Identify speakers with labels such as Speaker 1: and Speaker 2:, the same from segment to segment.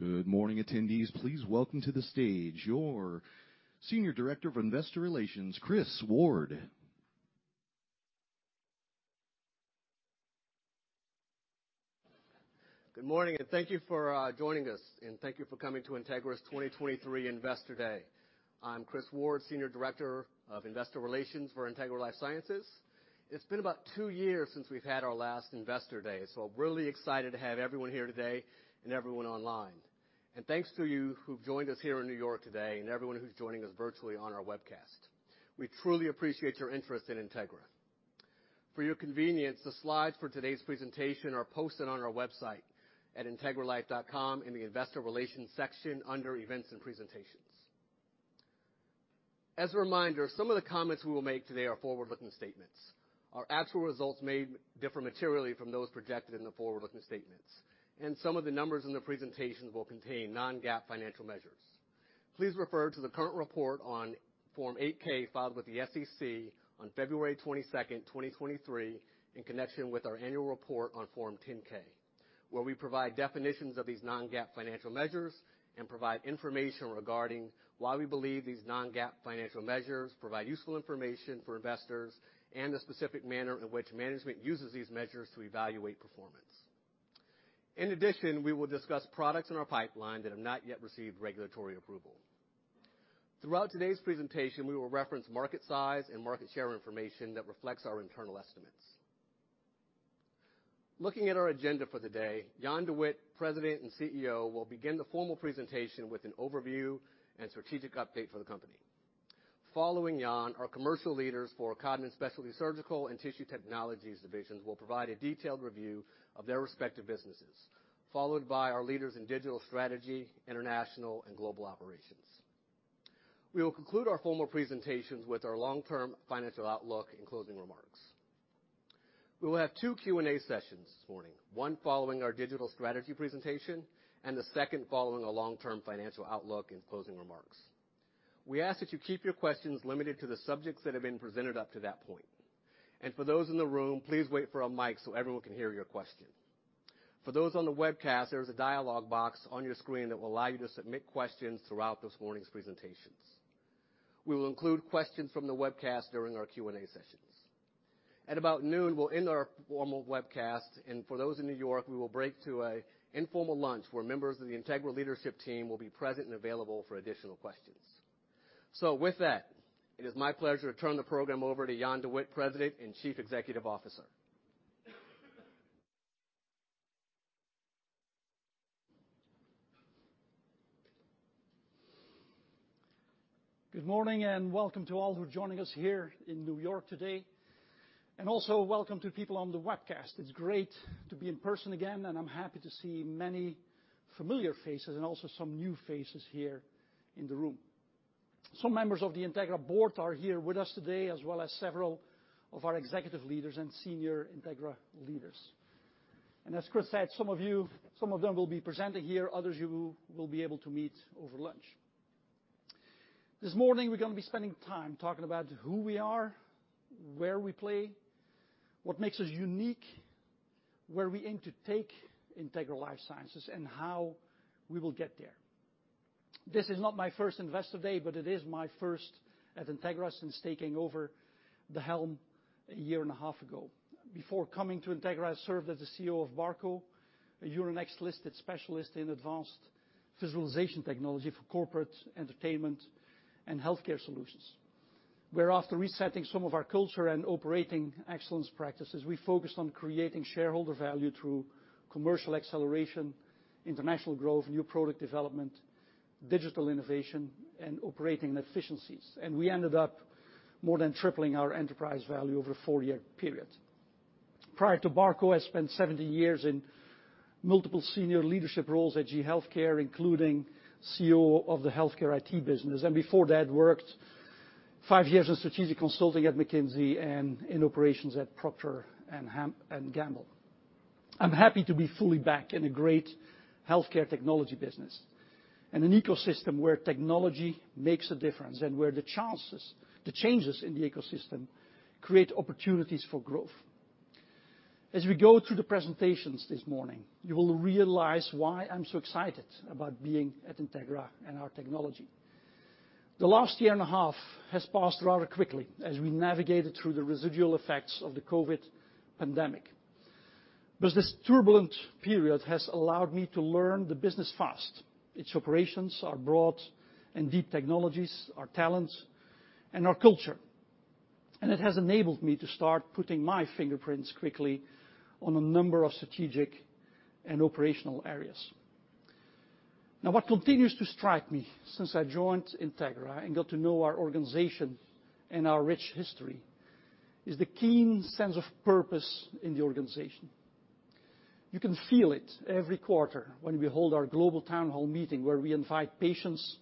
Speaker 1: Good morning, attendees. Please welcome to the stage your Senior Director of Investor Relations, Chris Ward.
Speaker 2: Good morning, and thank you for joining us. Thank you for coming to Integra's 2023 Investor Day. I'm Chris Ward, Senior Director of Investor Relations for Integra LifeSciences. It's been about two years since we've had our last Investor Day, really excited to have everyone here today and everyone online. Thanks to you who've joined us here in New York today and everyone who's joining us virtually on our webcast. We truly appreciate your interest in Integra. For your convenience, the slides for today's presentation are posted on our website at integralife.com in the Investor Relations section under Events and Presentations. As a reminder, some of the comments we will make today are forward-looking statements. Our actual results may differ materially from those projected in the forward-looking statements. Some of the numbers in the presentations will contain non-GAAP financial measures. Please refer to the current report on Form 8-K filed with the SEC on February 22, 2023 in connection with our annual report on Form 10-K, where we provide definitions of these non-GAAP financial measures and provide information regarding why we believe these non-GAAP financial measures provide useful information for investors and the specific manner in which management uses these measures to evaluate performance. We will discuss products in our pipeline that have not yet received regulatory approval. Throughout today's presentation, we will reference market size and market share information that reflects our internal estimates. Looking at our agenda for the day, Jan De Witte, President and CEO, will begin the formal presentation with an overview and strategic update for the company. Following Jan, our commercial leaders for Codman Specialty Surgical and Tissue Technologies divisions will provide a detailed review of their respective businesses, followed by our leaders in Digital Strategy, International, and Global Operations. We will conclude our formal presentations with our long-term financial outlook and closing remarks. We will have two Q&A sessions this morning, one following our Digital Strategy presentation and the second following a long-term financial outlook and closing remarks. We ask that you keep your questions limited to the subjects that have been presented up to that point. For those in the room, please wait for a mic so everyone can hear your question. For those on the webcast, there is a dialog box on your screen that will allow you to submit questions throughout this morning's presentations. We will include questions from the webcast during our Q&A sessions. At about noon, we'll end our formal webcast. For those in New York, we will break to an informal lunch where members of the Integra leadership team will be present and available for additional questions. With that, it is my pleasure to turn the program over to Jan De Witte, President and Chief Executive Officer.
Speaker 3: Good morning and welcome to all who are joining us here in New York today, and also welcome to people on the webcast. It's great to be in person again, and I'm happy to see many familiar faces and also some new faces here in the room. Some members of the Integra board are here with us today, as well as several of our executive leaders and senior Integra leaders. As Chris said, some of them will be presenting here, others you will be able to meet over lunch. This morning, we're gonna be spending time talking about who we are, where we play, what makes us unique, where we aim to take Integra LifeSciences, and how we will get there. This is not my first Investor Day, but it is my first at Integra since taking over the helm a year and a half ago. Before coming to Integra, I served as the CEO of Barco, a Euronext-listed specialist in advanced visualization technology for corporate, entertainment, and healthcare solutions, where after resetting some of our culture and operating excellence practices, we focused on creating shareholder value through commercial acceleration, international growth, new product development, digital innovation, and operating efficiencies. We ended up more than tripling our enterprise value over a four-year period. Prior to Barco, I spent 17 years in multiple senior leadership roles at GE HealthCare, including CEO of the healthcare IT business, and before that, worked five years in strategic consulting at McKinsey and in operations at Procter & Gamble. I'm happy to be fully back in a great healthcare technology business and an ecosystem where technology makes a difference and where the changes in the ecosystem create opportunities for growth. We go through the presentations this morning, you will realize why I'm so excited about being at Integra and our technology. The last year and a half has passed rather quickly as we navigated through the residual effects of the COVID pandemic. This turbulent period has allowed me to learn the business fast, its operations, our broad and deep technologies, our talents, and our culture. It has enabled me to start putting my fingerprints quickly on a number of strategic and operational areas. What continues to strike me since I joined Integra and got to know our organization and our rich history, is the keen sense of purpose in the organization. You can feel it every quarter when we hold our global town hall meeting where we invite patients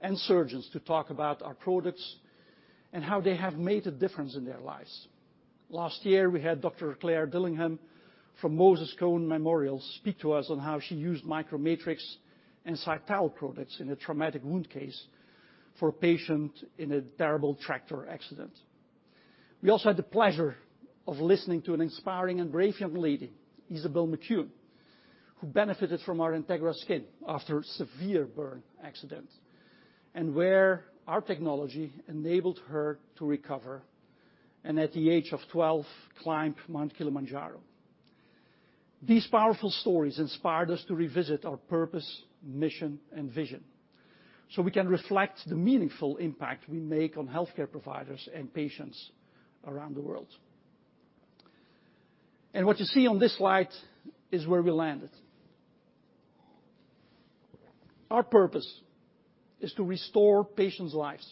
Speaker 3: and surgeons to talk about our products and how they have made a difference in their lives. Last year, we had Dr. Claire Dillingham from Moses Cone Memorial speak to us on how she used MicroMatrix and Cytal products in a traumatic wound case for a patient in a terrible tractor accident. We also had the pleasure of listening to an inspiring and brave young lady, Isabel McCune, who benefited from our Integra Skin after a severe burn accident, and where our technology enabled her to recover, and at the age of 12, climbed Mount Kilimanjaro. These powerful stories inspired us to revisit our purpose, mission, and vision so we can reflect the meaningful impact we make on healthcare providers and patients around the world. What you see on this slide is where we landed. Our purpose is to restore patients' lives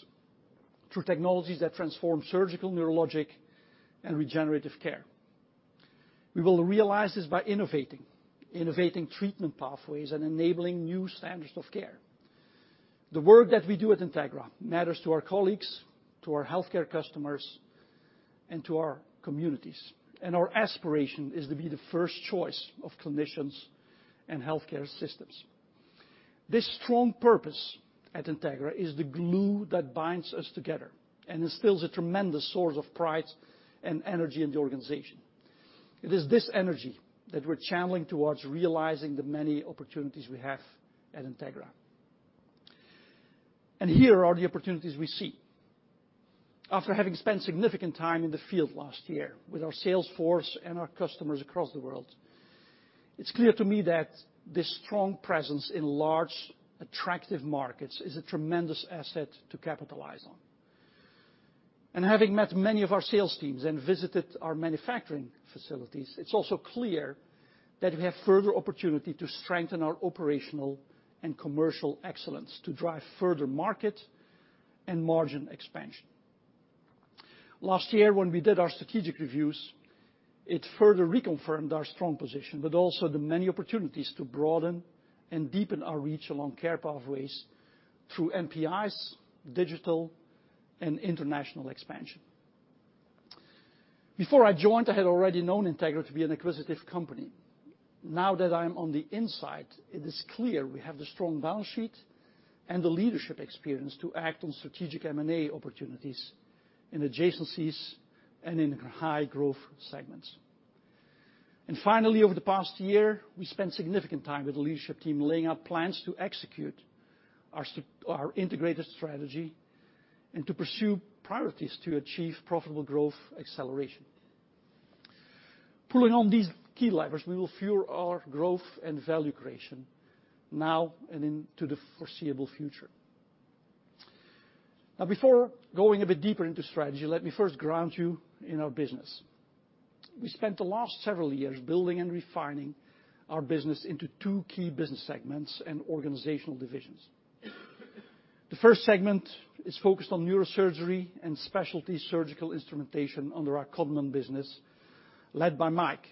Speaker 3: through technologies that transform surgical, neurologic, and regenerative care. We will realize this by innovating treatment pathways and enabling new standards of care. The work that we do at Integra matters to our colleagues, to our healthcare customers, and to our communities, and our aspiration is to be the first choice of clinicians and healthcare systems. This strong purpose at Integra is the glue that binds us together and instills a tremendous source of pride and energy in the organization. It is this energy that we're channeling towards realizing the many opportunities we have at Integra. Here are the opportunities we see. After having spent significant time in the field last year with our sales force and our customers across the world, it's clear to me that this strong presence in large, attractive markets is a tremendous asset to capitalize on. Having met many of our sales teams and visited our manufacturing facilities, it's also clear that we have further opportunity to strengthen our operational and commercial excellence to drive further market and margin expansion. Last year when we did our strategic reviews, it further reconfirmed our strong position, but also the many opportunities to broaden and deepen our reach along care pathways through NPIs, digital, and international expansion. Before I joined, I had already known Integra to be an acquisitive company. Now that I am on the inside, it is clear we have the strong balance sheet and the leadership experience to act on strategic M&A opportunities in adjacencies and in high-growth segments. Finally, over the past year, we spent significant time with the leadership team laying out plans to execute our integrated strategy and to pursue priorities to achieve profitable growth acceleration. Pulling on these key levers, we will fuel our growth and value creation now and into the foreseeable future. Before going a bit deeper into strategy, let me first ground you in our business. We spent the last several years building and refining our business into two key business segments and organizational divisions. The first segment is focused on neurosurgery and specialty surgical instrumentation under our Codman business, led by Mike,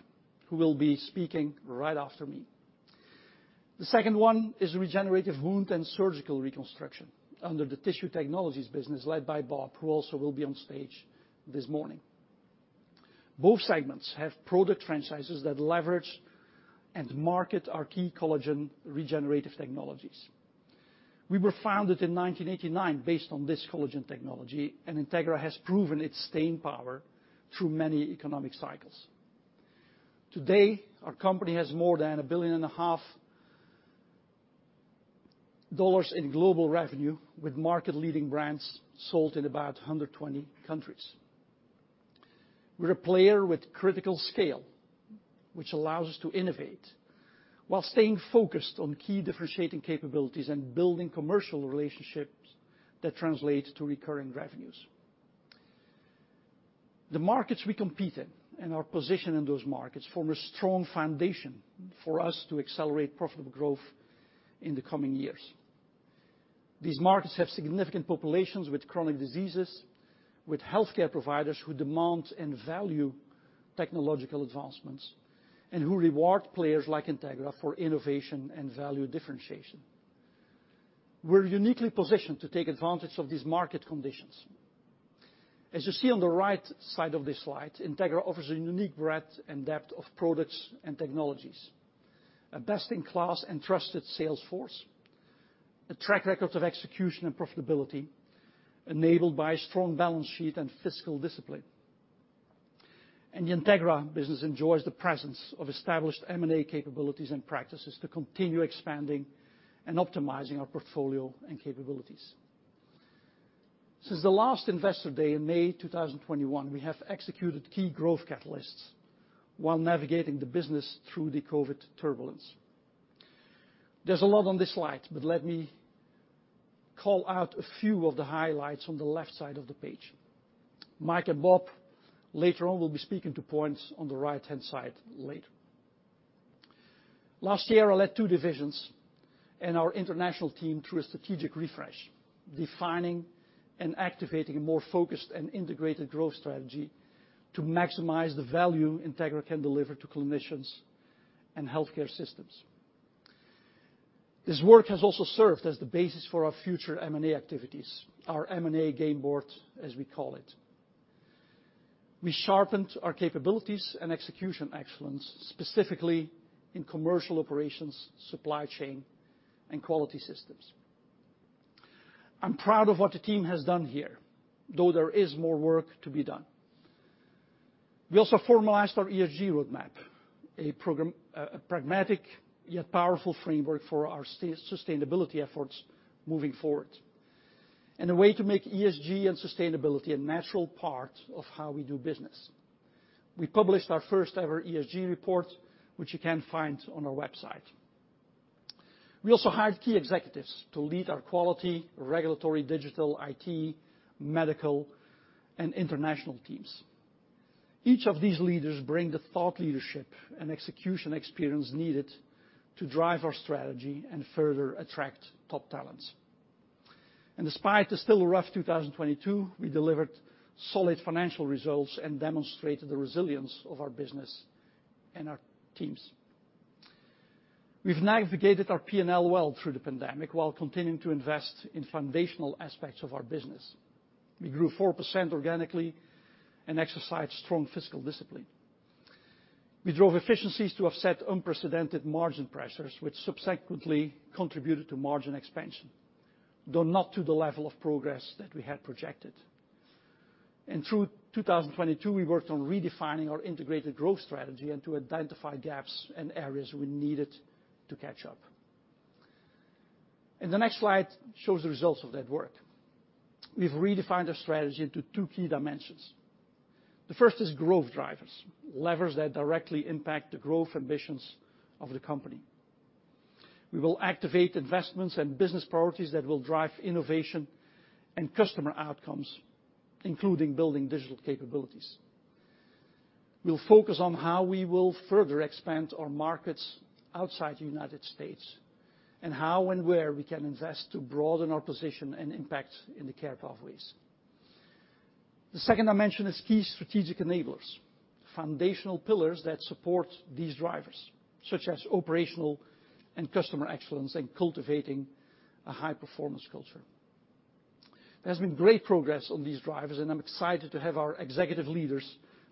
Speaker 3: who will be speaking right after me. The second one is regenerative wound and surgical reconstruction under the Tissue Technologies business led by Bob, who also will be on stage this morning. Both segments have product franchises that leverage and market our key collagen regenerative technologies. We were founded in 1989 based on this collagen technology. Integra has proven its staying power through many economic cycles. Today, our company has more than $1.5 billion in global revenue, with market-leading brands sold in about 120 countries. We're a player with critical scale, which allows us to innovate while staying focused on key differentiating capabilities and building commercial relationships that translate to recurring revenues. The markets we compete in and our position in those markets form a strong foundation for us to accelerate profitable growth in the coming years. These markets have significant populations with chronic diseases, with healthcare providers who demand and value technological advancements, and who reward players like Integra for innovation and value differentiation. We're uniquely positioned to take advantage of these market conditions. As you see on the right side of this slide, Integra offers a unique breadth and depth of products and technologies, a best-in-class and trusted sales force, a track record of execution and profitability enabled by a strong balance sheet and fiscal discipline. The Integra business enjoys the presence of established M&A capabilities and practices to continue expanding and optimizing our portfolio and capabilities. Since the last Investor Day in May 2021, we have executed key growth catalysts while navigating the business through the COVID turbulence. There's a lot on this slide, but let me call out a few of the highlights on the left side of the page. Mike and Bob later on will be speaking to points on the right-hand side later. Last year, I led two divisions and our international team through a strategic refresh, defining and activating a more focused and integrated growth strategy to maximize the value Integra can deliver to clinicians and healthcare systems. This work has also served as the basis for our future M&A activities, our M&A game board, as we call it. We sharpened our capabilities and execution excellence, specifically in commercial operations, supply chain, and quality systems. I'm proud of what the team has done here, though there is more work to be done. We also formalized our ESG roadmap, a pragmatic yet powerful framework for our sustainability efforts moving forward, and a way to make ESG and sustainability a natural part of how we do business. We published our first ever ESG report, which you can find on our website. We also hired key executives to lead our quality, regulatory, digital, IT, medical, and international teams. Each of these leaders bring the thought leadership and execution experience needed to drive our strategy and further attract top talents. Despite the still rough 2022, we delivered solid financial results and demonstrated the resilience of our business and our teams. We've navigated our P&L well through the pandemic while continuing to invest in foundational aspects of our business. We grew 4% organically and exercised strong fiscal discipline. We drove efficiencies to offset unprecedented margin pressures, which subsequently contributed to margin expansion, though not to the level of progress that we had projected. Through 2022, we worked on redefining our integrated growth strategy and to identify gaps and areas we needed to catch up. The next slide shows the results of that work. We've redefined our strategy into two key dimensions. The first is growth drivers, levers that directly impact the growth ambitions of the company. We will activate investments and business priorities that will drive innovation and customer outcomes, including building digital capabilities. We'll focus on how we will further expand our markets outside the United States and how and where we can invest to broaden our position and impact in the care pathways. The second dimension is key strategic enablers, foundational pillars that support these drivers, such as operational and customer excellence and cultivating a high-performance culture. There's been great progress on these drivers, and I'm excited to have our executive leaders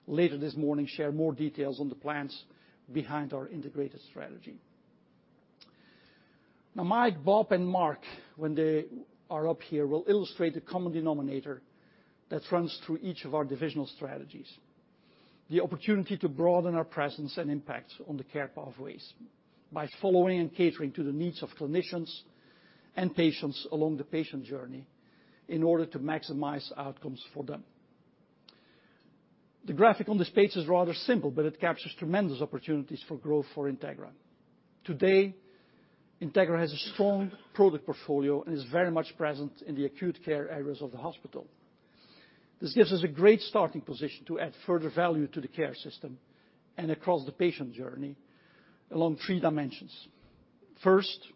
Speaker 3: later this morning share more details on the plans behind our integrated strategy. Mike, Bob, and Mark, when they are up here, will illustrate the common denominator that runs through each of our divisional strategies, the opportunity to broaden our presence and impact on the care pathways by following and catering to the needs of clinicians and patients along the patient journey in order to maximize outcomes for them. The graphic on this page is rather simple, but it captures tremendous opportunities for growth for Integra. Today, Integra has a strong product portfolio and is very much present in the acute care areas of the hospital. This gives us a great starting position to add further value to the care system and across the patient journey along three dimensions. First,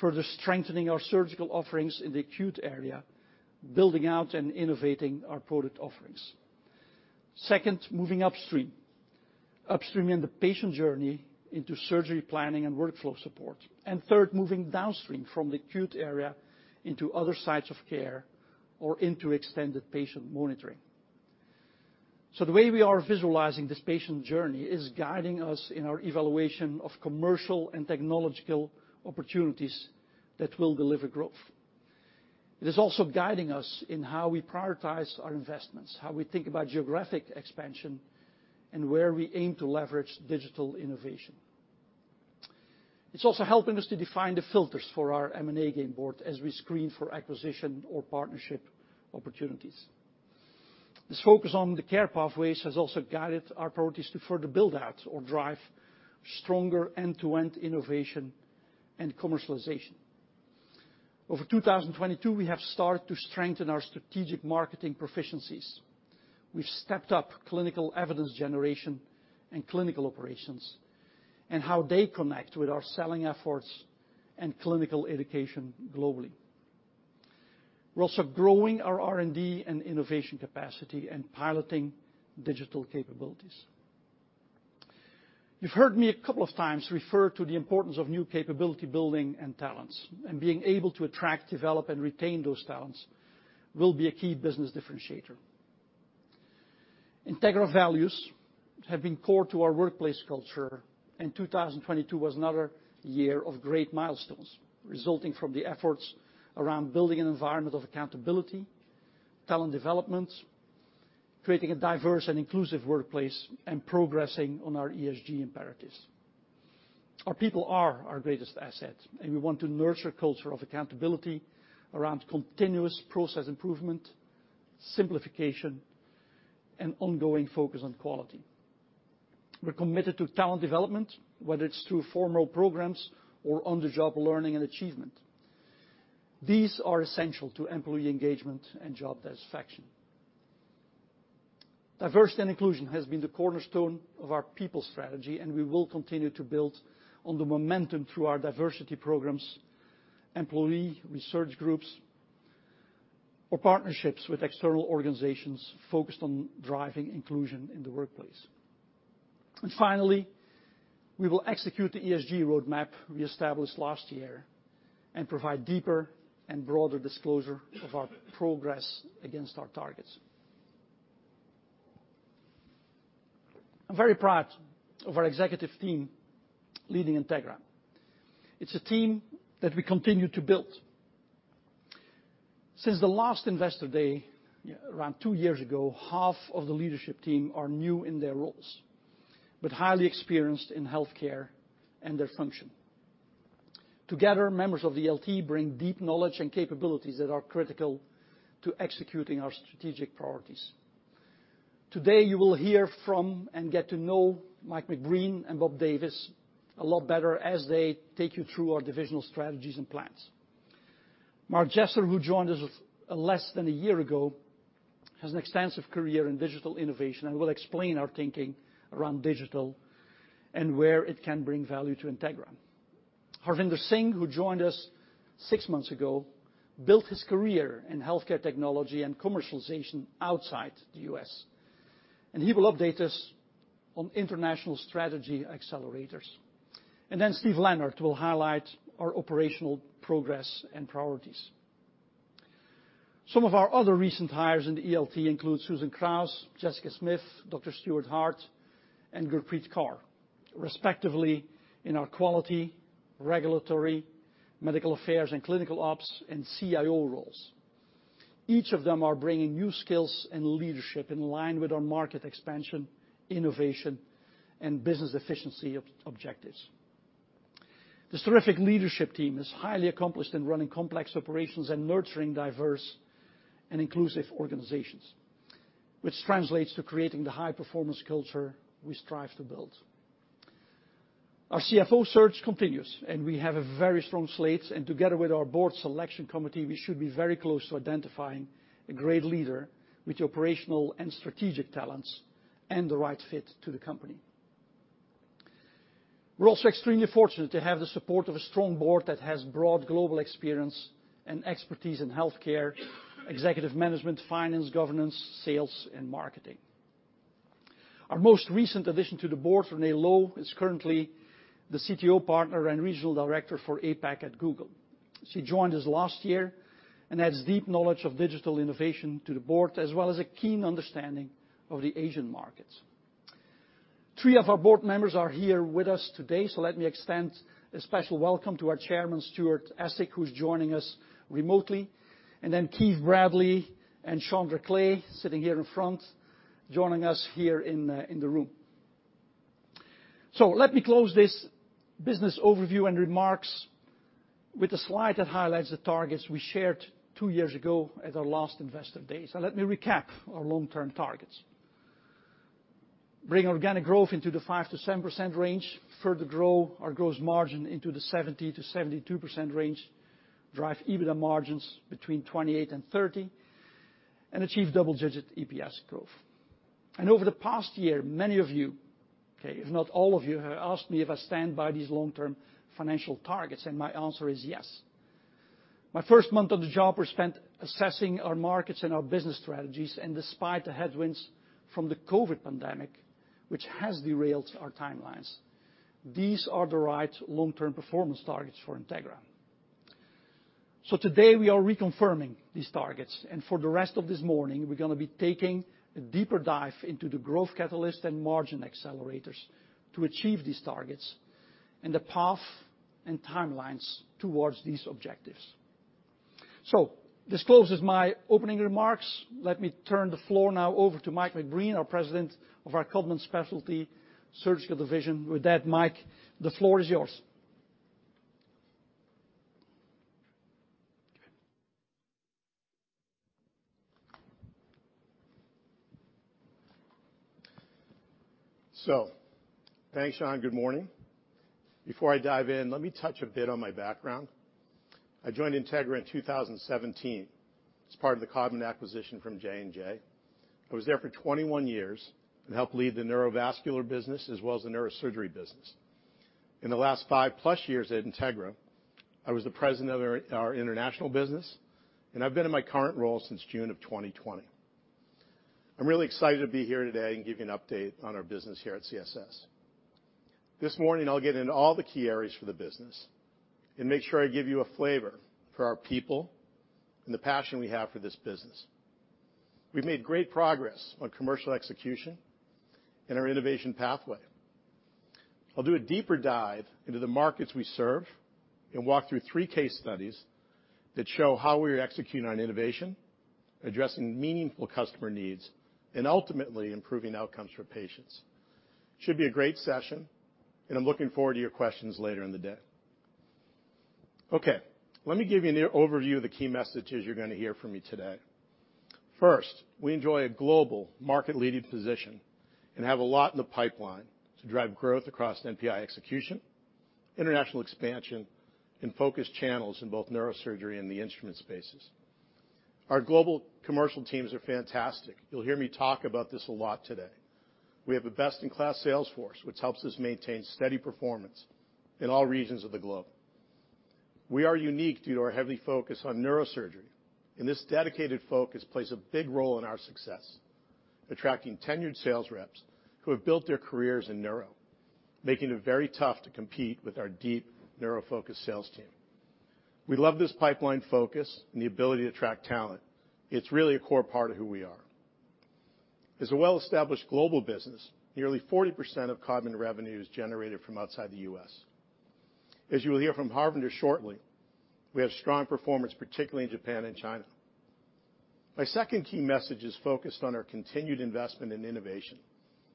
Speaker 3: further strengthening our surgical offerings in the acute area, building out and innovating our product offerings. Second, moving upstream in the patient journey into surgery planning and workflow support. Third, moving downstream from the acute area into other sites of care or into extended patient monitoring. The way we are visualizing this patient journey is guiding us in our evaluation of commercial and technological opportunities that will deliver growth. It is also guiding us in how we prioritize our investments, how we think about geographic expansion, and where we aim to leverage digital innovation. It's also helping us to define the filters for our M&A game board as we screen for acquisition or partnership opportunities. This focus on the care pathways has also guided our priorities to further build out or drive stronger end-to-end innovation and commercialization. Over 2022, we have started to strengthen our strategic marketing proficiencies. We've stepped up clinical evidence generation and clinical operations and how they connect with our selling efforts and clinical education globally. We're also growing our R&D and innovation capacity and piloting digital capabilities. You've heard me a couple of times refer to the importance of new capability building and talents. Being able to attract, develop, and retain those talents will be a key business differentiator. Integra values have been core to our workplace culture. 2022 was another year of great milestones resulting from the efforts around building an environment of accountability, talent development, creating a diverse and inclusive workplace, and progressing on our ESG imperatives. Our people are our greatest asset. We want to nurture a culture of accountability around continuous process improvement, simplification, and ongoing focus on quality. We're committed to talent development, whether it's through formal programs or on-the-job learning and achievement. These are essential to employee engagement and job satisfaction. Diversity and inclusion has been the cornerstone of our people strategy. We will continue to build on the momentum through our diversity programs, employee research groups, or partnerships with external organizations focused on driving inclusion in the workplace. Finally, we will execute the ESG roadmap we established last year and provide deeper and broader disclosure of our progress against our targets. I'm very proud of our executive team leading Integra. It's a team that we continue to build. Since the last Investor Day, around two years ago, half of the leadership team are new in their roles, but highly experienced in healthcare and their function. Together, members of the LT bring deep knowledge and capabilities that are critical to executing our strategic priorities. Today, you will hear from and get to know Mike McBreen and Bob Davis a lot better as they take you through our divisional strategies and plans. Mark Jesser, who joined us less than a year ago, has an extensive career in digital innovation and will explain our thinking around digital and where it can bring value to Integra. Harvinder Singh, who joined us six months ago, built his career in healthcare technology and commercialization outside the U.S., he will update us on international strategy accelerators. Steve Leonard will highlight our operational progress and priorities. Some of our other recent hires in the ELT include Susan Krause, Jessica Smith, Dr. Stuart Hart, and Gurpreet Kaur, respectively in our quality, regulatory, medical affairs, and clinical ops, and CIO roles. Each of them are bringing new skills and leadership in line with our market expansion, innovation, and business efficiency objectives. This terrific leadership team is highly accomplished in running complex operations and nurturing diverse and inclusive organizations, which translates to creating the high-performance culture we strive to build. Our CFO search continues, and we have a very strong slate, and together with our board selection committee, we should be very close to identifying a great leader with operational and strategic talents and the right fit to the company. We're also extremely fortunate to have the support of a strong board that has broad global experience and expertise in healthcare, executive management, finance, governance, sales, and marketing. Our most recent addition to the board, Renee Lo, is currently the CTO partner and regional director for APAC at Google. She joined us last year and adds deep knowledge of digital innovation to the board, as well as a keen understanding of the Asian markets. Three of our board members are here with us today, let me extend a special welcome to our chairman, Stuart Essig, who's joining us remotely, and then Keith Bradley and Shaundra Clay sitting here in front, joining us here in the room. Let me close this business overview and remarks with a slide that highlights the targets we shared two years ago at our last investor day. Let me recap our long-term targets. Bring organic growth into the 5%-7% range. Further grow our gross margin into the 70%-72% range. Drive EBITDA margins between 28% and 30%, and achieve double-digit EPS growth. Over the past year, many of you, if not all of you, have asked me if I stand by these long-term financial targets, and my answer is yes. My first month on the job was spent assessing our markets and our business strategies, and despite the headwinds from the COVID pandemic, which has derailed our timelines, these are the right long-term performance targets for Integra. Today, we are reconfirming these targets, and for the rest of this morning, we're gonna be taking a deeper dive into the growth catalyst and margin accelerators to achieve these targets and the path and timelines towards these objectives. This closes my opening remarks. Let me turn the floor now over to Mike McBreen, our President of our Codman Specialty Surgical division. With that, Mike, the floor is yours.
Speaker 4: Thanks, Jan. Good morning. Before I dive in, let me touch a bit on my background. I joined Integra in 2017 as part of the Codman acquisition from J&J. I was there for 21 years and helped lead the neurovascular business as well as the neurosurgery business. In the last 5+ years at Integra, I was the president of our international business, and I've been in my current role since June of 2020. I'm really excited to be here today and give you an update on our business here at CSS. This morning, I'll get into all the key areas for the business and make sure I give you a flavor for our people and the passion we have for this business. We've made great progress on commercial execution and our innovation pathway. I'll do a deeper dive into the markets we serve and walk through three case studies that show how we're executing on innovation, addressing meaningful customer needs, and ultimately improving outcomes for patients. Should be a great session, and I'm looking forward to your questions later in the day. Okay. Let me give you an overview of the key messages you're gonna hear from me today. First, we enjoy a global market-leading position and have a lot in the pipeline to drive growth across NPI execution, international expansion, and focus channels in both neurosurgery and the instrument spaces. Our global commercial teams are fantastic. You'll hear me talk about this a lot today. We have a best-in-class sales force which helps us maintain steady performance in all regions of the globe. We are unique due to our heavy focus on neurosurgery, and this dedicated focus plays a big role in our success, attracting tenured sales reps who have built their careers in neuro, making it very tough to compete with our deep neuro-focused sales team. We love this pipeline focus and the ability to attract talent. It's really a core part of who we are. As a well-established global business, nearly 40% of Codman revenue is generated from outside the U.S. As you will hear from Harvinder shortly, we have strong performance, particularly in Japan and China. My second key message is focused on our continued investment in innovation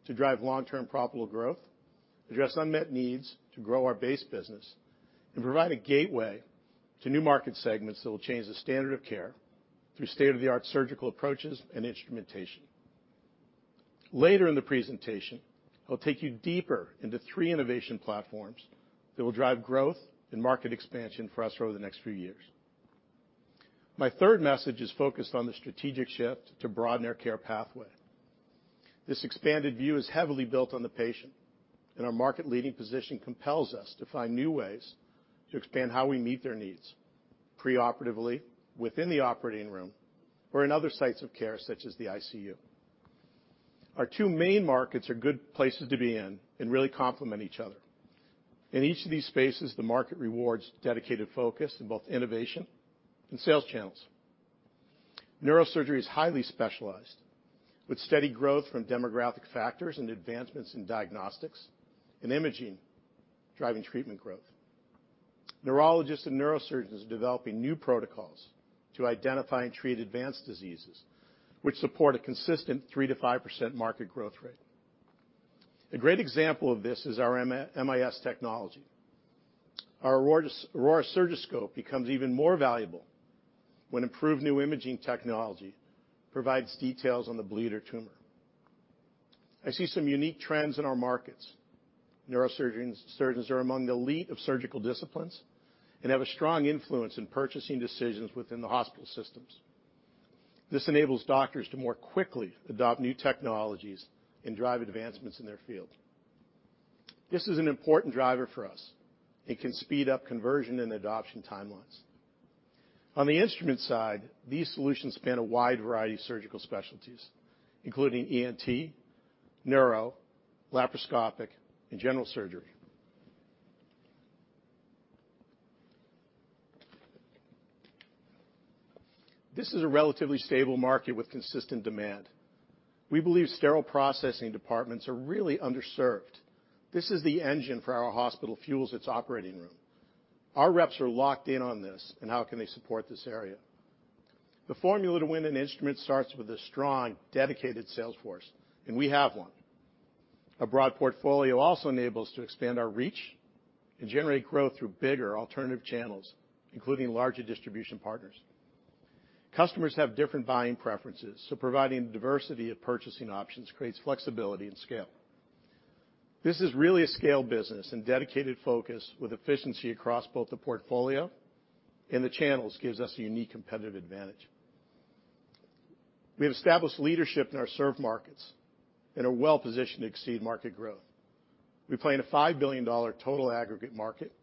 Speaker 4: to drive long-term profitable growth, address unmet needs to grow our base business, and provide a gateway to new market segments that will change the standard of care through state-of-the-art surgical approaches and instrumentation. Later in the presentation, I'll take you deeper into three innovation platforms that will drive growth and market expansion for us over the next few years. My third message is focused on the strategic shift to broaden our care pathway. This expanded view is heavily built on the patient, and our market-leading position compels us to find new ways to expand how we meet their needs pre-operatively, within the operating room, or in other sites of care, such as the ICU. Our two main markets are good places to be in and really complement each other. In each of these spaces, the market rewards dedicated focus in both innovation and sales channels. Neurosurgery is highly specialized, with steady growth from demographic factors and advancements in diagnostics and imaging driving treatment growth. Neurologists and neurosurgeons are developing new protocols to identify and treat advanced diseases, which support a consistent 3%-5% market growth rate. A great example of this is our M-MIS technology. Our AURORA Surgiscope becomes even more valuable when improved new imaging technology provides details on the bleed or tumor. I see some unique trends in our markets. Neurosurgeons are among the elite of surgical disciplines and have a strong influence in purchasing decisions within the hospital systems. This enables doctors to more quickly adopt new technologies and drive advancements in their field. This is an important driver for us. It can speed up conversion and adoption timelines. On the instrument side, these solutions span a wide variety of surgical specialties, including ENT, neuro, laparoscopic, and general surgery. This is a relatively stable market with consistent demand. We believe sterile processing departments are really underserved. This is the engine for our hospital fuels its operating room. Our reps are locked in on this, and how can they support this area. The formula to win an instrument starts with a strong, dedicated sales force, and we have one. A broad portfolio also enables to expand our reach and generate growth through bigger alternative channels, including larger distribution partners. Customers have different buying preferences, so providing diversity of purchasing options creates flexibility and scale. This is really a scale business, and dedicated focus with efficiency across both the portfolio and the channels gives us a unique competitive advantage. We have established leadership in our served markets and are well-positioned to exceed market growth. We play in a $5 billion total aggregate market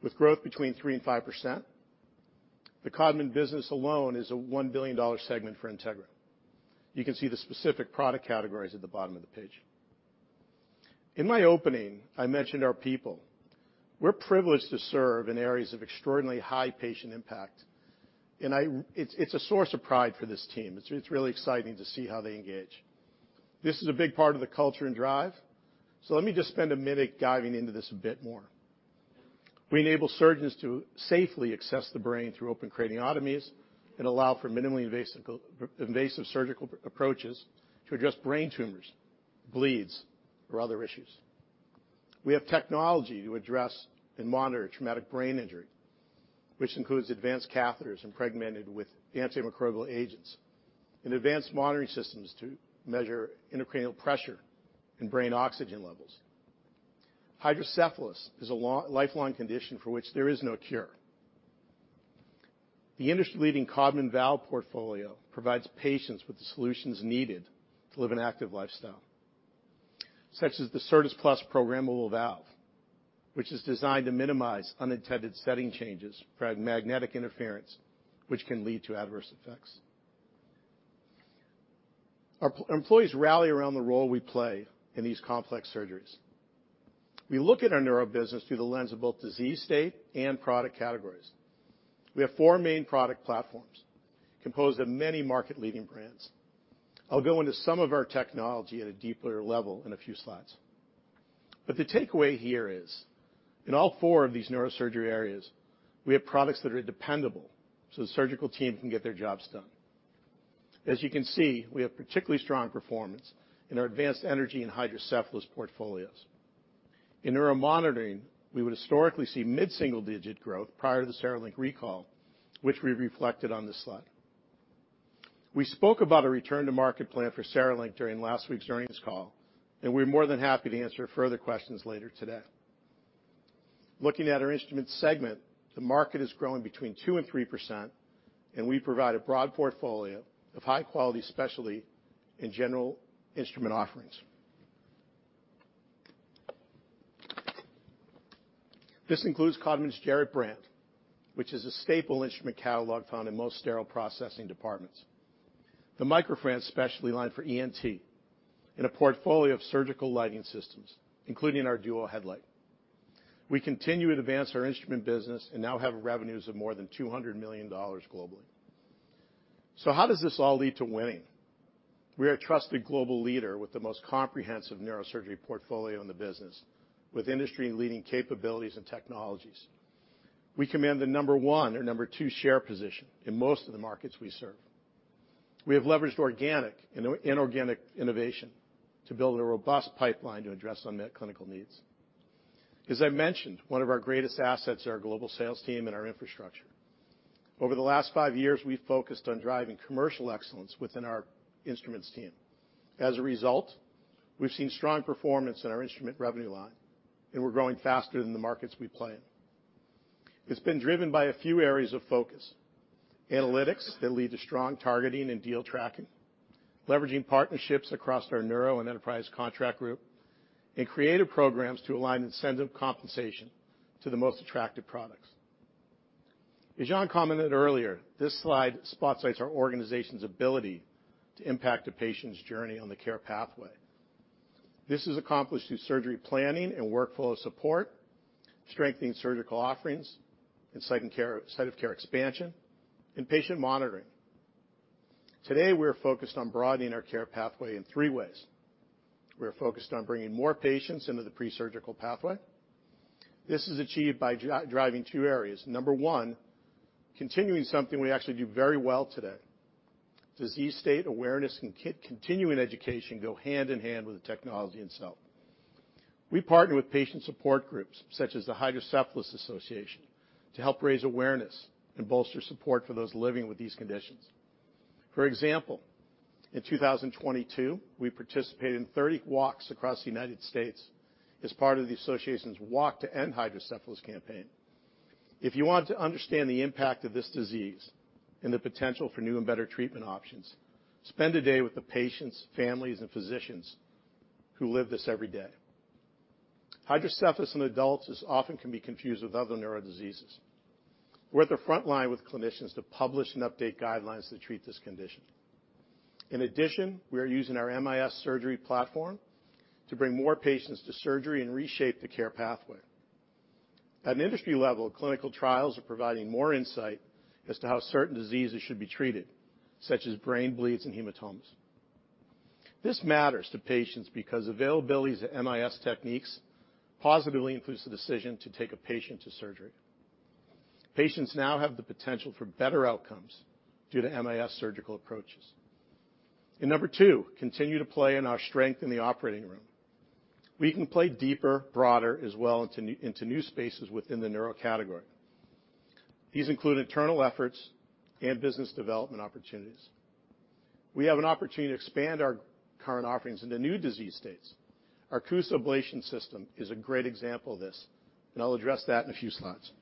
Speaker 4: with growth between 3% and 5%. The Codman business alone is a $1 billion segment for Integra. You can see the specific product categories at the bottom of the page. In my opening, I mentioned our people. We're privileged to serve in areas of extraordinarily high patient impact, it's a source of pride for this team. It's really exciting to see how they engage. This is a big part of the culture and drive, let me just spend 1 minute diving into this a bit more. We enable surgeons to safely access the brain through open craniotomies and allow for minimally invasive surgical approaches to address brain tumors, bleeds, or other issues. We have technology to address and monitor traumatic brain injury, which includes advanced catheters impregnated with antimicrobial agents and advanced monitoring systems to measure intracranial pressure and brain oxygen levels. Hydrocephalus is a lifelong condition for which there is no cure. The industry-leading Codman valve portfolio provides patients with the solutions needed to live an active lifestyle, such as the Certas Plus programmable valve, which is designed to minimize unintended setting changes by magnetic interference, which can lead to adverse effects. Our employees rally around the role we play in these complex surgeries. We look at our neuro business through the lens of both disease state and product categories. We have four main product platforms composed of many market-leading brands. I'll go into some of our technology at a deeper level in a few slides. The takeaway here is, in all four of these neurosurgery areas, we have products that are dependable, so the surgical team can get their jobs done. As you can see, we have particularly strong performance in our advanced energy and hydrocephalus portfolios. In neuromonitoring, we would historically see mid-single-digit growth prior to the CereLink recall, which we reflected on this slide. We spoke about a return-to-market plan for CereLink during last week's earnings call, and we're more than happy to answer further questions later today. Looking at our instrument segment, the market is growing between 2% and 3%, and we provide a broad portfolio of high-quality specialty in general instrument offerings. This includes Codman's Jarit brand, which is a staple instrument catalog found in most sterile processing departments. The MicroFrance specialty line for ENT, and a portfolio of surgical lighting systems, including our Duo Headlight. We continue to advance our instrument business and now have revenues of more than $200 million globally. How does this all lead to winning? We are a trusted global leader with the most comprehensive neurosurgery portfolio in the business, with industry-leading capabilities and technologies. We command the number one or number two share position in most of the markets we serve. We have leveraged organic and inorganic innovation to build a robust pipeline to address unmet clinical needs. As I mentioned, one of our greatest assets are our global sales team and our infrastructure. Over the last five years, we've focused on driving commercial excellence within our instruments team. As a result, we've seen strong performance in our instrument revenue line. We're growing faster than the markets we play in. It's been driven by a few areas of focus. Analytics that lead to strong targeting and deal tracking, leveraging partnerships across our neuro and enterprise contract group, creative programs to align incentive compensation to the most attractive products. As Jan commented earlier, this slide spotlights our organization's ability to impact a patient's journey on the care pathway. This is accomplished through surgery planning and workflow support, strengthening surgical offerings and site of care expansion, and patient monitoring. Today, we are focused on broadening our care pathway in three ways. We are focused on bringing more patients into the pre-surgical pathway. This is achieved by driving two areas. Number one, continuing something we actually do very well today. Disease state awareness and continuing education go hand in hand with the technology itself. We partner with patient support groups, such as the Hydrocephalus Association, to help raise awareness and bolster support for those living with these conditions. For example, in 2022, we participated in 30 walks across the United States as part of the association's Walk to End Hydrocephalus campaign. If you want to understand the impact of this disease and the potential for new and better treatment options, spend a day with the patients, families, and physicians who live this every day. Hydrocephalus in adults is often can be confused with other neuro diseases. We're at the front line with clinicians to publish and update guidelines to treat this condition. In addition, we are using our MIS surgery platform to bring more patients to surgery and reshape the care pathway. At an industry level, clinical trials are providing more insight as to how certain diseases should be treated, such as brain bleeds and hematomas. This matters to patients because availabilities to MIS techniques positively includes the decision to take a patient to surgery. Patients now have the potential for better outcomes due to MIS surgical approaches. Number two, continue to play in our strength in the operating room. We can play deeper, broader as well into new spaces within the neuro category. These include internal efforts and business development opportunities. We have an opportunity to expand our current offerings into new disease states. Our CUSA ablation system is a great example of this. I'll address that in a few slides.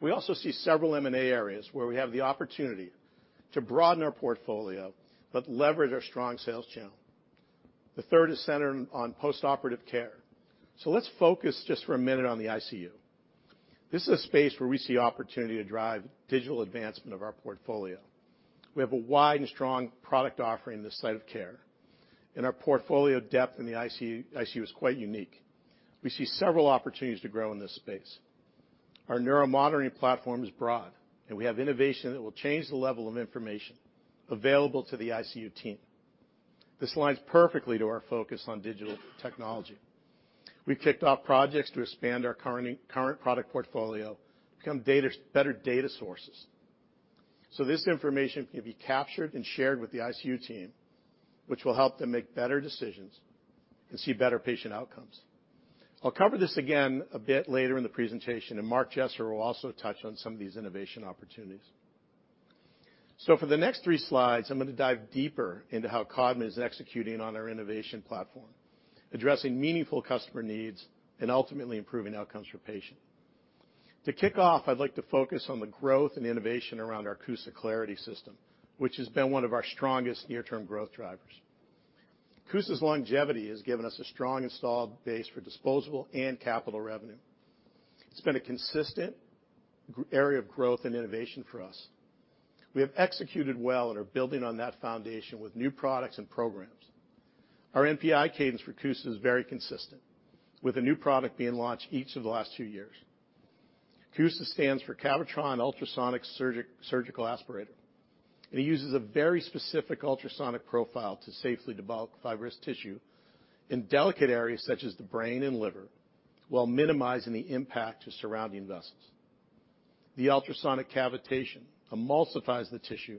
Speaker 4: We also see several M&A areas where we have the opportunity to broaden our portfolio leverage our strong sales channel. The third is centered on postoperative care. Let's focus just for a minute on the ICU. This is a space where we see opportunity to drive digital advancement of our portfolio. We have a wide and strong product offering in this site of care. Our portfolio depth in the ICU is quite unique. We see several opportunities to grow in this space. Our neuro monitoring platform is broad. We have innovation that will change the level of information available to the ICU team. This aligns perfectly to our focus on digital technology. We've kicked off projects to expand our current product portfolio to become better data sources. This information can be captured and shared with the ICU team, which will help them make better decisions and see better patient outcomes. I'll cover this again a bit later in the presentation. Mark Jesser will also touch on some of these innovation opportunities. For the next three slides, I'm gonna dive deeper into how Codman is executing on our innovation platform, addressing meaningful customer needs and ultimately improving outcomes for patients. To kick off, I'd like to focus on the growth and innovation around our CUSA Clarity system, which has been one of our strongest near-term growth drivers. CUSA's longevity has given us a strong installed base for disposable and capital revenue. It's been a consistent area of growth and innovation for us. We have executed well and are building on that foundation with new products and programs. Our NPI cadence for CUSA is very consistent, with a new product being launched each of the last two years. CUSA stands for Cavitron Ultrasonic Surgical Aspirator. It uses a very specific ultrasonic profile to safely debulk fibrous tissue in delicate areas such as the brain and liver, while minimizing the impact to surrounding vessels. The ultrasonic cavitation emulsifies the tissue,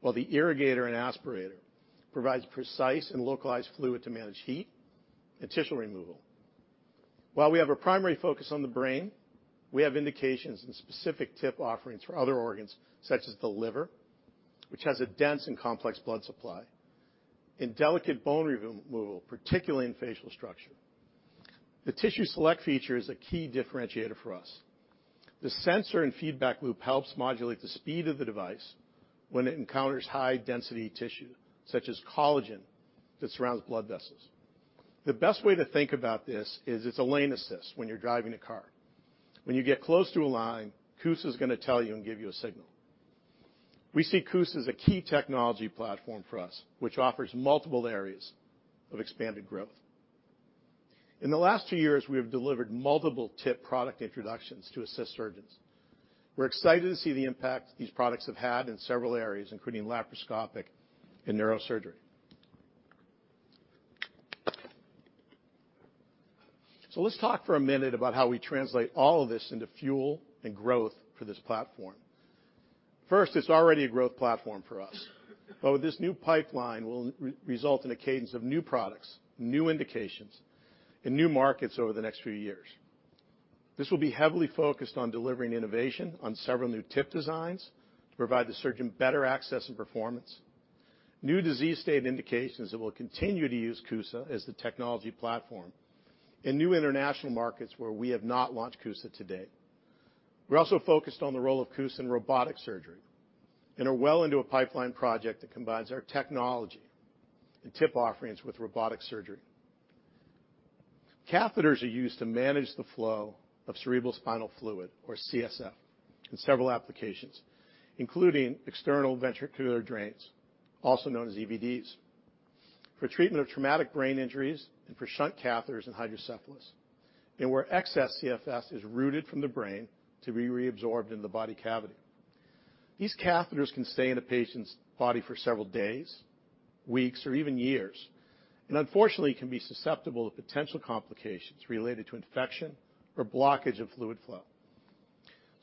Speaker 4: while the irrigator and aspirator provides precise and localized fluid to manage heat and tissue removal. While we have a primary focus on the brain, we have indications and specific tip offerings for other organs, such as the liver, which has a dense and complex blood supply, and delicate bone removal, particularly in facial structure. The tissue select feature is a key differentiator for us. The sensor and feedback loop helps modulate the speed of the device when it encounters high-density tissue, such as collagen that surrounds blood vessels. The best way to think about this is it's a lane assist when you're driving a car. When you get close to a line, CUSA is going to tell you and give you a signal. We see CUSA as a key technology platform for us, which offers multiple areas of expanded growth. In the last two years, we have delivered multiple tip product introductions to assist surgeons. We're excited to see the impact these products have had in several areas, including laparoscopic and neurosurgery. Let's talk for a minute about how we translate all of this into fuel and growth for this platform. First, it's already a growth platform for us, but with this new pipeline will re-result in a cadence of new products, new indications, and new markets over the next few years. This will be heavily focused on delivering innovation on several new tip designs to provide the surgeon better access and performance. New disease state indications that will continue to use CUSA as the technology platform. In new international markets where we have not launched CUSA to date. We're also focused on the role of CUSA in robotic surgery and are well into a pipeline project that combines our technology and tip offerings with robotic surgery. Catheters are used to manage the flow of cerebrospinal fluid, or CSF, in several applications, including external ventricular drains, also known as EVDs. For treatment of traumatic brain injuries and for shunt catheters and hydrocephalus, and where excess CSF is rooted from the brain to be reabsorbed in the body cavity. These catheters can stay in a patient's body for several days, weeks, or even years, and unfortunately, can be susceptible to potential complications related to infection or blockage of fluid flow.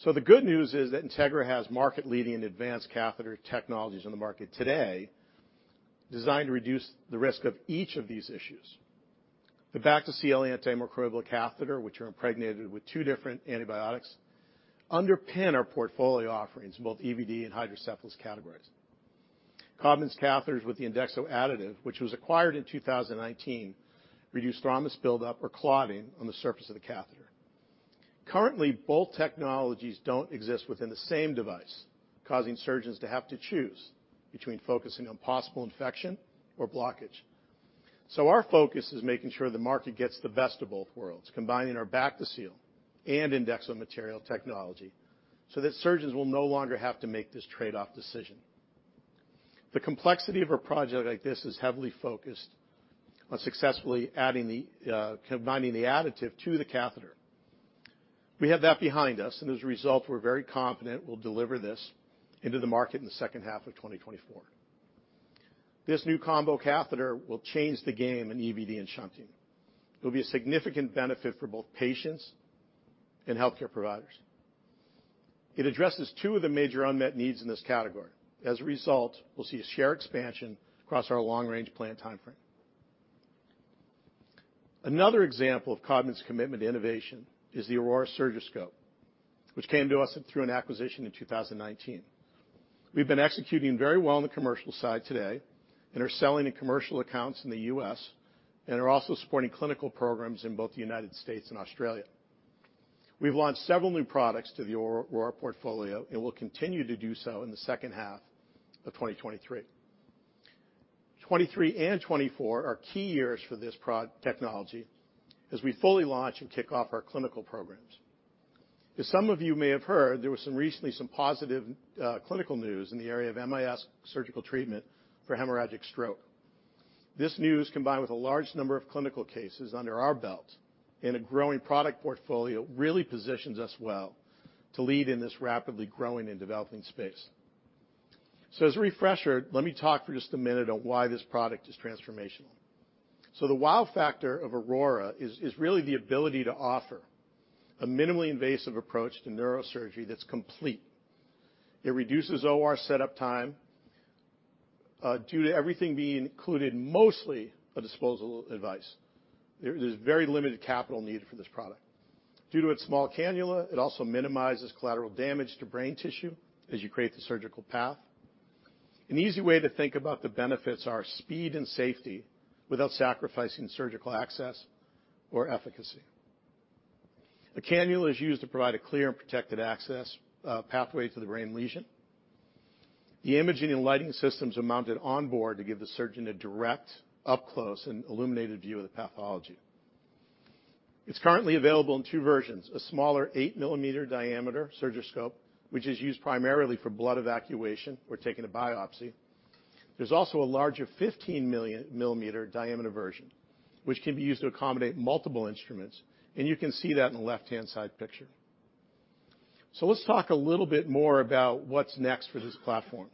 Speaker 4: The good news is that Integra has market-leading advanced catheter technologies on the market today designed to reduce the risk of each of these issues. The Bactiseal antimicrobial catheter, which are impregnated with 2 different antibiotics, underpin our portfolio offerings in both EVD and hydrocephalus categories. Codman's catheters with the Endexo additive, which was acquired in 2019, reduce thrombus buildup or clotting on the surface of the catheter. Currently, both technologies don't exist within the same device, causing surgeons to have to choose between focusing on possible infection or blockage. Our focus is making sure the market gets the best of both worlds, combining our Bactiseal and Endexo material technology so that surgeons will no longer have to make this trade-off decision. The complexity of a project like this is heavily focused on successfully combining the additive to the catheter. We have that behind us, and as a result, we're very confident we'll deliver this into the market in the second half of 2024. This new combo catheter will change the game in EVD and shunting. It'll be a significant benefit for both patients and healthcare providers. It addresses two of the major unmet needs in this category. As a result, we'll see a share expansion across our long-range plan timeframe. Another example of Codman's commitment to innovation is the AURORA Surgiscope, which came to us through an acquisition in 2019. We've been executing very well on the commercial side today and are selling in commercial accounts in the U.S. and are also supporting clinical programs in both the United States and Australia. We've launched several new products to the AURORA portfolio and will continue to do so in the second half of 2023. 2023 and 2024 are key years for this technology as we fully launch and kick off our clinical programs. As some of you may have heard, there was recently some positive clinical news in the area of MIS surgical treatment for hemorrhagic stroke. This news, combined with a large number of clinical cases under our belt and a growing product portfolio, really positions us well to lead in this rapidly growing and developing space. As a refresher, let me talk for just a minute on why this product is transformational. The wow factor of Aurora is really the ability to offer a minimally invasive approach to neurosurgery that's complete. It reduces OR setup time due to everything being included mostly a disposable device. There's very limited capital needed for this product. Due to its small cannula, it also minimizes collateral damage to brain tissue as you create the surgical path. An easy way to think about the benefits are speed and safety without sacrificing surgical access or efficacy. A cannula is used to provide a clear and protected access pathway to the brain lesion. The imaging and lighting systems are mounted onboard to give the surgeon a direct up-close and illuminated view of the pathology. It's currently available in two versions, a smaller 8-millimeter diameter Surgiscope, which is used primarily for blood evacuation or taking a biopsy. There's also a larger 15-millimeter diameter version, which can be used to accommodate multiple instruments, and you can see that in the left-hand side picture. Let's talk a little bit more about what's next for this platform.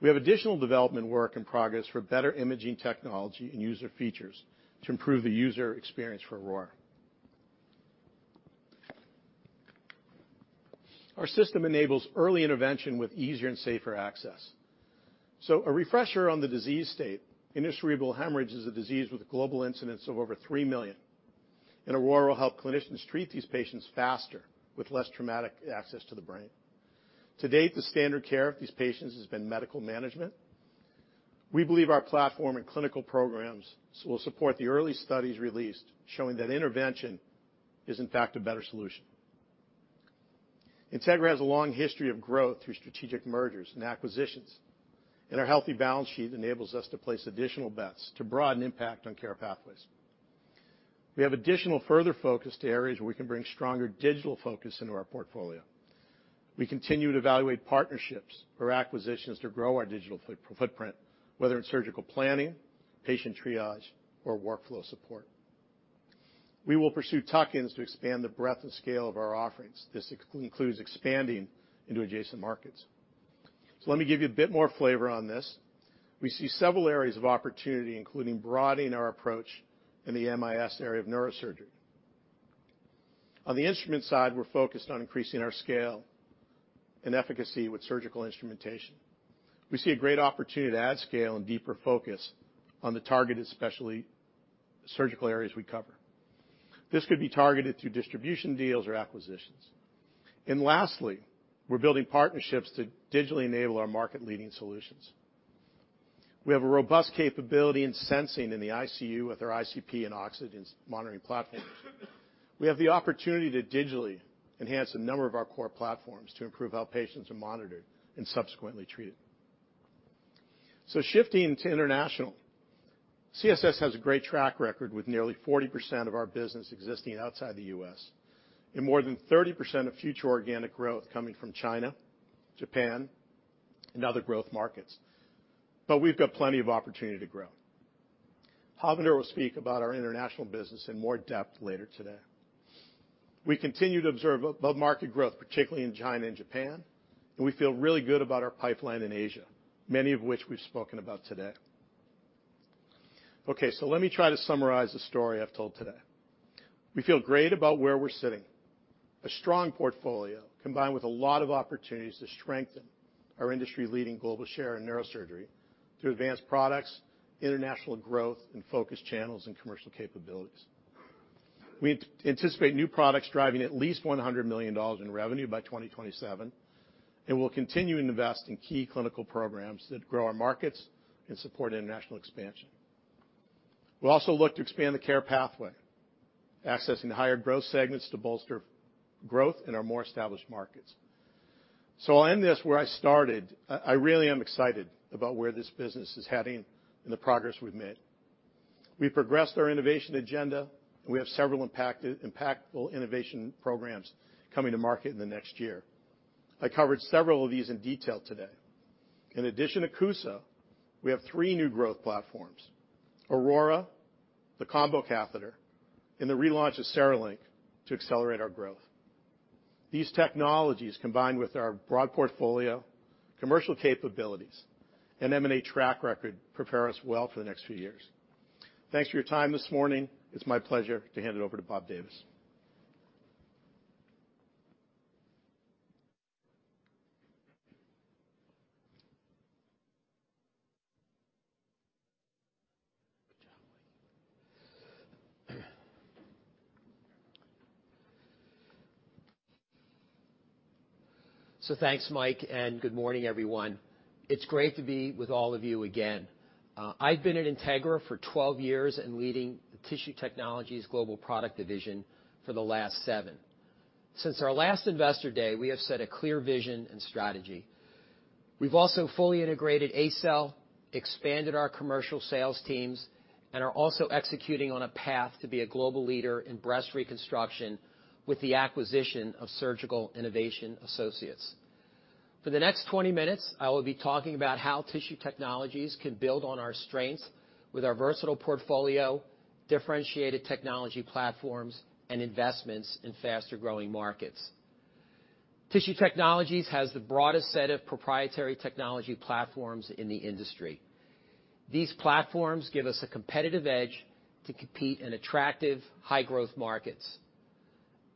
Speaker 4: We have additional development work in progress for better imaging technology and user features to improve the user experience for Aurora. Our system enables early intervention with easier and safer access. A refresher on the disease state. Intracerebral hemorrhage is a disease with a global incidence of over 3 million, and AURORA will help clinicians treat these patients faster with less traumatic access to the brain. To date, the standard care of these patients has been medical management. We believe our platform and clinical programs will support the early studies released showing that intervention is, in fact, a better solution. Integra has a long history of growth through strategic mergers and acquisitions, and our healthy balance sheet enables us to place additional bets to broaden impact on care pathways. We have additional further focus to areas where we can bring stronger digital focus into our portfolio. We continue to evaluate partnerships or acquisitions to grow our digital footprint, whether in surgical planning, patient triage, or workflow support. We will pursue tuck-ins to expand the breadth and scale of our offerings. This includes expanding into adjacent markets. Let me give you a bit more flavor on this. We see several areas of opportunity, including broadening our approach in the MIS area of neurosurgery. On the instrument side, we're focused on increasing our scale and efficacy with surgical instrumentation. We see a great opportunity to add scale and deeper focus on the targeted specialty surgical areas we cover. This could be targeted through distribution deals or acquisitions. Lastly, we're building partnerships to digitally enable our market-leading solutions. We have a robust capability in sensing in the ICU with our ICP and oxygen monitoring platforms. We have the opportunity to digitally enhance a number of our core platforms to improve how patients are monitored and subsequently treated. Shifting to international, CSS has a great track record, with nearly 40% of our business existing outside the U.S., and more than 30% of future organic growth coming from China, Japan, and other growth markets. We've got plenty of opportunity to grow. Harvinder will speak about our international business in more depth later today. We continue to observe above market growth, particularly in China and Japan, and we feel really good about our pipeline in Asia, many of which we've spoken about today. Let me try to summarize the story I've told today. We feel great about where we're sitting. A strong portfolio combined with a lot of opportunities to strengthen our industry-leading global share in neurosurgery through advanced products, international growth, and focused channels and commercial capabilities. We anticipate new products driving at least $100 million in revenue by 2027. We'll continue to invest in key clinical programs that grow our markets and support international expansion. We'll also look to expand the care pathway, accessing higher growth segments to bolster growth in our more established markets. I'll end this where I started. I really am excited about where this business is heading and the progress we've made. We've progressed our innovation agenda. We have several impactful innovation programs coming to market in the next year. I covered several of these in detail today. In addition to CUSA, we have three new growth platforms, AURORA, the combo catheter, and the relaunch of CereLink, to accelerate our growth. These technologies, combined with our broad portfolio, commercial capabilities, and M&A track record, prepare us well for the next few years. Thanks for your time this morning. It's my pleasure to hand it over to Bob Davis.
Speaker 5: Thanks, Mike, and good morning, everyone. It's great to be with all of you again. I've been at Integra for 12 years and leading the Tissue Technologies Global Product Division for the last seven. Since our last Investor Day, we have set a clear vision and strategy. We've also fully integrated ACell, expanded our commercial sales teams, and are also executing on a path to be a global leader in breast reconstruction with the acquisition of Surgical Innovation Associates. For the next 20 minutes, I will be talking about how Tissue Technologies can build on our strengths with our versatile portfolio, differentiated technology platforms, and investments in faster-growing markets. Tissue Technologies has the broadest set of proprietary technology platforms in the industry. These platforms give us a competitive edge to compete in attractive, high-growth markets.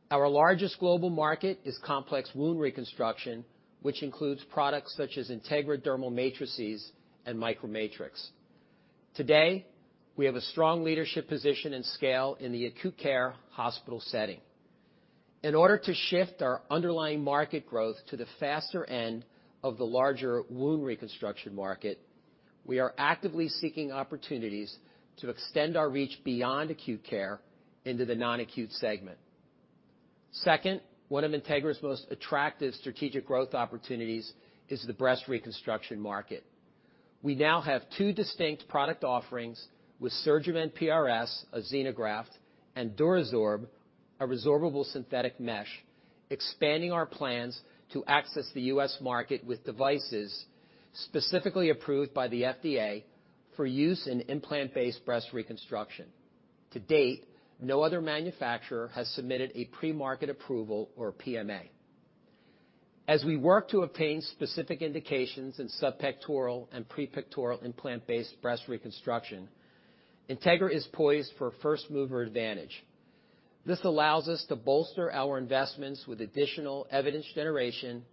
Speaker 5: Our largest global market is complex wound reconstruction, which includes products such as Integra Dermal Matrices and MicroMatrix. Today, we have a strong leadership position and scale in the acute care hospital setting. In order to shift our underlying market growth to the faster end of the larger wound reconstruction market, we are actively seeking opportunities to extend our reach beyond acute care into the non-acute segment. One of Integra's most attractive strategic growth opportunities is the breast reconstruction market. We now have two distinct product offerings with SurgiMend PRS, a xenograft, and DuraSorb, a resorbable synthetic mesh, expanding our plans to access the U.S. market with devices specifically approved by the FDA for use in implant-based breast reconstruction. To date, no other manufacturer has submitted a premarket approval or PMA. As we work to obtain specific indications in subpectoral and prepectoral implant-based breast reconstruction, Integra is poised for a first-mover advantage. This allows us to bolster our investments with additional evidence generation,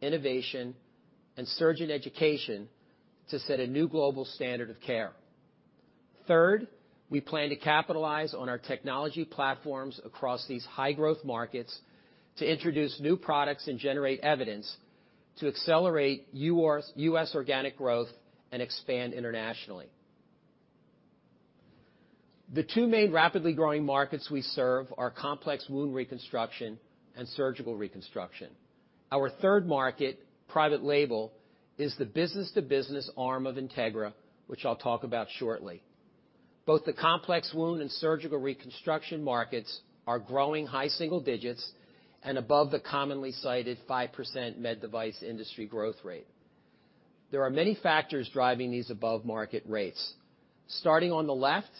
Speaker 5: innovation, and surgeon education to set a new global standard of care. Third, we plan to capitalize on our technology platforms across these high-growth markets to introduce new products and generate evidence to accelerate U.S. organic growth and expand internationally. The two main rapidly growing markets we serve are complex wound reconstruction and surgical reconstruction. Our third market, private label, is the business-to-business arm of Integra, which I'll talk about shortly. Both the complex wound and surgical reconstruction markets are growing high single digits and above the commonly cited 5% med device industry growth rate. There are many factors driving these above-market rates. Starting on the left,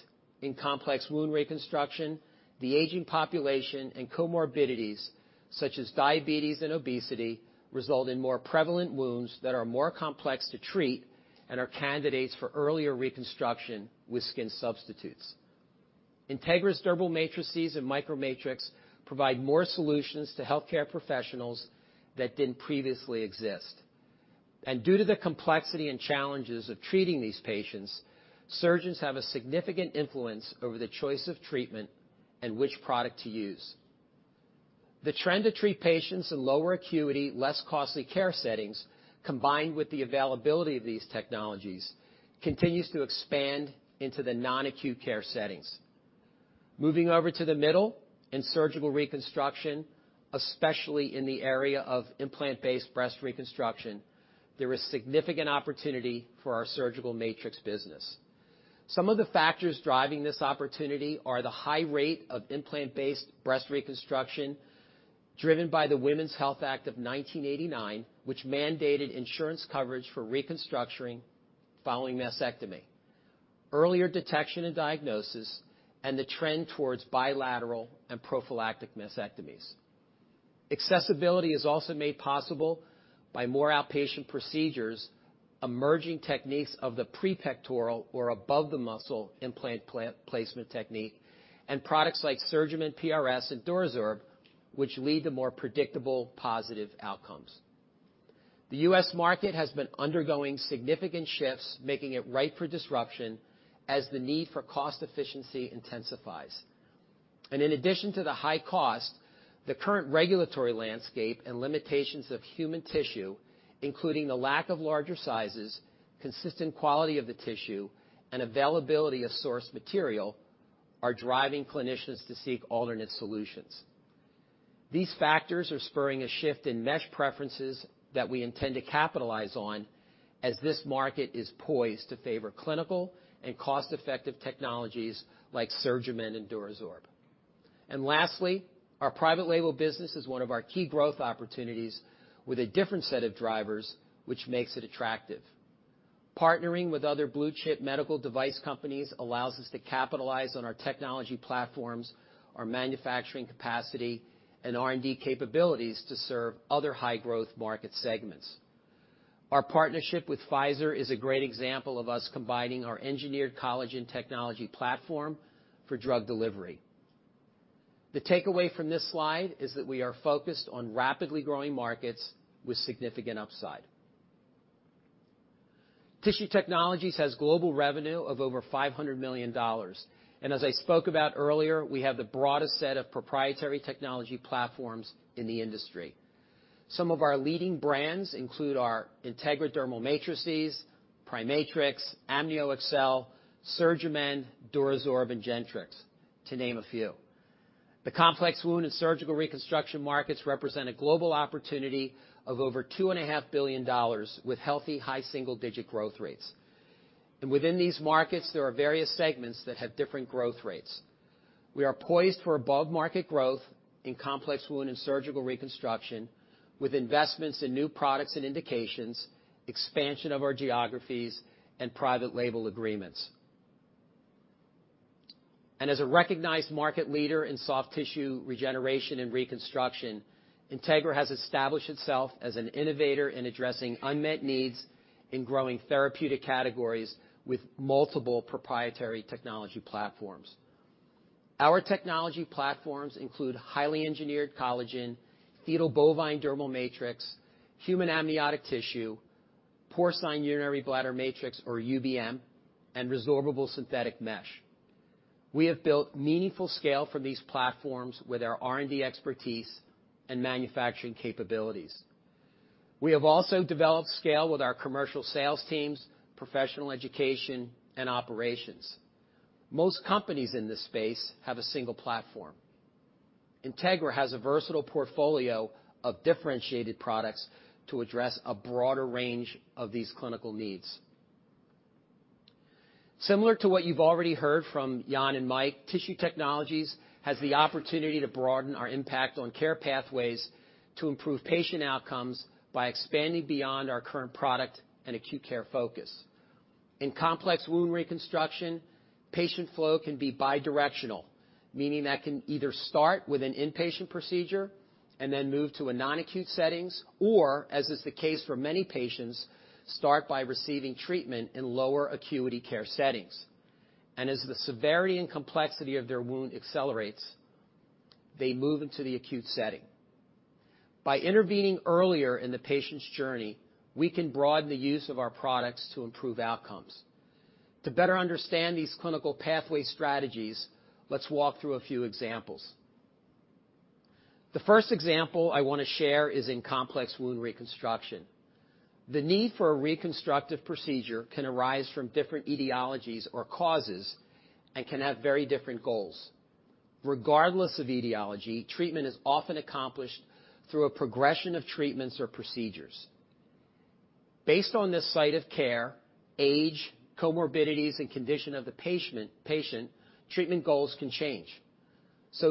Speaker 5: in complex wound reconstruction, the aging population and comorbidities such as diabetes and obesity result in more prevalent wounds that are more complex to treat and are candidates for earlier reconstruction with skin substitutes. Integra Dermal Matrices and MicroMatrix provide more solutions to healthcare professionals that didn't previously exist. Due to the complexity and challenges of treating these patients, surgeons have a significant influence over the choice of treatment and which product to use. The trend to treat patients in lower acuity, less costly care settings, combined with the availability of these technologies, continues to expand into the non-acute care settings. Moving over to the middle, in surgical reconstruction, especially in the area of implant-based breast reconstruction, there is significant opportunity for our surgical matrix business. Some of the factors driving this opportunity are the high rate of implant-based breast reconstruction, driven by the Women's Health Act of 1989, which mandated insurance coverage for reconstructing following mastectomy, earlier detection and diagnosis, and the trend towards bilateral and prophylactic mastectomies. Accessibility is also made possible by more outpatient procedures, emerging techniques of the prepectoral or above-the-muscle implant placement technique, and products like SurgiMend PRS and DuraSorb, which lead to more predictable, positive outcomes. The U.S. market has been undergoing significant shifts, making it ripe for disruption as the need for cost efficiency intensifies. In addition to the high cost, the current regulatory landscape and limitations of human tissue, including the lack of larger sizes, consistent quality of the tissue, and availability of source material, are driving clinicians to seek alternate solutions. These factors are spurring a shift in mesh preferences that we intend to capitalize on as this market is poised to favor clinical and cost-effective technologies like SurgiMend and DuraSorb. Lastly, our private label business is one of our key growth opportunities with a different set of drivers, which makes it attractive. Partnering with other blue-chip medical device companies allows us to capitalize on our technology platforms, our manufacturing capacity, and R&D capabilities to serve other high-growth market segments. Our partnership with Pfizer is a great example of us combining our engineered collagen technology platform for drug delivery. The takeaway from this slide is that we are focused on rapidly growing markets with significant upside. Tissue Technologies has global revenue of over $500 million, As I spoke about earlier, we have the broadest set of proprietary technology platforms in the industry. Some of our leading brands include our Integra Dermal Matrices, PriMatrix, AmnioExcel, SurgiMend, DuraSorb, and Gentrix, to name a few. The complex wound and surgical reconstruction markets represent a global opportunity of over $2.5 billion with healthy high single-digit growth rates. Within these markets, there are various segments that have different growth rates. We are poised for above-market growth in complex wound and surgical reconstruction with investments in new products and indications, expansion of our geographies, and private label agreements. As a recognized market leader in soft tissue regeneration and reconstruction, Integra has established itself as an innovator in addressing unmet needs in growing therapeutic categories with multiple proprietary technology platforms. Our technology platforms include highly engineered collagen, fetal bovine dermal matrix, human amniotic tissue, porcine urinary bladder matrix, or UBM, and resorbable synthetic mesh. We have built meaningful scale for these platforms with our R&D expertise and manufacturing capabilities. We have also developed scale with our commercial sales teams, professional education, and operations. Most companies in this space have a single platform. Integra has a versatile portfolio of differentiated products to address a broader range of these clinical needs. Similar to what you've already heard from Jan and Mike, Tissue Technologies has the opportunity to broaden our impact on care pathways to improve patient outcomes by expanding beyond our current product and acute care focus. In complex wound reconstruction, patient flow can be bidirectional, meaning that can either start with an inpatient procedure and then move to a non-acute settings, or, as is the case for many patients, start by receiving treatment in lower acuity care settings. As the severity and complexity of their wound accelerates, they move into the acute setting. By intervening earlier in the patient's journey, we can broaden the use of our products to improve outcomes. To better understand these clinical pathway strategies, let's walk through a few examples. The first example I want to share is in complex wound reconstruction. The need for a reconstructive procedure can arise from different etiologies or causes, and can have very different goals. Regardless of etiology, treatment is often accomplished through a progression of treatments or procedures. Based on the site of care, age, comorbidities, and condition of the patient, treatment goals can change.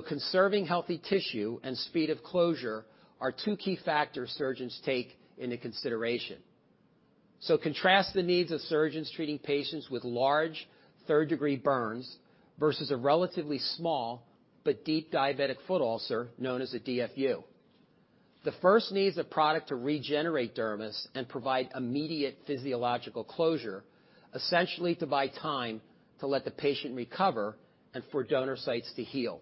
Speaker 5: Conserving healthy tissue and speed of closure are two key factors surgeons take into consideration. Contrast the needs of surgeons treating patients with large third-degree burns versus a relatively small but deep diabetic foot ulcer, known as a DFU. The first needs a product to regenerate dermis and provide immediate physiological closure, essentially to buy time to let the patient recover and for donor sites to heal.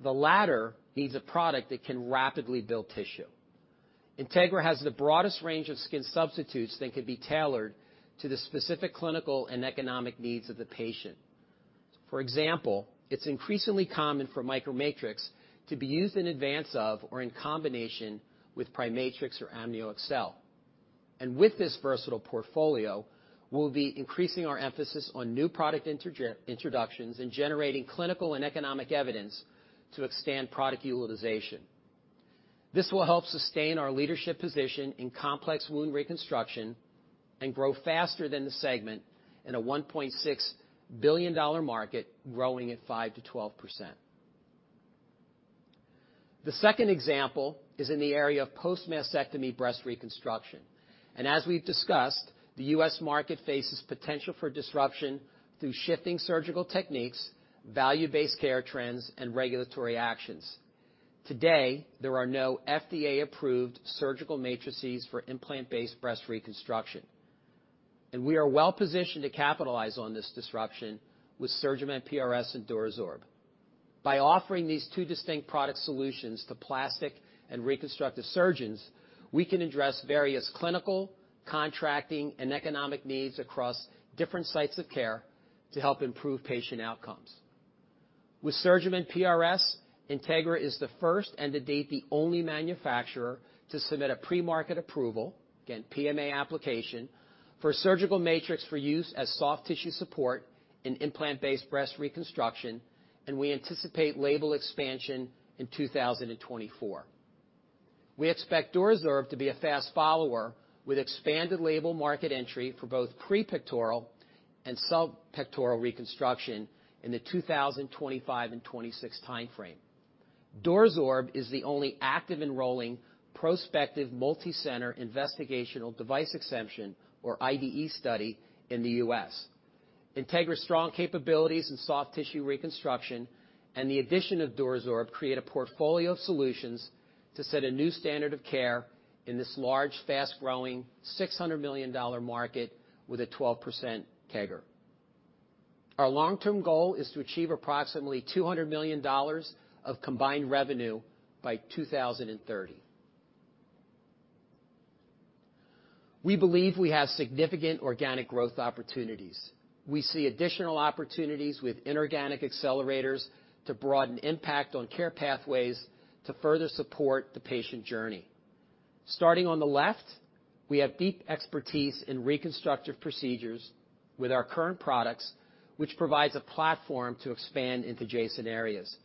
Speaker 5: The latter needs a product that can rapidly build tissue. Integra has the broadest range of skin substitutes that can be tailored to the specific clinical and economic needs of the patient. For example, it's increasingly common for MicroMatrix to be used in advance of or in combination with PriMatrix or AmnioExcel. With this versatile portfolio, we'll be increasing our emphasis on new product introductions and generating clinical and economic evidence to extend product utilization. This will help sustain our leadership position in complex wound reconstruction and grow faster than the segment in a $1.6 billion market growing at 5%-12%. The second example is in the area of post-mastectomy breast reconstruction. As we've discussed, the U.S. market faces potential for disruption through shifting surgical techniques, value-based care trends, and regulatory actions. Today, there are no FDA-approved surgical matrices for implant-based breast reconstruction. We are well-positioned to capitalize on this disruption with SurgiMend PRS and DuraSorb. By offering these two distinct product solutions to plastic and reconstructive surgeons, we can address various clinical, contracting, and economic needs across different sites of care to help improve patient outcomes. With SurgiMend PRS, Integra is the first and to date, the only manufacturer to submit a pre-market approval, again, PMA application, for a surgical matrix for use as soft tissue support in implant-based breast reconstruction, and we anticipate label expansion in 2024. We expect DuraSorb to be a fast follower with expanded label market entry for both pre-pectoral and subpectoral reconstruction in the 2025 and 2026 timeframe. DuraSorb is the only active enrolling prospective multi-center investigational device exemption or IDE study in the U.S. Integra's strong capabilities in soft tissue reconstruction and the addition of DuraSorb create a portfolio of solutions to set a new standard of care in this large, fast-growing, $600 million market with a 12% CAGR. Our long-term goal is to achieve approximately $200 million of combined revenue by 2030. We believe we have significant organic growth opportunities. We see additional opportunities with inorganic accelerators to broaden impact on care pathways to further support the patient journey. Starting on the left, we have deep expertise in reconstructive procedures with our current products, which provides a platform to expand into adjacent areas.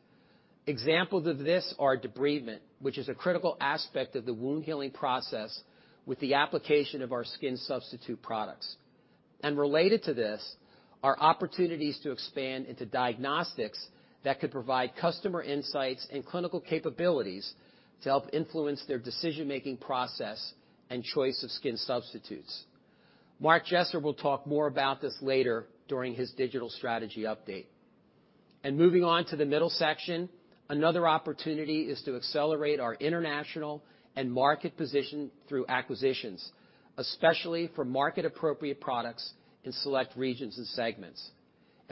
Speaker 5: Examples of this are debridement, which is a critical aspect of the wound-healing process with the application of our skin substitute products. Related to this are opportunities to expand into diagnostics that could provide customer insights and clinical capabilities to help influence their decision-making process and choice of skin substitutes. Mark Jesser will talk more about this later during his digital strategy update. Moving on to the middle section, another opportunity is to accelerate our international and market position through acquisitions, especially for market-appropriate products in select regions and segments.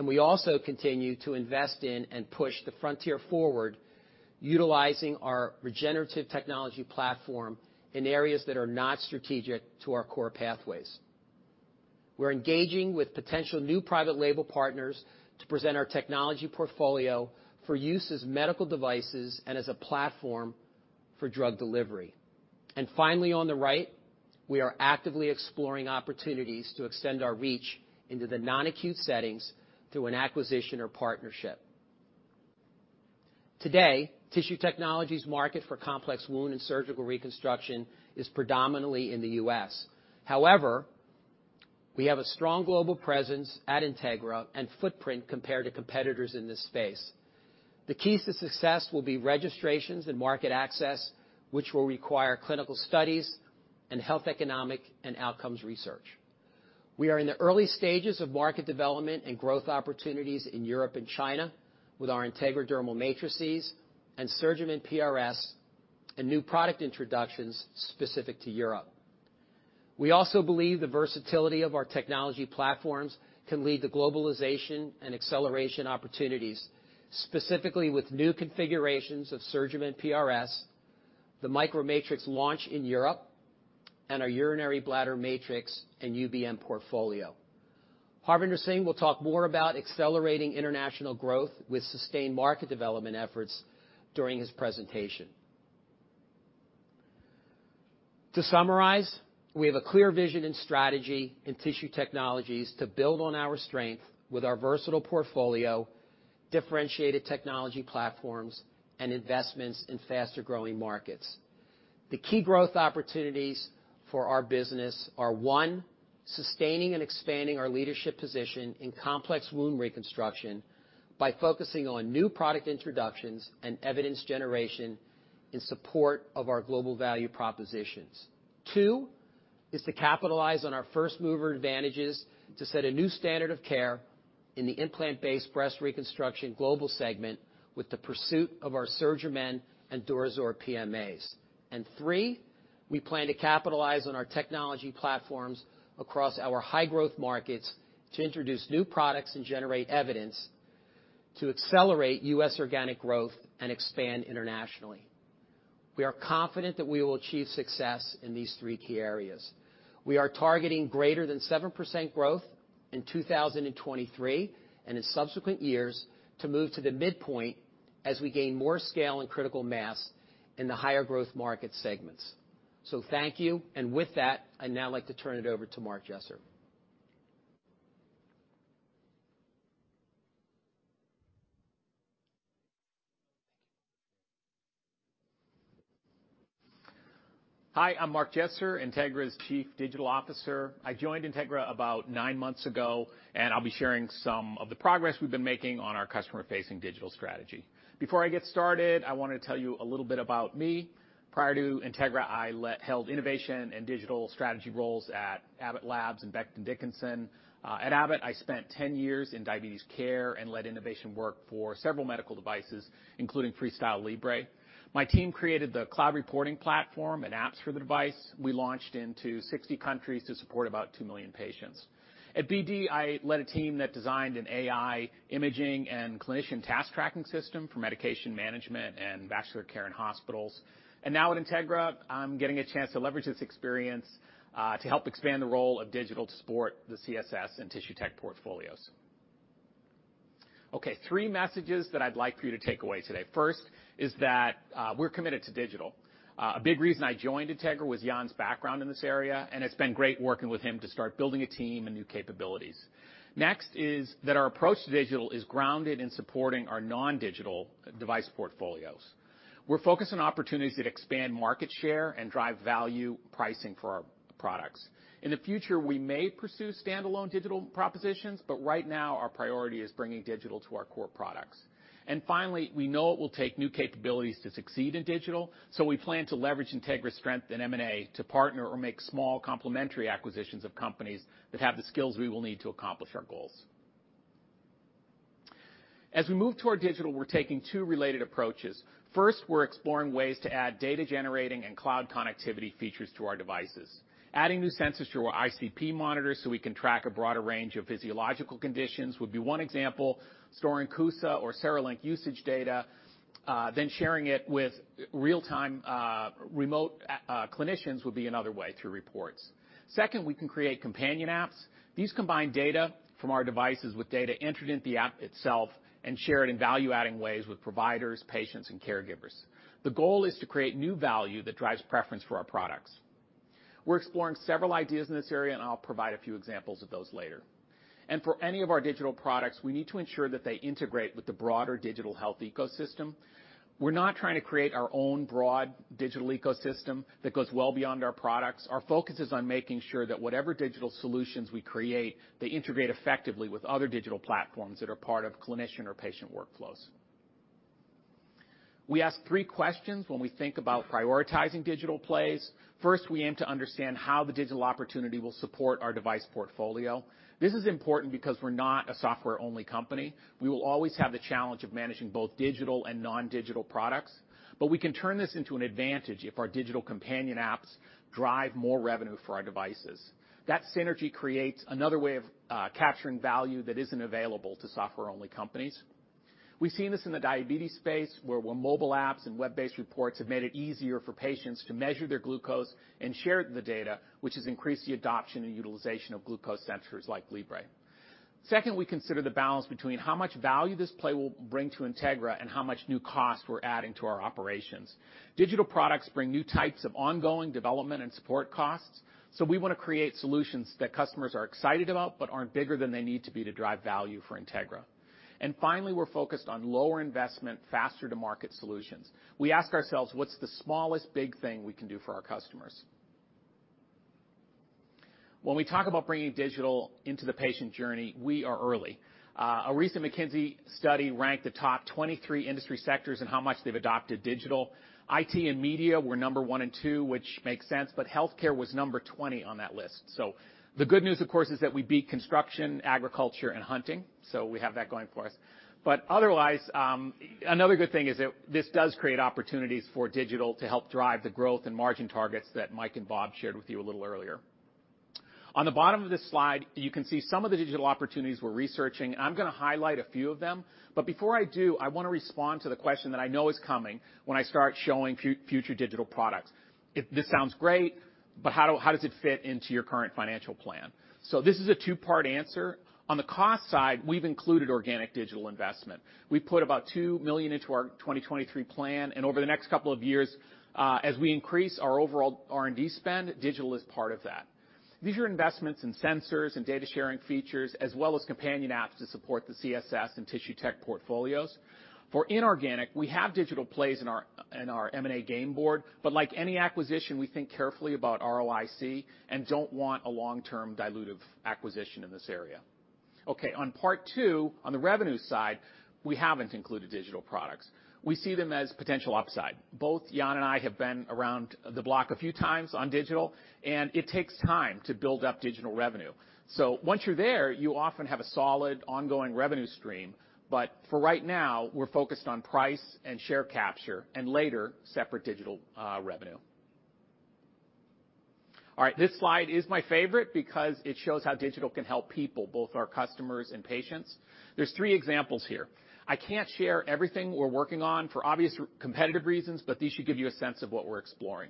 Speaker 5: We also continue to invest in and push the frontier forward, utilizing our regenerative technology platform in areas that are not strategic to our core pathways. We're engaging with potential new private label partners to present our technology portfolio for use as medical devices and as a platform for drug delivery. Finally, on the right, we are actively exploring opportunities to extend our reach into the non-acute settings through an acquisition or partnership. Today, Tissue Technologies market for complex wound and surgical reconstruction is predominantly in the U.S. However, we have a strong global presence at Integra and footprint compared to competitors in this space. The keys to success will be registrations and market access, which will require clinical studies and health economic and outcomes research. We are in the early stages of market development and growth opportunities in Europe and China with our Integra Dermal Matrices and SurgiMend PRS and new product introductions specific to Europe. We also believe the versatility of our technology platforms can lead to globalization and acceleration opportunities, specifically with new configurations of SurgiMend PRS, the MicroMatrix launch in Europe, and our urinary bladder matrix and UBM portfolio. Harvinder Singh will talk more about accelerating international growth with sustained market development efforts during his presentation. To summarize, we have a clear vision and strategy in Tissue Technologies to build on our strength with our versatile portfolio, differentiated technology platforms, and investments in faster-growing markets. The key growth opportunities for our business are, one, sustaining and expanding our leadership position in complex wound reconstruction by focusing on new product introductions and evidence generation in support of our global value propositions. Two is to capitalize on our first-mover advantages to set a new standard of care in the implant-based breast reconstruction global segment with the pursuit of our SurgiMend and DuraSorb PMAs. Three, we plan to capitalize on our technology platforms across our high-growth markets to introduce new products and generate evidence to accelerate U.S. organic growth and expand internationally. We are confident that we will achieve success in these three key areas. We are targeting greater than 7% growth in 2023 and in subsequent years to move to the midpoint as we gain more scale and critical mass in the higher growth market segments. Thank you. With that, I'd now like to turn it over to Mark Jesser.
Speaker 6: Hi, I'm Mark Jesser, Integra's Chief Digital Officer. I joined Integra about nine months ago, and I'll be sharing some of the progress we've been making on our customer-facing digital strategy. Before I get started, I wanna tell you a little bit about me. Prior to Integra, I held innovation and digital strategy roles at Abbott Labs and Becton Dickinson. At Abbott, I spent 10 years in diabetes care and led innovation work for several medical devices, including FreeStyle Libre. My team created the cloud reporting platform and apps for the device. We launched into 60 countries to support about 2 million patients. At BD, I led a team that designed an AI imaging and clinician task tracking system for medication management and bachelor care in hospitals. Now at Integra, I'm getting a chance to leverage this experience to help expand the role of digital to support the CSS and tissue tech portfolios. Three messages that I'd like for you to take away today. First is that we're committed to digital. A big reason I joined Integra was Jan's background in this area, and it's been great working with him to start building a team and new capabilities. Next is that our approach to digital is grounded in supporting our non-digital device portfolios. We're focused on opportunities that expand market share and drive value pricing for our products. In the future, we may pursue stand-alone digital propositions, but right now, our priority is bringing digital to our core products. Finally, we know it will take new capabilities to succeed in digital, we plan to leverage Integra's strength in M&A to partner or make small complementary acquisitions of companies that have the skills we will need to accomplish our goals. We move toward digital, we're taking 2 related approaches. First, we're exploring ways to add data-generating and cloud connectivity features to our devices. Adding new sensors to our ICP monitors so we can track a broader range of physiological conditions would be 1 example. Storing CUSA or CereLink usage data, then sharing it with real-time, remote clinicians would be another way through reports. Second, we can create companion apps. These combine data from our devices with data entered in the app itself and share it in value-adding ways with providers, patients, and caregivers. The goal is to create new value that drives preference for our products. We're exploring several ideas in this area, and I'll provide a few examples of those later. For any of our digital products, we need to ensure that they integrate with the broader digital health ecosystem. We're not trying to create our own broad digital ecosystem that goes well beyond our products. Our focus is on making sure that whatever digital solutions we create, they integrate effectively with other digital platforms that are part of clinician or patient workflows. We ask three questions when we think about prioritizing digital plays. First, we aim to understand how the digital opportunity will support our device portfolio. This is important because we're not a software-only company. We will always have the challenge of managing both digital and non-digital products. We can turn this into an advantage if our digital companion apps drive more revenue for our devices. That synergy creates another way of capturing value that isn't available to software-only companies. We've seen this in the diabetes space, where mobile apps and web-based reports have made it easier for patients to measure their glucose and share the data, which has increased the adoption and utilization of glucose sensors like Libre. Second, we consider the balance between how much value this play will bring to Integra and how much new cost we're adding to our operations. Digital products bring new types of ongoing development and support costs, we wanna create solutions that customers are excited about but aren't bigger than they need to be to drive value for Integra. Finally, we're focused on lower investment, faster to market solutions. We ask ourselves, what's the smallest big thing we can do for our customers? When we talk about bringing digital into the patient journey, we are early. A recent McKinsey study ranked the top 23 industry sectors and how much they've adopted digital. IT and media were number one and two, which makes sense, but healthcare was number 20 on that list. The good news, of course, is that we beat construction, agriculture, and hunting, so we have that going for us. Otherwise, another good thing is that this does create opportunities for digital to help drive the growth and margin targets that Mike and Bob shared with you a little earlier. On the bottom of this slide, you can see some of the digital opportunities we're researching, and I'm gonna highlight a few of them. Before I do, I wanna respond to the question that I know is coming when I start showing future digital products. This sounds great. How does it fit into your current financial plan? This is a two-part answer. On the cost side, we've included organic digital investment. We put about $2 million into our 2023 plan, and over the next couple of years, as we increase our overall R&D spend, digital is part of that. These are investments in sensors and data sharing features as well as companion apps to support the CSS and Tissue Tech portfolios. For inorganic, we have digital plays in our M&A game board. Like any acquisition, we think carefully about ROIC and don't want a long-term dilutive acquisition in this area. On part two, on the revenue side, we haven't included digital products. We see them as potential upside. Both Jan and I have been around the block a few times on digital, and it takes time to build up digital revenue. Once you're there, you often have a solid ongoing revenue stream. For right now, we're focused on price and share capture, and later, separate digital revenue. All right, this slide is my favorite because it shows how digital can help people, both our customers and patients. There's three examples here. I can't share everything we're working on for obvious competitive reasons, but these should give you a sense of what we're exploring.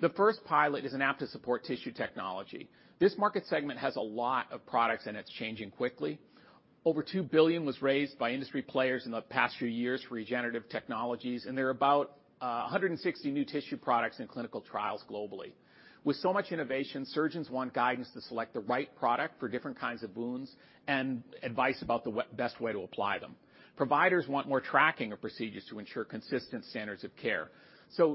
Speaker 6: The first pilot is an app to support Tissue Technologies. This market segment has a lot of products, and it's changing quickly. Over $2 billion was raised by industry players in the past few years for regenerative technologies, and there are about 160 new tissue products in clinical trials globally. With so much innovation, surgeons want guidance to select the right product for different kinds of wounds and advice about the best way to apply them. Providers want more tracking of procedures to ensure consistent standards of care.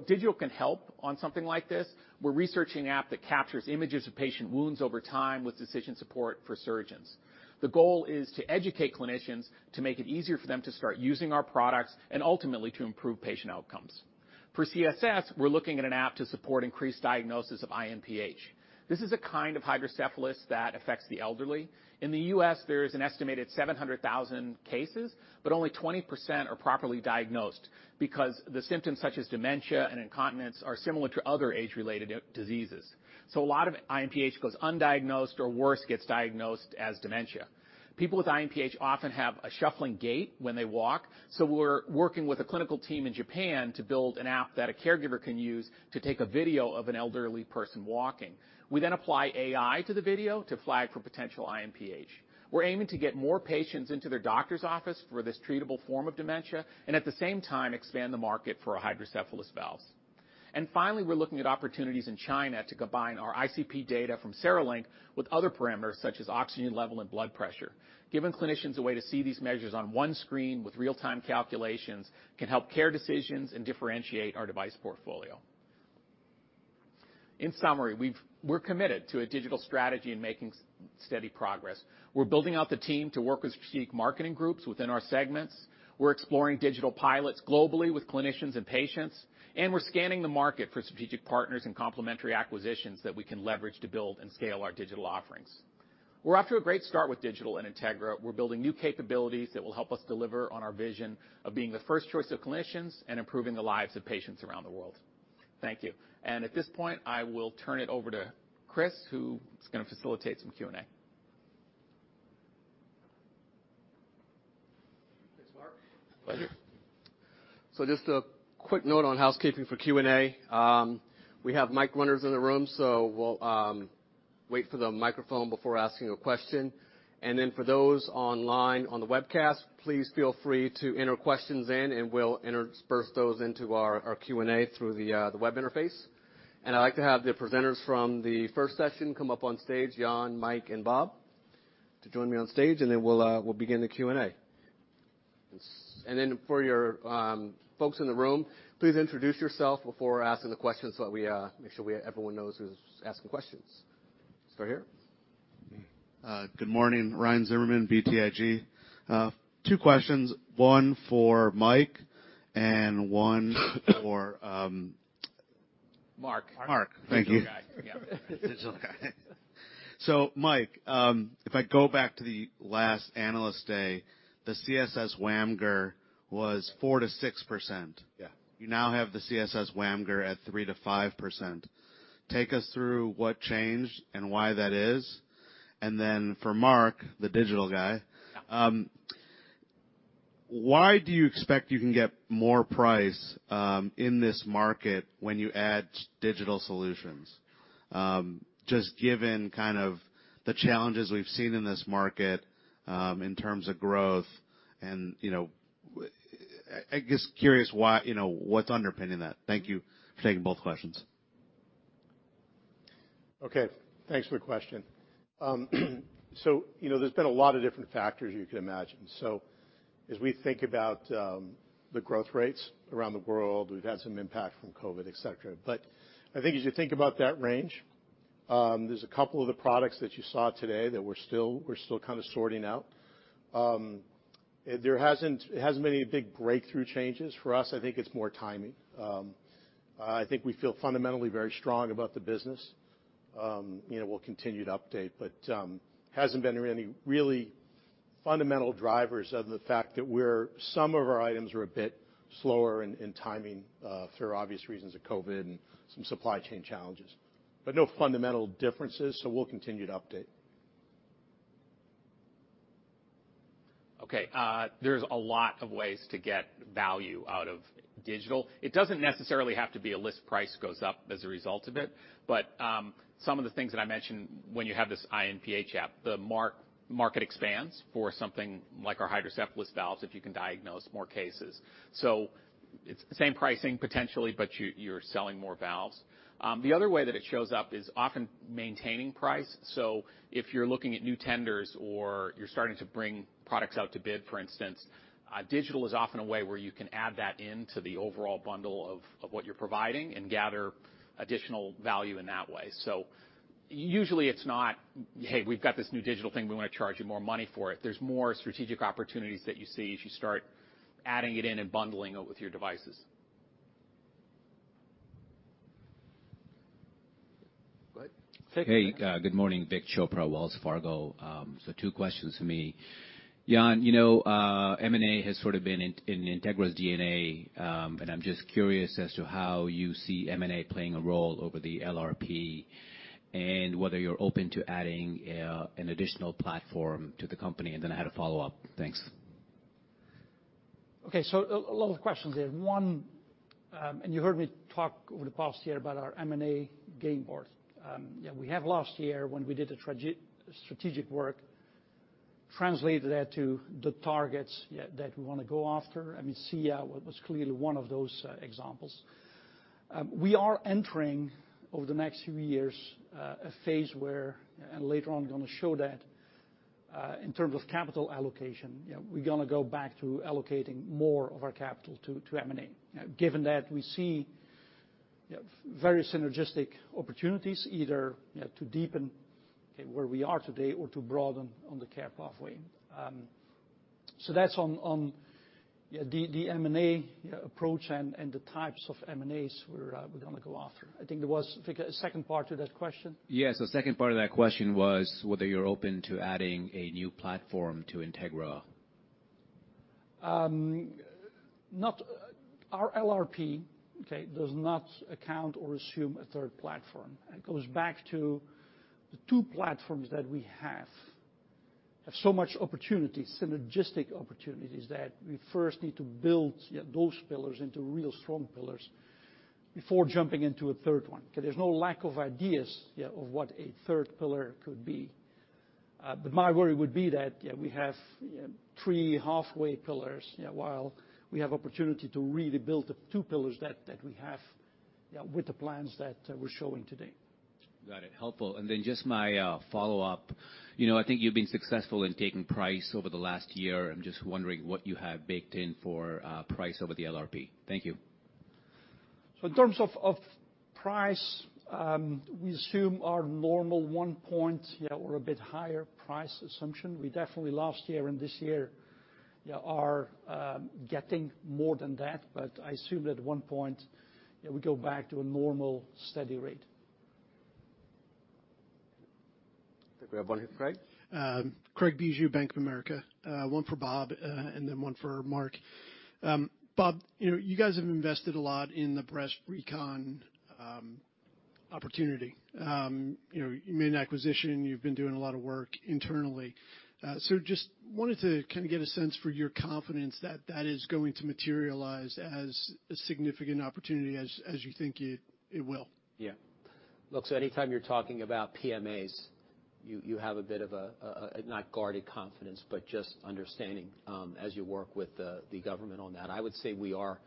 Speaker 6: Digital can help on something like this. We're researching app that captures images of patient wounds over time with decision support for surgeons. The goal is to educate clinicians to make it easier for them to start using our products and ultimately to improve patient outcomes. For CSS, we're looking at an app to support increased diagnosis of INPH. This is a kind of hydrocephalus that affects the elderly. In the U.S., there is an estimated 700,000 cases, only 20% are properly diagnosed because the symptoms such as dementia and incontinence are similar to other age-related diseases. A lot of INPH goes undiagnosed or worse, gets diagnosed as dementia. People with INPH often have a shuffling gait when they walk, we're working with a clinical team in Japan to build an app that a caregiver can use to take a video of an elderly person walking. We apply AI to the video to flag for potential INPH. We're aiming to get more patients into their doctor's office for this treatable form of dementia and at the same time expand the market for our hydrocephalus valves. Finally, we're looking at opportunities in China to combine our ICP data from CereLink with other parameters such as oxygen level and blood pressure. Giving clinicians a way to see these measures on one screen with real-time calculations can help care decisions and differentiate our device portfolio. In summary, we're committed to a digital strategy and making steady progress. We're building out the team to work with strategic marketing groups within our segments. We're exploring digital pilots globally with clinicians and patients, and we're scanning the market for strategic partners and complementary acquisitions that we can leverage to build and scale our digital offerings. We're off to a great start with digital and Integra. We're building new capabilities that will help us deliver on our vision of being the first choice of clinicians and improving the lives of patients around the world. Thank you. At this point, I will turn it over to Chris, who is gonna facilitate some Q&A.
Speaker 2: Thanks, Mark.
Speaker 6: Thank you.
Speaker 2: Just a quick note on housekeeping for Q&A. We have mic runners in the room, so we'll wait for the microphone before asking a question. For those online on the webcast, please feel free to enter questions in, and we'll intersperse those into our Q&A through the web interface. I'd like to have the presenters from the first session come up on stage, Jan, Mike, and Bob to join me on stage, then we'll begin the Q&A. For your folks in the room, please introduce yourself before asking the question so that we make sure everyone knows who's asking questions. Start here.
Speaker 7: Good morning, Ryan Zimmerman, BTIG. Two questions, one for Mike and one for.
Speaker 6: Mark.
Speaker 7: Mark. Thank you.
Speaker 6: Digital guy. Yeah. Digital guy.
Speaker 7: Mike, if I go back to the last Analyst Day, the CSS WAMGR was 4%-6%.
Speaker 4: Yeah.
Speaker 7: You now have the CSS WAMGR at 3%-5%. Take us through what changed and why that is. For Mark, the digital guy-
Speaker 6: Yeah.
Speaker 7: Why do you expect you can get more price in this market when you add digital solutions? Just given kind of the challenges we've seen in this market in terms of growth and, you know, I guess curious why, you know, what's underpinning that? Thank you for taking both questions.
Speaker 4: Okay, thanks for the question. You know, there's been a lot of different factors you can imagine. As we think about the growth rates around the world, we've had some impact from COVID, et cetera. I think as you think about that range, there's a couple of the products that you saw today that we're still kind of sorting out. It hasn't been any big breakthrough changes for us. I think it's more timing. I think we feel fundamentally very strong about the business. You know, we'll continue to update, but hasn't been really fundamental drivers other than the fact that some of our items are a bit slower in timing for obvious reasons of COVID and some supply chain challenges. No fundamental differences, so we'll continue to update.
Speaker 8: There's a lot of ways to get value out of digital. It doesn't necessarily have to be a list price goes up as a result of it. Some of the things that I mentioned when you have this INPH app, the market expands for something like our hydrocephalus valves, if you can diagnose more cases. It's the same pricing potentially, but you're selling more valves. The other way that it shows up is often maintaining price. If you're looking at new tenders or you're starting to bring products out to bid, for instance, digital is often a way where you can add that into the overall bundle of what you're providing and gather additional value in that way. Usually it's not, "Hey, we've got this new digital thing. We wanna charge you more money for it." There's more strategic opportunities that you see as you start adding it in and bundling it with your devices.
Speaker 3: Go ahead.
Speaker 9: Good morning. Vik Chopra, Wells Fargo. Two questions for me. Jan, you know, M&A has sort of been in Integra's DNA. I'm just curious as to how you see M&A playing a role over the LRP, and whether you're open to adding an additional platform to the company. I had a follow-up. Thanks.
Speaker 3: Okay. A lot of questions there. One, you heard me talk over the past year about our M&A game board. We have last year when we did the strategic work, translated that to the targets that we wanna go after. I mean, SIA was clearly one of those examples. We are entering over the next few years a phase where later on gonna show that in terms of capital allocation, we're gonna go back to allocating more of our capital to M&A. Given that we see very synergistic opportunities either to deepen where we are today or to broaden on the care pathway. That's on the M&A approach and the types of M&As we're gonna go after. I think there was, Vik, a second part to that question.
Speaker 9: Yes. The second part of that question was whether you're open to adding a new platform to Integra.
Speaker 3: Our LRP, okay, does not account or assume a third platform. It goes back to the two platforms that we have so much opportunity, synergistic opportunities that we first need to build those pillars into real strong pillars before jumping into a third one. Okay. There's no lack of ideas of what a third pillar could be. My worry would be that we have 3 halfway pillars while we have opportunity to really build the two pillars that we have with the plans that we're showing today.
Speaker 9: Got it. Helpful. Then just my follow-up. You know, I think you've been successful in taking price over the last year. I'm just wondering what you have baked in for price over the LRP. Thank you.
Speaker 3: In terms of price, we assume our normal 1 point or a bit higher price assumption. We definitely last year and this year are getting more than that. I assume at 1 point we go back to a normal steady rate. I think we have one here. Craig.
Speaker 10: Craig Bijou, Bank of America. One for Bob, one for Mark. Bob, you know, you guys have invested a lot in the breast recon opportunity. You know, you made an acquisition, you've been doing a lot of work internally. Just wanted to kinda get a sense for your confidence that that is going to materialize as a significant opportunity as you think it will.
Speaker 5: Yeah. Look, anytime you're talking about PMAs, you have a bit of a not guarded confidence, but just understanding, as you work with the government on that. I would say we are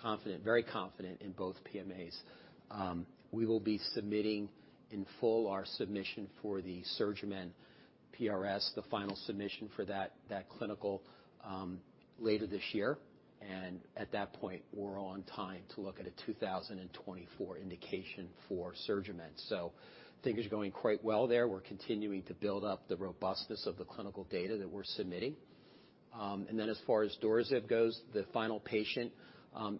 Speaker 5: confident, very confident in both PMAs. We will be submitting in full our submission for the SurgiMend PRS, the final submission for that clinical later this year. At that point, we're on time to look at a 2024 indication for SurgiMend. Things are going quite well there. We're continuing to build up the robustness of the clinical data that we're submitting. As far as DuraSorb goes, the final patient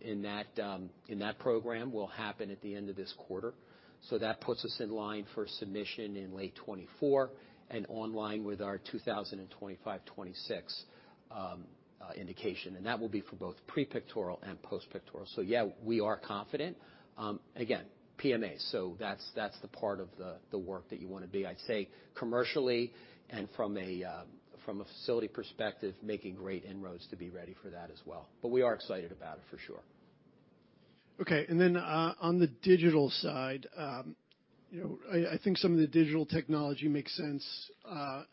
Speaker 5: in that program will happen at the end of this quarter.
Speaker 8: That puts us in line for submission in late 2024 and online with our 2025, 2026 indication. That will be for both pre-pectoral and post-pectoral. Yeah, we are confident. Again, PMA, that's the part of the work that you wanna be. I'd say commercially and from a facility perspective, making great inroads to be ready for that as well. We are excited about it for sure.
Speaker 10: Okay. On the digital side, you know, I think some of the digital technology makes sense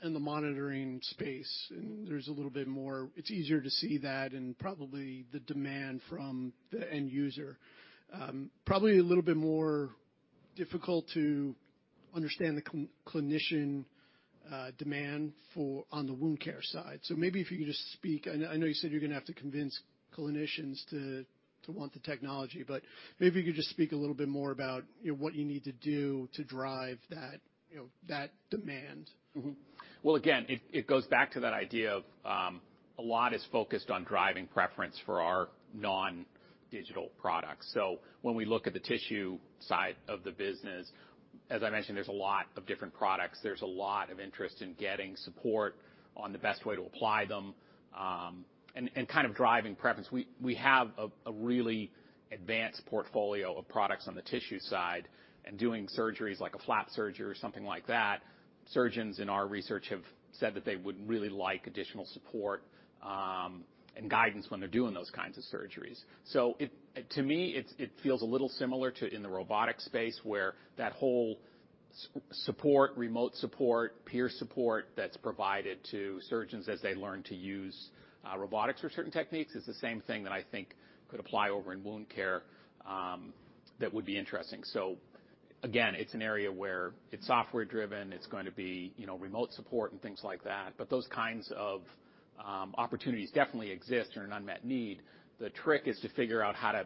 Speaker 10: in the monitoring space, and it's easier to see that and probably the demand from the end user. Probably a little bit more difficult to understand the clinician demand for on the wound care side. Maybe if you could just speak... I know you said you're gonna have to convince clinicians to want the technology, but maybe you could just speak a little bit more about, you know, what you need to do to drive that, you know, that demand.
Speaker 8: Again, it goes back to that idea of a lot is focused on driving preference for our non-digital products. When we look at the tissue side of the business, as I mentioned, there's a lot of different products. There's a lot of interest in getting support on the best way to apply them.
Speaker 6: Kind of driving preference. We have a really advanced portfolio of products on the tissue side, and doing surgeries like a flap surgery or something like that, surgeons in our research have said that they would really like additional support, and guidance when they're doing those kinds of surgeries. To me, it's, it feels a little similar to in the robotic space, where that whole support, remote support, peer support that's provided to surgeons as they learn to use, robotics for certain techniques, is the same thing that I think could apply over in wound care, that would be interesting. Again, it's an area where it's software driven, it's going to be, you know, remote support and things like that. Those kinds of, opportunities definitely exist or an unmet need. The trick is to figure out how to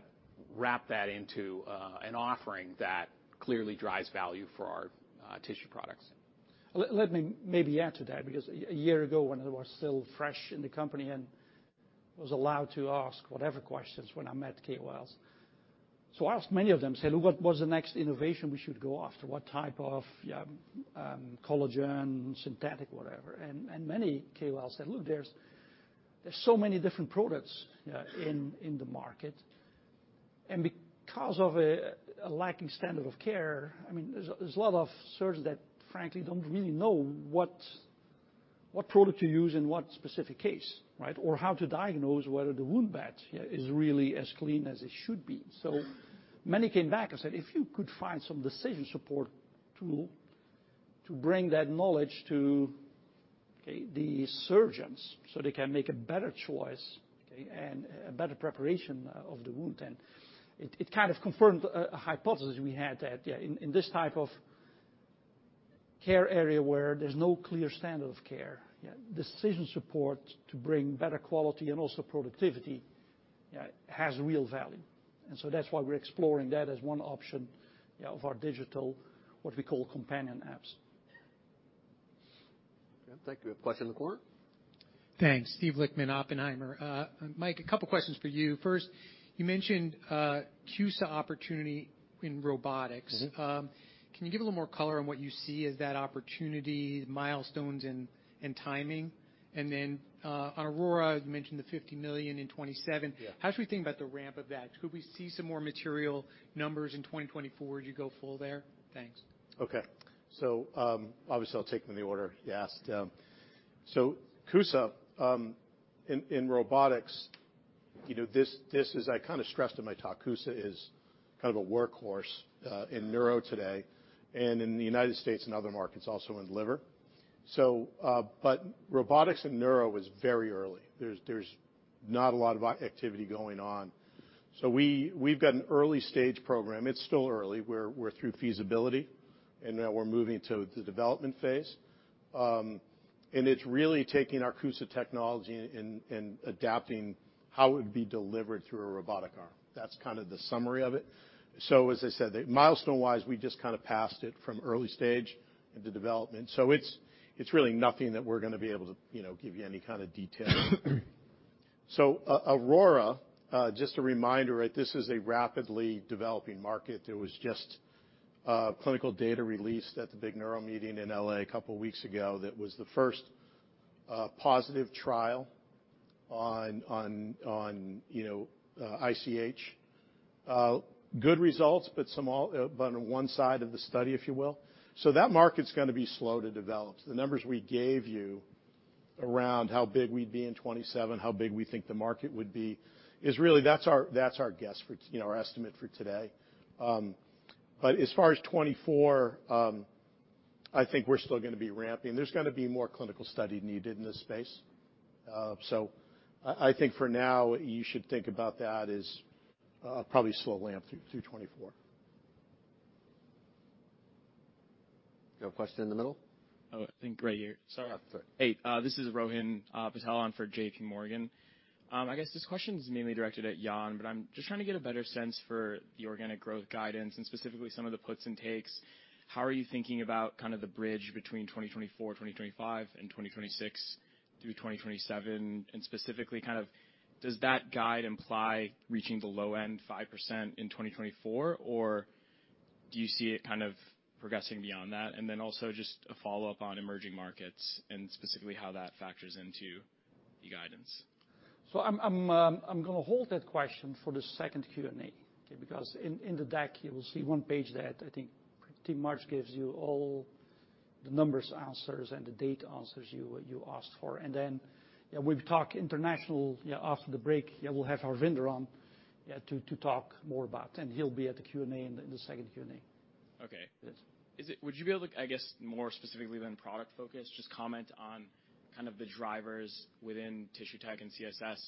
Speaker 6: wrap that into an offering that clearly drives value for our tissue products.
Speaker 3: Let me maybe add to that, because 1 year ago, when I was still fresh in the company and was allowed to ask whatever questions when I met KOLs. I asked many of them, say, "Look, what was the next innovation we should go after? What type of collagen, synthetic, whatever." Many KOLs said, "Look, there's so many different products in the market, and because of a lacking standard of care, I mean, there's a lot of surgeons that frankly don't really know what product to use in what specific case, right? How to diagnose whether the wound bed is really as clean as it should be." Many came back and said, "If you could find some decision support tool to bring that knowledge to the surgeons so they can make a better choice and a better preparation of the wound." It kind of confirmed a hypothesis we had that in this type of care area where there's no clear standard of care, decision support to bring better quality and also productivity has real value. That's why we're exploring that as one option of our digital, what we call companion apps.
Speaker 6: Thank you. A question in the corner.
Speaker 11: Thanks. Steven Lichtman, Oppenheimer. Mike, a couple questions for you. First, you mentioned CUSA opportunity in robotics.
Speaker 4: Mm-hmm.
Speaker 11: Can you give a little more color on what you see as that opportunity, milestones and timing? On AURORA, you mentioned the $50 million in 2027.
Speaker 4: Yeah.
Speaker 11: How should we think about the ramp of that? Could we see some more material numbers in 2024 as you go full there? Thanks.
Speaker 4: Okay. Obviously, I'll take them in the order you asked. CUSA, in robotics, you know, this is I kind of stressed in my talk, CUSA is kind of a workhorse, in neuro today, and in the United States and other markets also in liver. Robotics and neuro is very early. There's not a lot of activity going on. We've got an early-stage program. It's still early. We're through feasibility, and now we're moving to the development phase. It's really taking our CUSA technology and adapting how it would be delivered through a robotic arm. That's kind of the summary of it. As I said, milestone-wise, we just kind of passed it from early stage into development. It's really nothing that we're gonna be able to, you know, give you any kind of detail. AURORA, just a reminder that this is a rapidly developing market. There was just clinical data released at the big neuro meeting in L.A. a couple weeks ago, that was the first positive trial on, you know, ICH. Good results, but on one side of the study, if you will. That market's gonna be slow to develop. The numbers we gave you around how big we'd be in 2027, how big we think the market would be, is really that's our, that's our guess for, you know, our estimate for today. But as far as 2024, I think we're still gonna be ramping. There's gonna be more clinical study needed in this space. I think for now you should think about that as probably slow ramp through 2024.
Speaker 6: You have a question in the middle?
Speaker 12: Oh, I think right here. Sorry.
Speaker 6: Yeah. Sorry.
Speaker 12: Hey, this is Rohan Patel on for JPMorgan. I guess this question is mainly directed at Jan, but I'm just trying to get a better sense for the organic growth guidance and specifically some of the puts and takes. How are you thinking about kind of the bridge between 2024, 2025, and 2026 through 2027? Specifically, kind of does that guide imply reaching the low-end 5% in 2024, or do you see it kind of progressing beyond that? Then also just a follow-up on emerging markets and specifically how that factors into the guidance.
Speaker 3: I'm gonna hold that question for the second Q&A, okay? In the deck, you will see one page that I think pretty much gives you all the numbers answers and the data answers you asked for. Then we'll talk international after the break. We'll have our vendor on to talk more about, and he'll be at the Q&A, in the second Q&A.
Speaker 12: Okay.
Speaker 3: Yes.
Speaker 12: Would you be able to, I guess, more specifically than product focus, just comment on kind of the drivers within Tissue Tech and CSS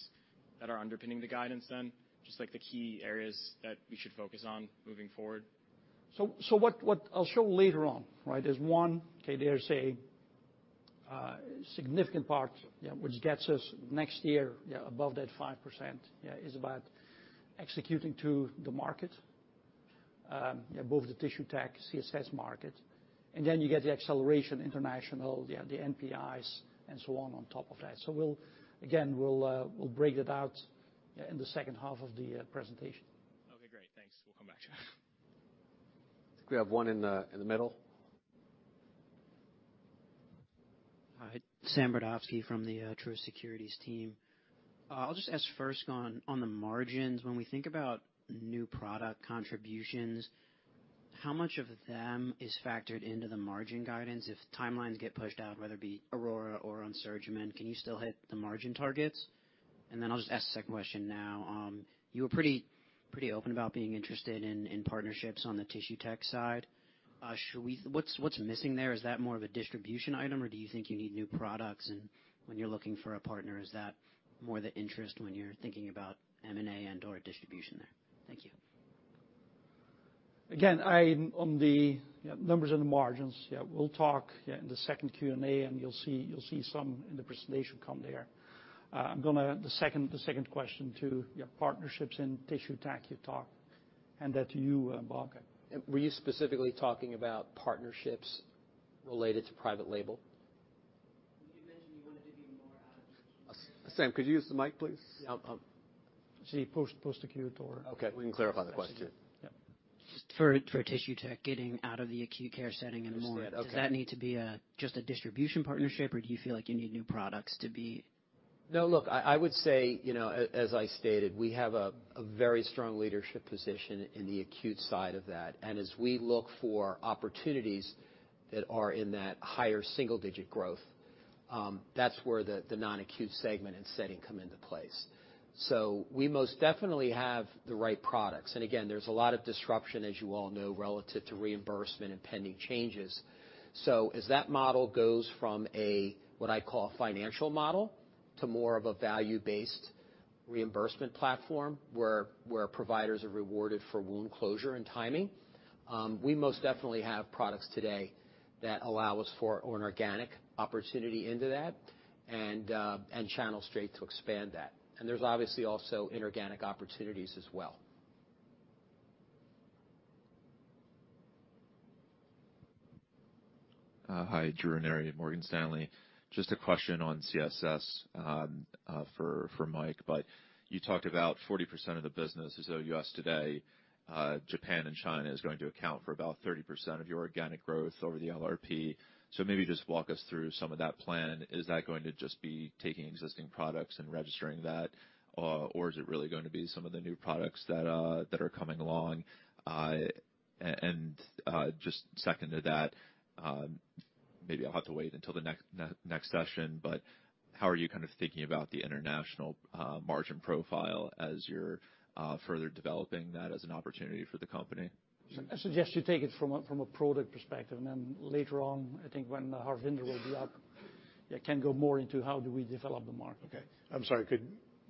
Speaker 12: that are underpinning the guidance then? Just like the key areas that we should focus on moving forward.
Speaker 3: What I'll show later on, right? Is one, okay, there's a significant part, yeah, which gets us next year, yeah, above that 5%, yeah, is about executing to the market, yeah, both the Tissue Technologies, CSS market. Then you get the acceleration international, yeah, the NPIs and so on top of that. We'll again, we'll break it out in the second half of the presentation.
Speaker 12: Okay, great. Thanks. We'll come back to you.
Speaker 6: I think we have one in the, in the middle.
Speaker 13: Hi, Sam Brodovsky from the Truist Securities team. I'll just ask first on the margins, when we think about new product contributions, how much of them is factored into the margin guidance? If timelines get pushed out, whether it be AURORA or on SurgiMend, can you still hit the margin targets? I'll just ask the second question now. You were pretty open about being interested in partnerships on the Tissue Tech side. What's, what's missing there? Is that more of a distribution item, or do you think you need new products? When you're looking for a partner, is that more the interest when you're thinking about M&A and/or distribution there? Thank you.
Speaker 3: Again, on the numbers and the margins, we'll talk in the second Q&A, and you'll see some in the presentation come there. The second question to partnerships in Tissue Tech, you've talked and that to you, Barker.
Speaker 5: Were you specifically talking about partnerships related to private label?
Speaker 13: You mentioned you wanted to be more out of the
Speaker 5: Sam, could you use the mic please?
Speaker 3: She post acute.
Speaker 5: Okay, we can clarify the question.
Speaker 3: Yep.
Speaker 13: For Tissue Tech, getting out of the acute care setting and more.
Speaker 5: Understood. Okay.
Speaker 13: Does that need to be just a distribution partnership, or do you feel like you need new products to be-?
Speaker 5: Look, I would say, you know, as I stated, we have a very strong leadership position in the acute side of that. As we look for opportunities that are in that higher single-digit growth, that's where the non-acute segment and setting come into place. We most definitely have the right products. Again, there's a lot of disruption, as you all know, relative to reimbursement and pending changes. As that model goes from a, what I call a financial model, to more of a value-based reimbursement platform, where providers are rewarded for wound closure and timing, we most definitely have products today that allow us for an organic opportunity into that and channel straight to expand that. There's obviously also inorganic opportunities as well.
Speaker 14: Hi, Drew Ranieri, Morgan Stanley. Just a question on CSS for Mike. You talked about 40% of the business is U.S. today. Japan and China is going to account for about 30% of your organic growth over the LRP. Maybe just walk us through some of that plan. Is that going to just be taking existing products and registering that, or is it really gonna be some of the new products that are coming along? Just second to that, maybe I'll have to wait until the next session, but how are you kind of thinking about the international margin profile as you're further developing that as an opportunity for the company?
Speaker 3: I suggest you take it from a product perspective, and then later on, I think when Harvinder will be up, yeah, can go more into how do we develop the market.
Speaker 14: Okay.
Speaker 4: I'm sorry,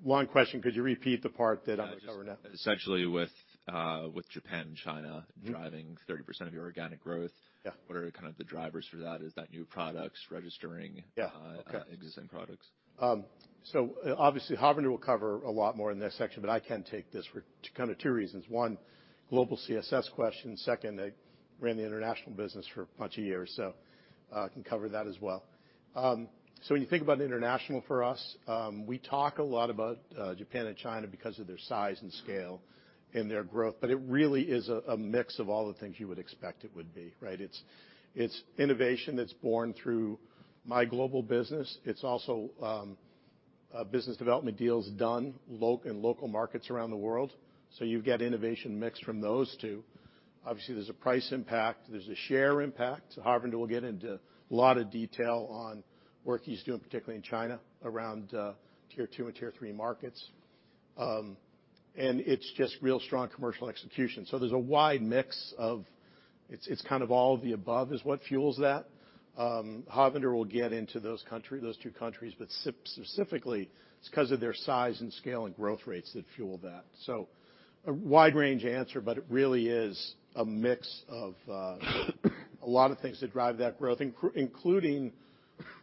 Speaker 4: Long question, could you repeat the part that I'm covering now?
Speaker 14: Yes. Essentially with Japan and China-
Speaker 4: Mm-hmm.
Speaker 14: driving 30% of your organic growth.
Speaker 4: Yeah.
Speaker 14: What are kind of the drivers for that? Is that new products registering.
Speaker 4: Yeah. Okay.
Speaker 14: existing products?
Speaker 4: Obviously, Harvinder will cover a lot more in this section, but I can take this for kinda two reasons. One, global CSS question. Second, I ran the international business for a bunch of years, so can cover that as well. When you think about international for us, we talk a lot about Japan and China because of their size and scale and their growth, but it really is a mix of all the things you would expect it would be, right? It's innovation that's born through my global business. It's also business development deals done in local markets around the world. You get innovation mix from those two. Obviously, there's a price impact, there's a share impact. Harvinder will get into a lot of detail on work he's doing, particularly in China, around tier two and tier three markets. It's just real strong commercial execution. It's kind of all of the above is what fuels that. Harvinder will get into those two countries, but specifically, it's because of their size and scale and growth rates that fuel that. A wide range answer, but it really is a mix of a lot of things that drive that growth, including,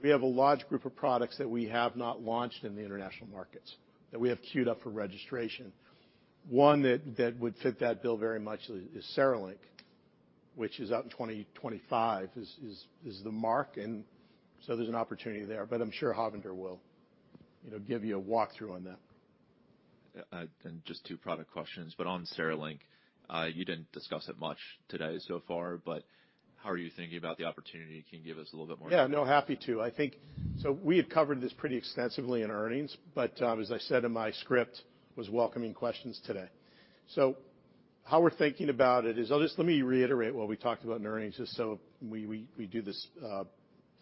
Speaker 4: we have a large group of products that we have not launched in the international markets, that we have queued up for registration. One that would fit that bill very much is CereLink, which is out in 2025, is the mark. There's an opportunity there, but I'm sure Harvinder will, you know, give you a walkthrough on that.
Speaker 14: Just two product questions. On CereLink, you didn't discuss it much today so far, but how are you thinking about the opportunity? Can you give us a little bit more...
Speaker 4: Yeah. No, happy to. We had covered this pretty extensively in earnings, as I said in my script, was welcoming questions today. How we're thinking about it is. I'll just let me reiterate what we talked about in earnings, just so we do this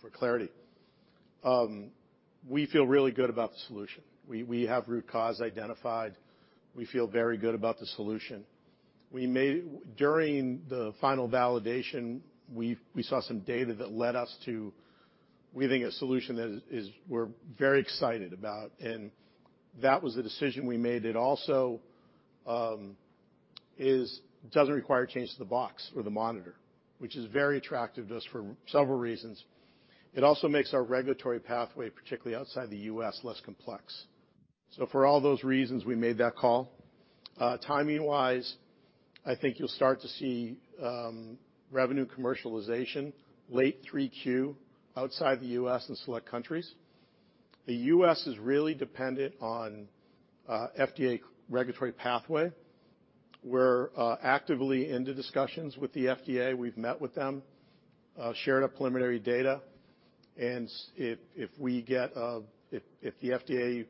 Speaker 4: for clarity. We feel really good about the solution. We have root cause identified. We feel very good about the solution. During the final validation, we saw some data that led us to, we think, a solution that is very excited about, and that was the decision we made. It also is doesn't require a change to the box or the monitor, which is very attractive to us for several reasons. It also makes our regulatory pathway, particularly outside the U.S., less complex. For all those reasons, we made that call. Timing-wise, I think you'll start to see, revenue commercialization late 3Q outside the US and select countries. The US is really dependent on FDA regulatory pathway.
Speaker 3: We're actively into discussions with the FDA. We've met with them, shared our preliminary data. If we get, if the FDA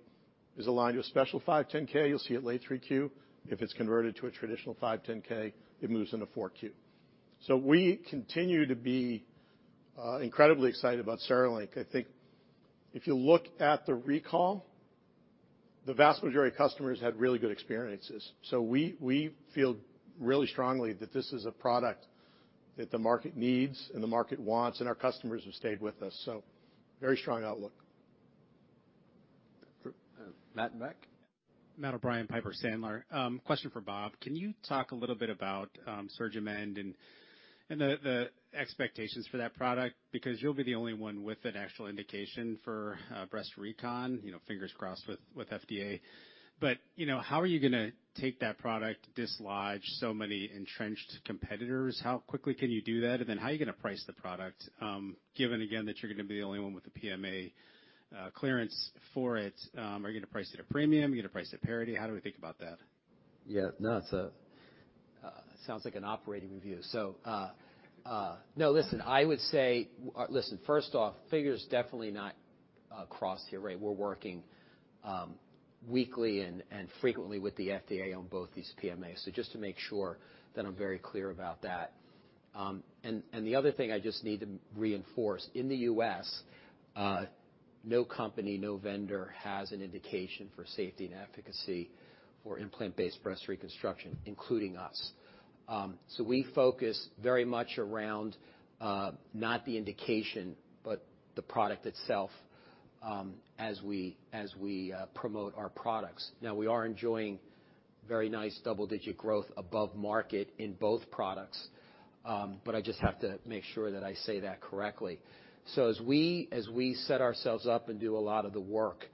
Speaker 3: is aligned to a special 510(k), you'll see it late 3Q. If it's converted to a traditional 510(k), it moves into 4Q. We continue to be incredibly excited about CereLink. I think if you look at the recall, the vast majority of customers had really good experiences. We feel really strongly that this is a product that the market needs and the market wants, and our customers have stayed with us. Very strong outlook.
Speaker 15: Matt Mc? Matt O'Brien, Piper Sandler. Question for Bob. Can you talk a little bit about SurgiMend and the expectations for that product? You'll be the only one with an actual indication for breast recon, you know, fingers crossed with FDA. You know, how are you gonna take that product, dislodge so many entrenched competitors? How quickly can you do that? How are you gonna price the product, given again that you're gonna be the only one with the PMA clearance for it? Are you gonna price at a premium? Are you gonna price at parity? How do we think about that?
Speaker 5: Yeah, no, it's sounds like an operating review. no, listen, I would say first off, fingers definitely not crossed here, right? We're working weekly and frequently with the FDA on both these PMAs. just to make sure that I'm very clear about that. the other thing I just need to reinforce, in the U.S., no company, no vendor has an indication for safety and efficacy for implant-based breast reconstruction, including us. we focus very much around not the indication, but the product itself, as we promote our products. we are enjoying very nice double-digit growth above market in both products, but I just have to make sure that I say that correctly. As we set ourselves up and do a lot of the work,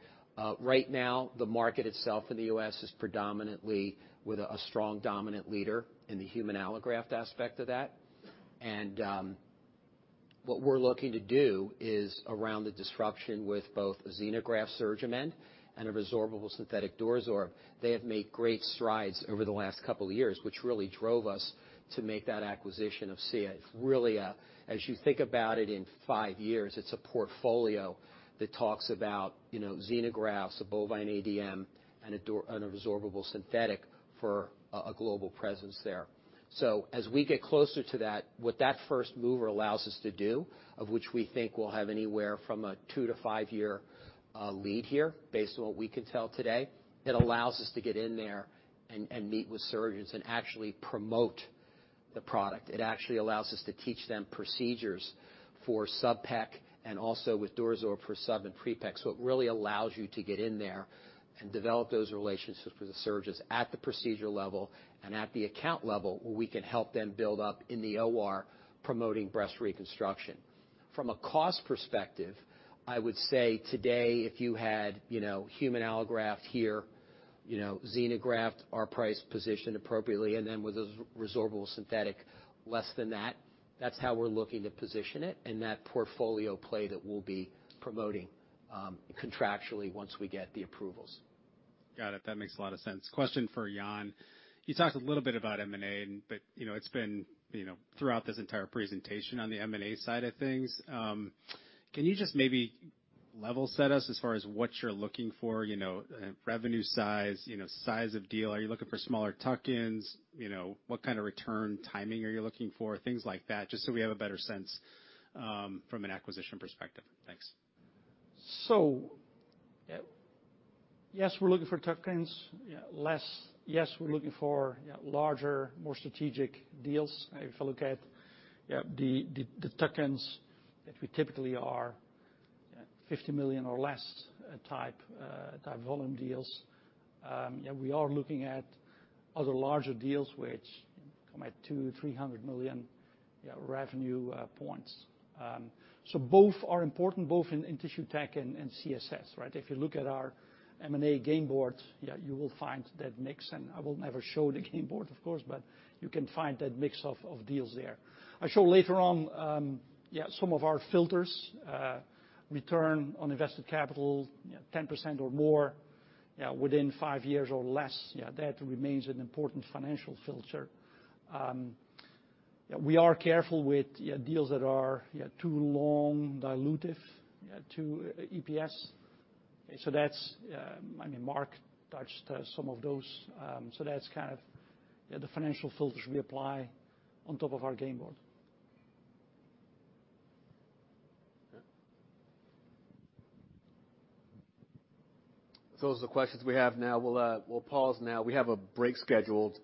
Speaker 5: right now, the market itself in the U.S. is predominantly with a strong dominant leader in the human allograft aspect of that. What we're looking to do is around the disruption with both xenograft SurgiMend and a resorbable synthetic DuraSorb, they have made great strides over the last couple of years, which really drove us to make that acquisition of CSF. Really, as you think about it in five years, it's a portfolio that talks about, you know, xenografts, a bovine ADM, and a resorbable synthetic for a global presence there. 9As we get closer to that, what that first mover allows us to do, of which we think we'll have anywhere from a two-five-year lead here, based on what we can tell today, it allows us to get in there and meet with surgeons and actually promote the product. It actually allows us to teach them procedures for subpec and also with DuraSorb for sub and prepec. It really allows you to get in there and develop those relationships with the surgeons at the procedure level and at the account level, where we can help them build up in the OR, promoting breast reconstruction. From a cost perspective, I would say today, if you had, you know, human allograft here, you know, xenograft, our price positioned appropriately, and then with a resorbable synthetic less than that's how we're looking to position it and that portfolio play that we'll be promoting, contractually once we get the approvals.
Speaker 15: Got it. That makes a lot of sense. Question for Jan. You talked a little bit about M&A, you know, it's been, you know, throughout this entire presentation on the M&A side of things. Can you just maybe level set us as far as what you're looking for, you know, revenue size, you know, size of deal? Are you looking for smaller tuck-ins? You know, what kind of return timing are you looking for? Things like that, just so we have a better sense from an acquisition perspective. Thanks.
Speaker 3: Yes, we're looking for tuck-ins. Yes, we're looking for larger, more strategic deals. If you look at the tuck-ins that we typically are $50 million or less, type volume deals, we are looking at other larger deals which come at $200 million-$300 million revenue points. Both are important, both in Tissue Tech and CSS, right? If you look at our M&A game board, you will find that mix, and I will never show the game board, of course, but you can find that mix of deals there. I show later on some of our filters, return on invested capital, 10% or more, within 5 years or less. That remains an important financial filter. Yeah, we are careful with, yeah, deals that are, yeah, too long, dilutive, yeah, to EPS. That's. I mean, Mark touched some of those. That's kind of, yeah, the financial filters we apply on top of our game board.
Speaker 5: Those are the questions we have now. We'll, we'll pause now. We have a break scheduled,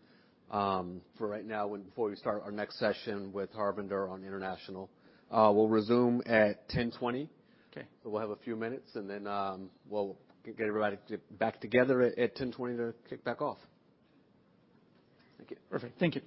Speaker 5: for right now before we start our next session with Harvinder on international. We'll resume at 10:20.
Speaker 15: Okay.
Speaker 5: We'll have a few minutes, and then, we'll get everybody to back together at 10:20 to kick back off. Thank you.
Speaker 15: Perfect. Thank you.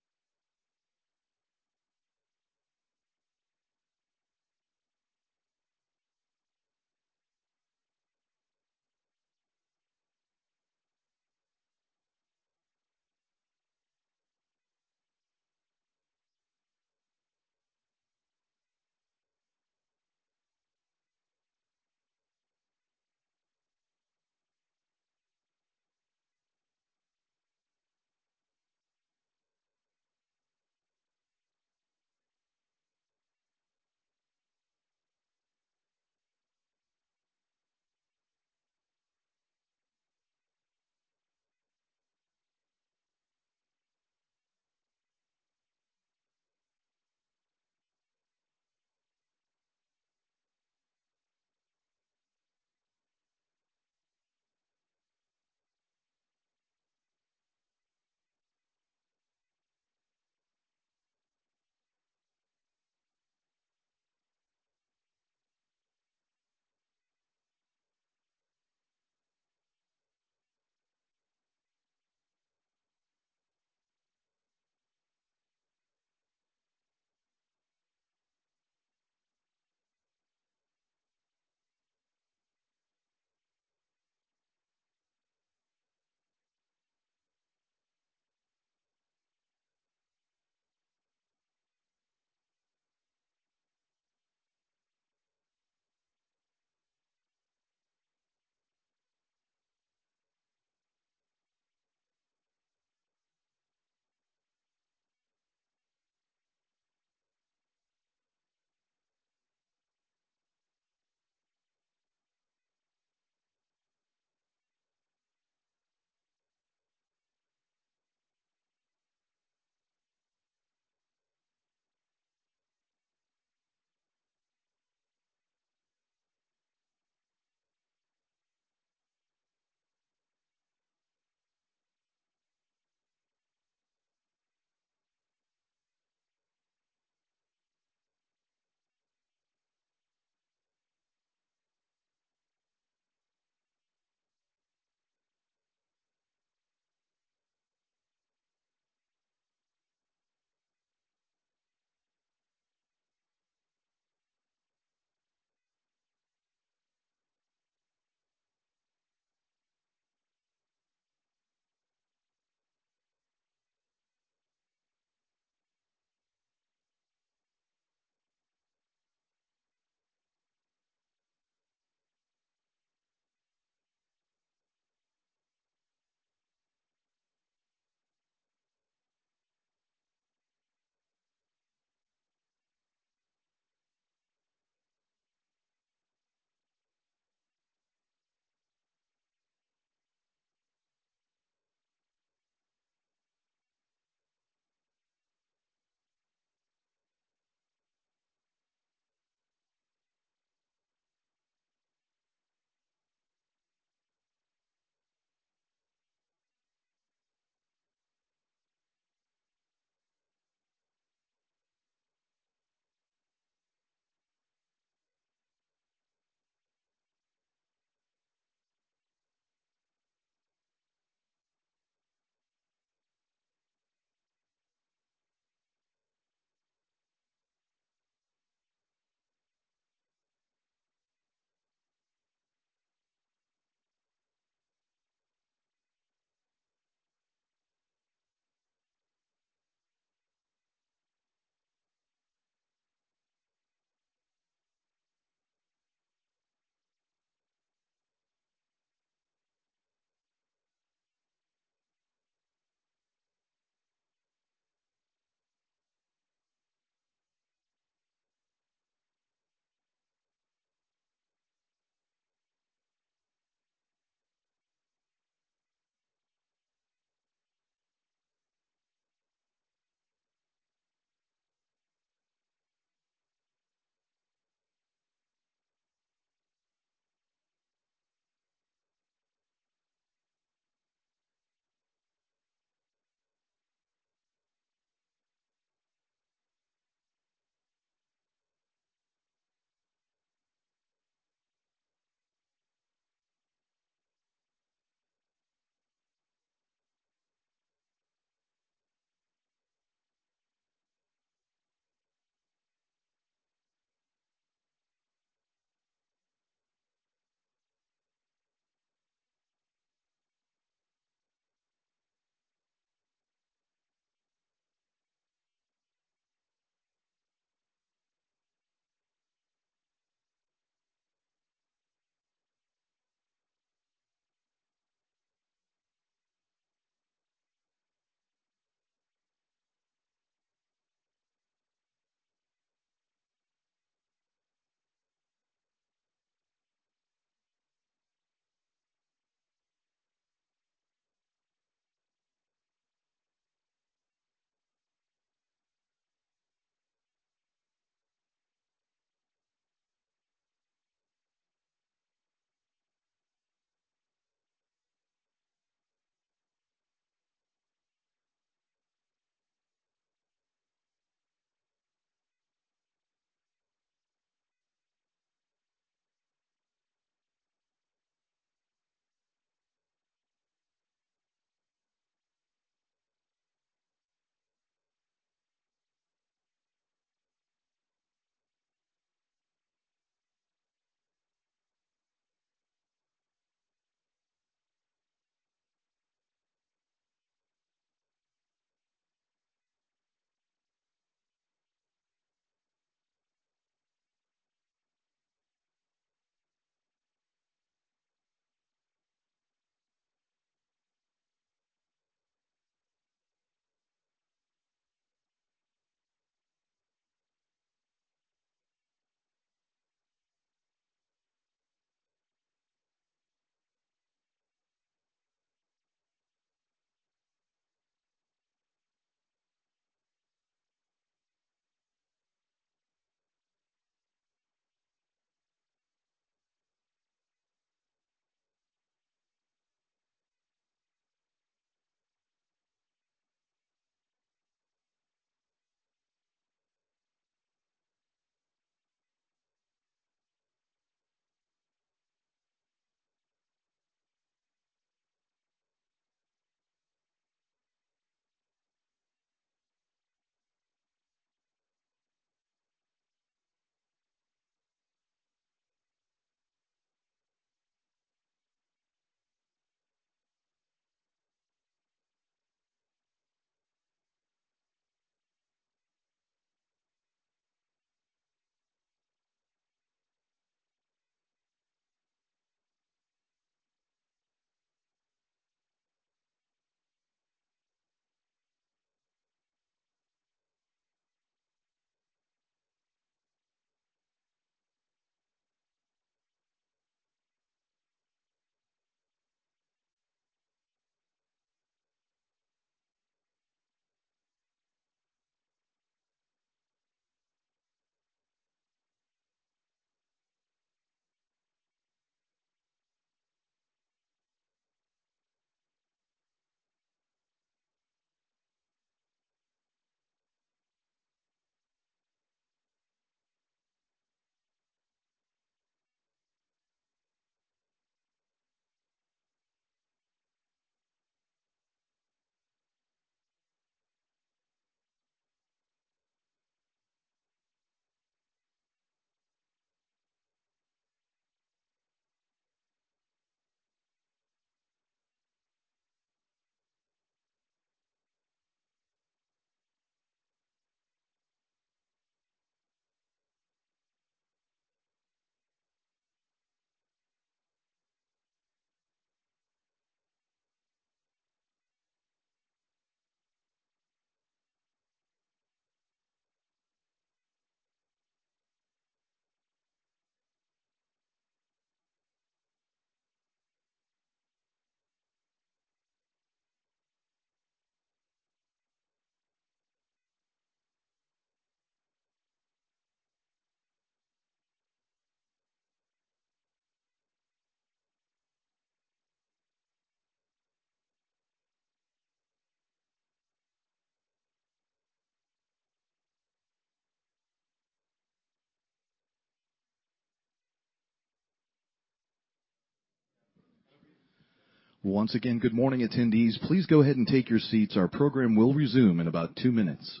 Speaker 1: Once again, good morning, attendees. Please go ahead and take your seats. Our program will resume in about two minutes.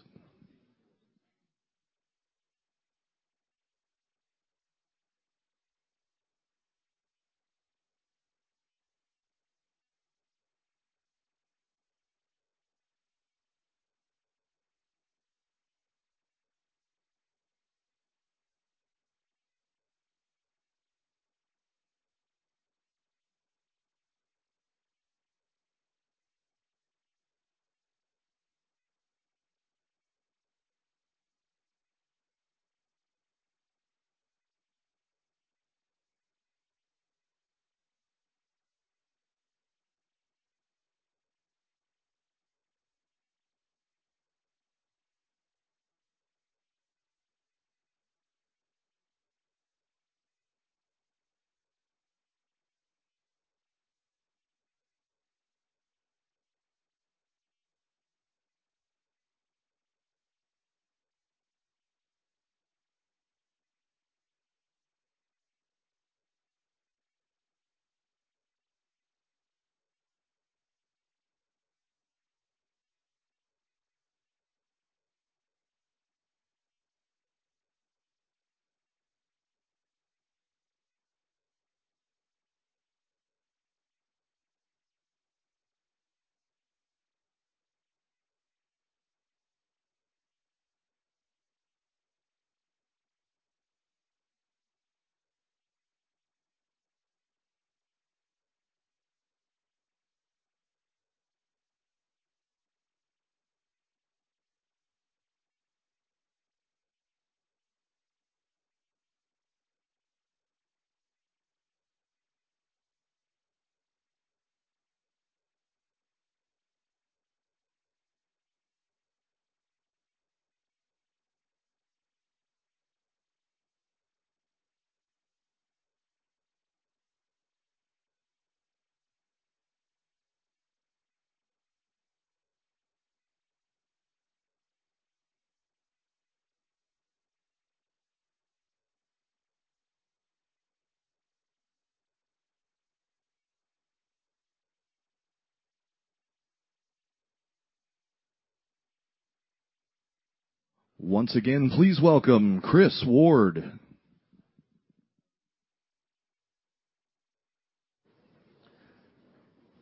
Speaker 1: Once again, please welcome Chris Ward.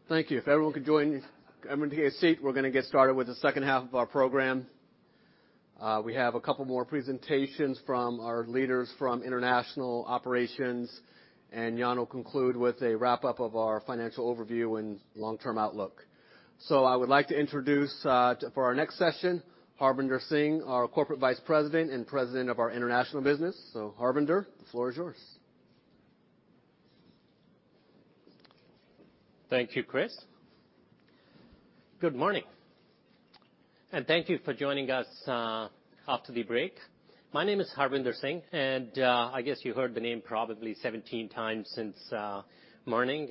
Speaker 2: Thank you. If everyone could come and take a seat, we're gonna get started with the second half of our program. We have a couple more presentations from our leaders from international operations, and Jan will conclude with a wrap-up of our financial overview and long-term outlook. I would like to introduce, for our next session, Harbinder Singh, our Corporate Vice President and President of our International Business. Harbinder, the floor is yours.
Speaker 16: Thank you, Chris. Good morning, thank you for joining us after the break. My name is Harvinder Singh, I guess you heard the name probably 17x since morning.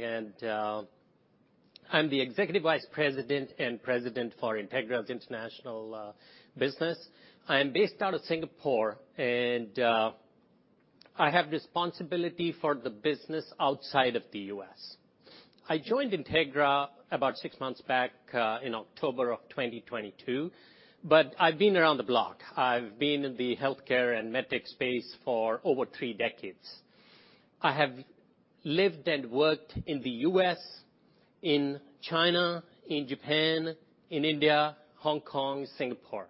Speaker 16: I'm the Executive Vice President and President for Integra's International Business. I am based out of Singapore, I have responsibility for the business outside of the U.S. I joined Integra about six months back in October of 2022, but I've been around the block. I've been in the healthcare and med tech space for over three decades. I have lived and worked in the U.S., in China, in Japan, in India, Hong Kong, Singapore.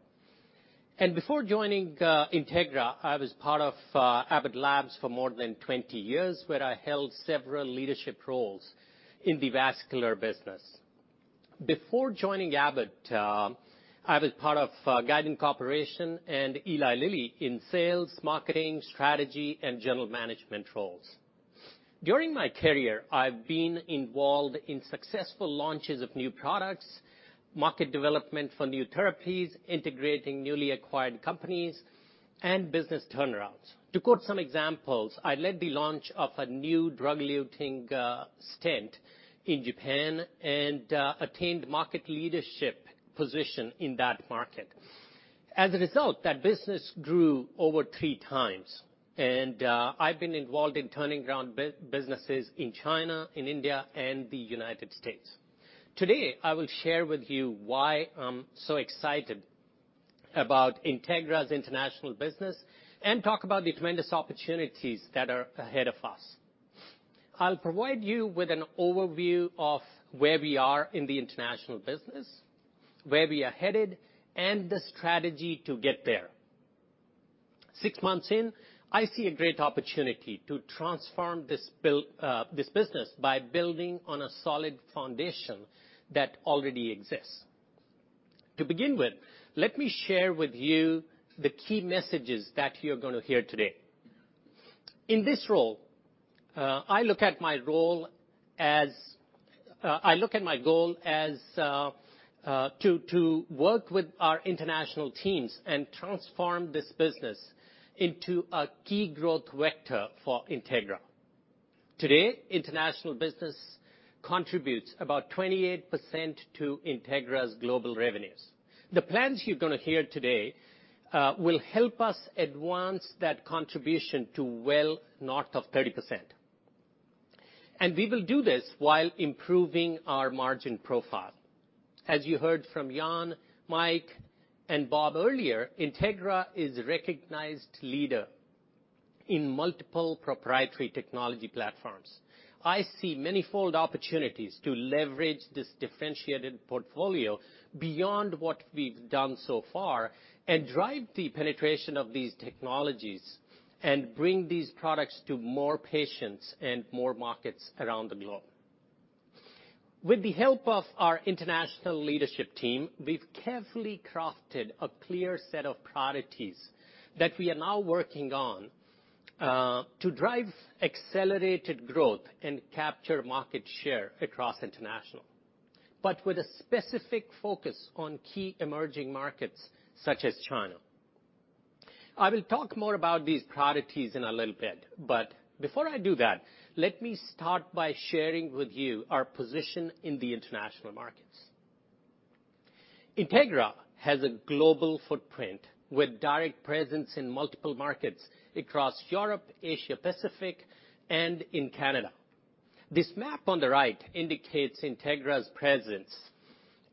Speaker 16: Before joining Integra, I was part of Abbott Labs for more than 20 years, where I held several leadership roles in the vascular business. Before joining Abbott, I was part of Guidant Corporation and Eli Lilly in sales, marketing, strategy, and general management roles. During my career, I've been involved in successful launches of new products, market development for new therapies, integrating newly acquired companies. Business turnarounds. To quote some examples, I led the launch of a new drug-eluting stent in Japan and attained market leadership position in that market. As a result, that business grew over 3x and I've been involved in turning around businesses in China, in India, and the United States. Today, I will share with you why I'm so excited about Integra's international business and talk about the tremendous opportunities that are ahead of us. I'll provide you with an overview of where we are in the international business, where we are headed, and the strategy to get there. Six months in, I see a great opportunity to transform this business by building on a solid foundation that already exists. To begin with, let me share with you the key messages that you're going to hear today. In this role, I look at my goal as to work with our international teams and transform this business into a key growth vector for Integra. Today, international business contributes about 28% to Integra's global revenues. The plans you're going to hear today will help us advance that contribution to well north of 30%. We will do this while improving our margin profile. As you heard from Jan, Mike, and Bob earlier, Integra is a recognized leader in multiple proprietary technology platforms. I see manifold opportunities to leverage this differentiated portfolio beyond what we've done so far and drive the penetration of these technologies and bring these products to more patients and more markets around the globe. With the help of our international leadership team, we've carefully crafted a clear set of priorities that we are now working on to drive accelerated growth and capture market share across international, but with a specific focus on key emerging markets such as China. I will talk more about these priorities in a little bit, but before I do that, let me start by sharing with you our position in the international markets. Integra has a global footprint with direct presence in multiple markets across Europe, Asia Pacific, and in Canada. This map on the right indicates Integra's presence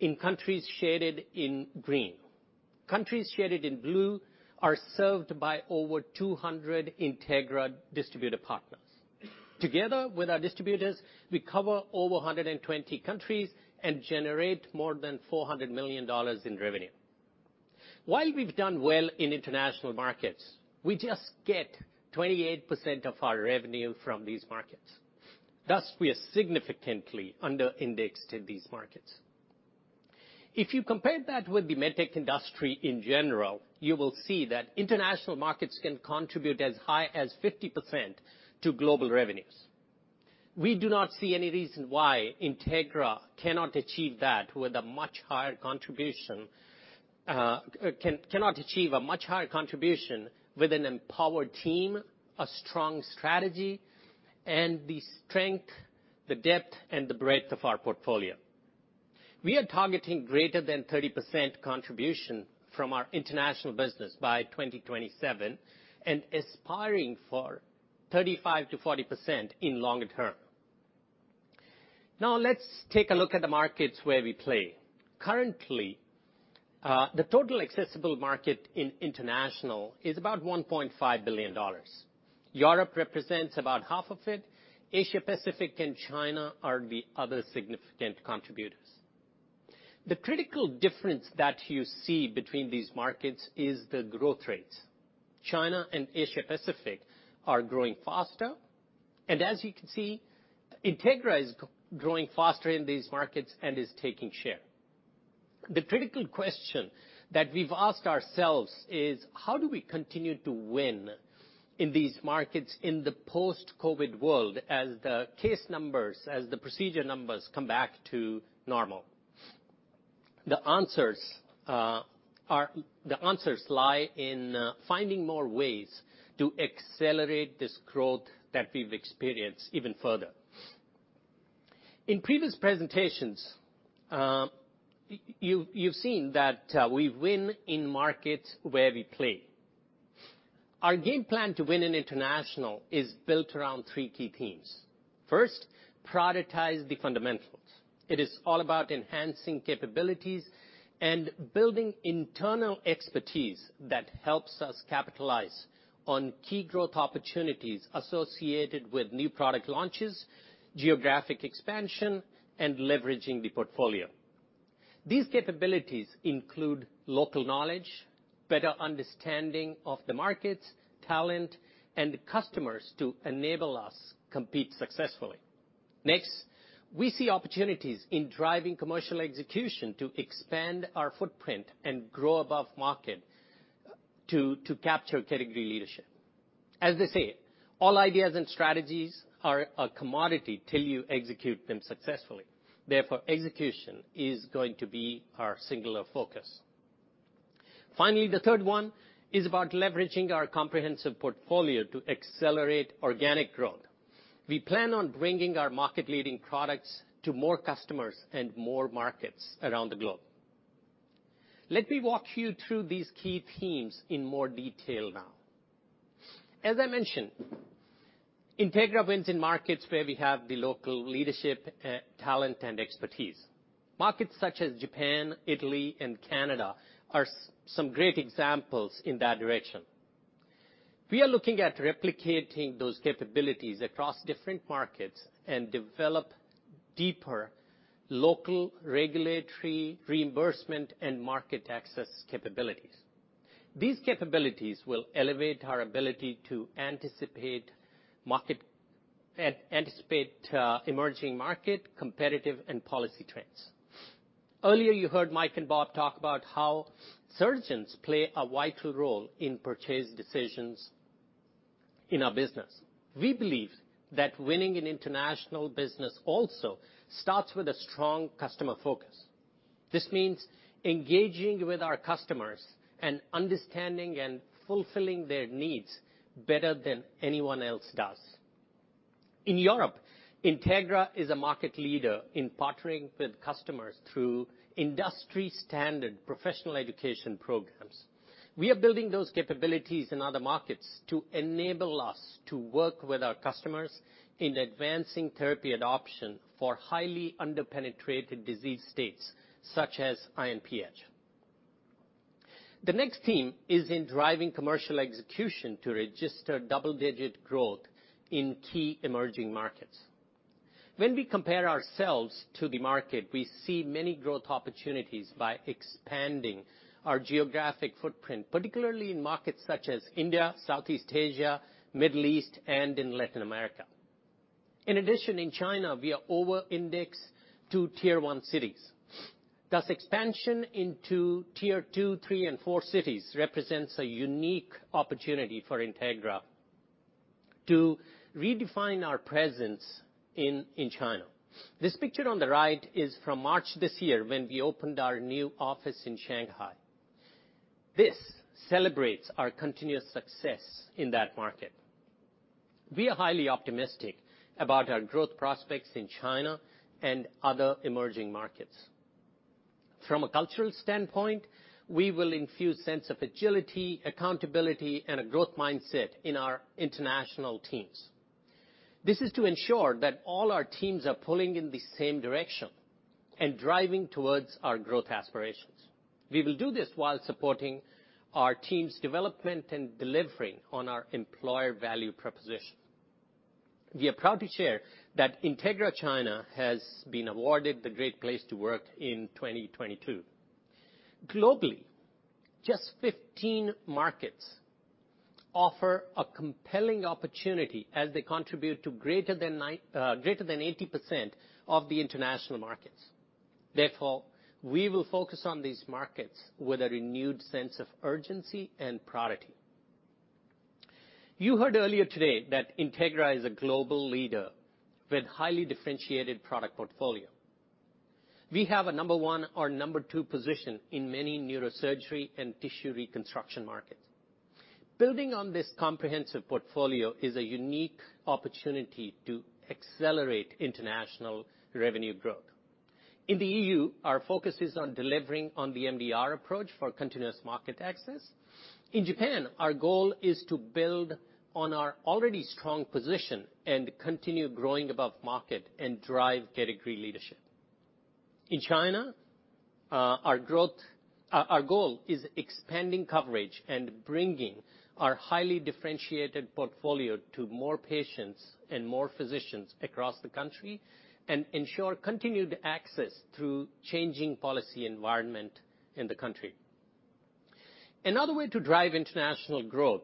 Speaker 16: in countries shaded in green. Countries shaded in blue are served by over 200 Integra distributor partners. Together with our distributors, we cover over 120 countries and generate more than $400 million in revenue. While we've done well in international markets, we just get 28% of our revenue from these markets. Thus, we are significantly under-indexed in these markets. If you compare that with the med tech industry in general, you will see that international markets can contribute as high as 50% to global revenues. We do not see any reason why Integra cannot achieve that with a much higher contribution, cannot achieve a much higher contribution with an empowered team, a strong strategy, and the strength, the depth, and the breadth of our portfolio. We are targeting greater than 30% contribution from our international business by 2027 and aspiring for 35%-40% in longer term. Let's take a look at the markets where we play. Currently, the total accessible market in international is about $1.5 billion. Europe represents about half of it. Asia Pacific and China are the other significant contributors. The critical difference that you see between these markets is the growth rates. China and Asia Pacific are growing faster, and as you can see, Integra is growing faster in these markets and is taking share. The critical question that we've asked ourselves is, how do we continue to win in these markets in the post-COVID world as the case numbers, as the procedure numbers come back to normal? The answers lie in finding more ways to accelerate this growth that we've experienced even further. In previous presentations, you've seen that we win in markets where we play. Our game plan to win in international is built around three key themes. First, productize the fundamentals. It is all about enhancing capabilities and building internal expertise that helps us capitalize on key growth opportunities associated with new product launches, geographic expansion, and leveraging the portfolio. These capabilities include local knowledge, better understanding of the markets, talent, and the customers to enable us compete successfully. Next, we see opportunities in driving commercial execution to expand our footprint and grow above market to capture category leadership. As they say, all ideas and strategies are a commodity till you execute them successfully. Execution is going to be our singular focus. The third one is about leveraging our comprehensive portfolio to accelerate organic growth. We plan on bringing our market-leading products to more customers and more markets around the globe. Let me walk you through these key themes in more detail now. As I mentioned, Integra wins in markets where we have the local leadership, talent, and expertise. Markets such as Japan, Italy, and Canada are some great examples in that direction. We are looking at replicating those capabilities across different markets and develop deeper local regulatory reimbursement and market access capabilities. These capabilities will elevate our ability to anticipate emerging market, competitive, and policy trends. Earlier, you heard Mike and Bob talk about how surgeons play a vital role in purchase decisions in our business. We believe that winning in international business also starts with a strong customer focus. This means engaging with our customers and understanding and fulfilling their needs better than anyone else does. In Europe, Integra is a market leader in partnering with customers through industry-standard professional education programs. We are building those capabilities in other markets to enable us to work with our customers in advancing therapy adoption for highly under-penetrated disease states, such as INPH. The next theme is in driving commercial execution to register double-digit growth in key emerging markets. When we compare ourselves to the market, we see many growth opportunities by expanding our geographic footprint, particularly in markets such as India, Southeast Asia, Middle East, and in Latin America. In addition, in China, we are over-indexed to Tier 1 cities. Thus, expansion into Tier 2, 3, and 4 cities represents a unique opportunity for Integra to redefine our presence in China. This picture on the right is from March this year when we opened our new office in Shanghai. This celebrates our continuous success in that market. We are highly optimistic about our growth prospects in China and other emerging markets. From a cultural standpoint, we will infuse sense of agility, accountability, and a growth mindset in our international teams. This is to ensure that all our teams are pulling in the same direction and driving towards our growth aspirations. We will do this while supporting our team's development and delivering on our employer value proposition. We are proud to share that Integra China has been awarded the great place to work in 2022. Globally, just 15 markets offer a compelling opportunity as they contribute to greater than 80% of the international markets. We will focus on these markets with a renewed sense of urgency and priority. You heard earlier today that Integra is a global leader with highly differentiated product portfolio. We have a number one or number two position in many neurosurgery and tissue reconstruction markets. Building on this comprehensive portfolio is a unique opportunity to accelerate international revenue growth. In the EU, our focus is on delivering on the MDR approach for continuous market access. In Japan, our goal is to build on our already strong position and continue growing above market and drive category leadership. In China, our goal is expanding coverage and bringing our highly differentiated portfolio to more patients and more physicians across the country and ensure continued access through changing policy environment in the country. Another way to drive international growth,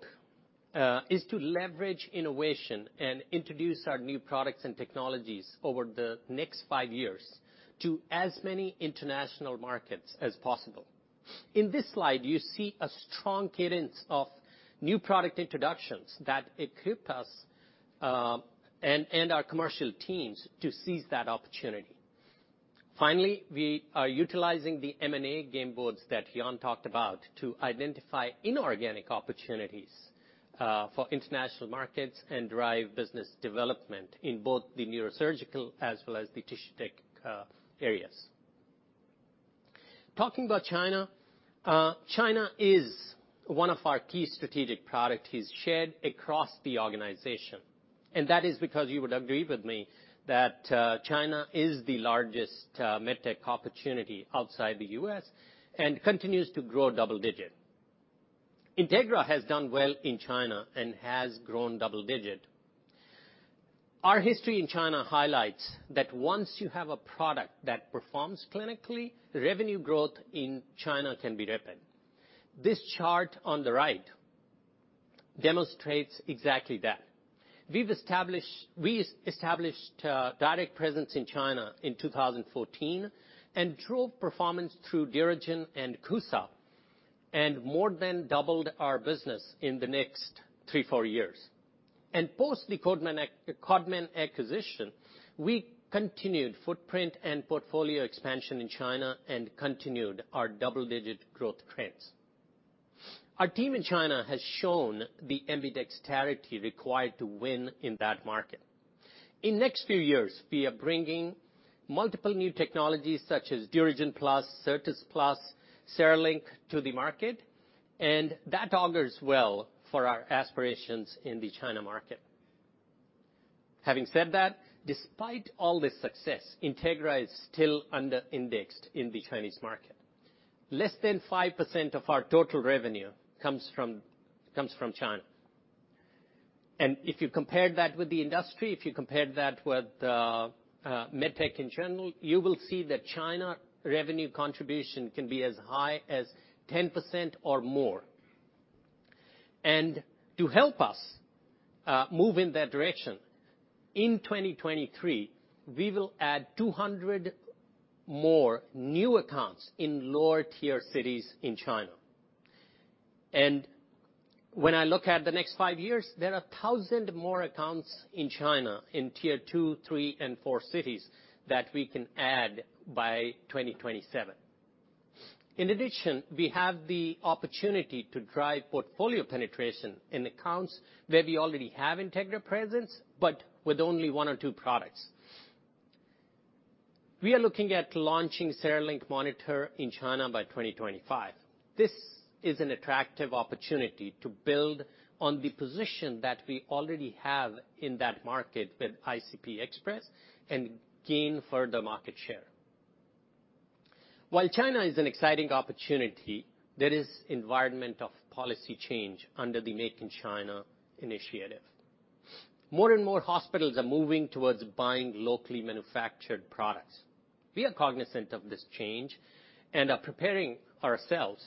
Speaker 16: is to leverage innovation and introduce our new products and technologies over the next five years to as many international markets as possible. In this slide, you see a strong cadence of new product introductions that equip us, and our commercial teams to seize that opportunity. Finally, we are utilizing the M&A game boards that Jan talked about to identify inorganic opportunities, for international markets and drive business development in both the neurosurgical as well as the tissue tech areas. Talking about China is one of our key strategic product is shared across the organization, and that is because you would agree with me that, China is the largest, med tech opportunity outside the U.S. and continues to grow double digit. Integra has done well in China and has grown double digit. Our history in China highlights that once you have a product that performs clinically, revenue growth in China can be rapid. This chart on the right demonstrates exactly that. We established direct presence in China in 2014, and drove performance through DuraGen and CUSA, and more than doubled our business in the next three, four years. Post the Codman acquisition, we continued footprint and portfolio expansion in China and continued our double-digit growth trends. Our team in China has shown the ambidexterity required to win in that market. In next few years, we are bringing multiple new technologies such as DuraGen Plus, Certas Plus, CereLink to the market, and that augurs well for our aspirations in the China market. Having said that, despite all this success, Integra is still under-indexed in the Chinese market. Less than 5% of our total revenue comes from China. If you compare that with the industry, if you compare that with medtech in general, you will see that China revenue contribution can be as high as 10% or more. To help us move in that direction, in 2023, we will add 200 more new accounts in lower-tier cities in China. When I look at the next five years, there are 1,000 more accounts in China in Tier 2, 3, and 4 cities that we can add by 2027. In addition, we have the opportunity to drive portfolio penetration in accounts where we already have Integra presence, but with only one or two products. We are looking at launching CereLink Monitor in China by 2025. This is an attractive opportunity to build on the position that we already have in that market with ICP Express and gain further market share. While China is an exciting opportunity, there is environment of policy change under the Made in China initiative. More and more hospitals are moving towards buying locally manufactured products. We are cognizant of this change and are preparing ourselves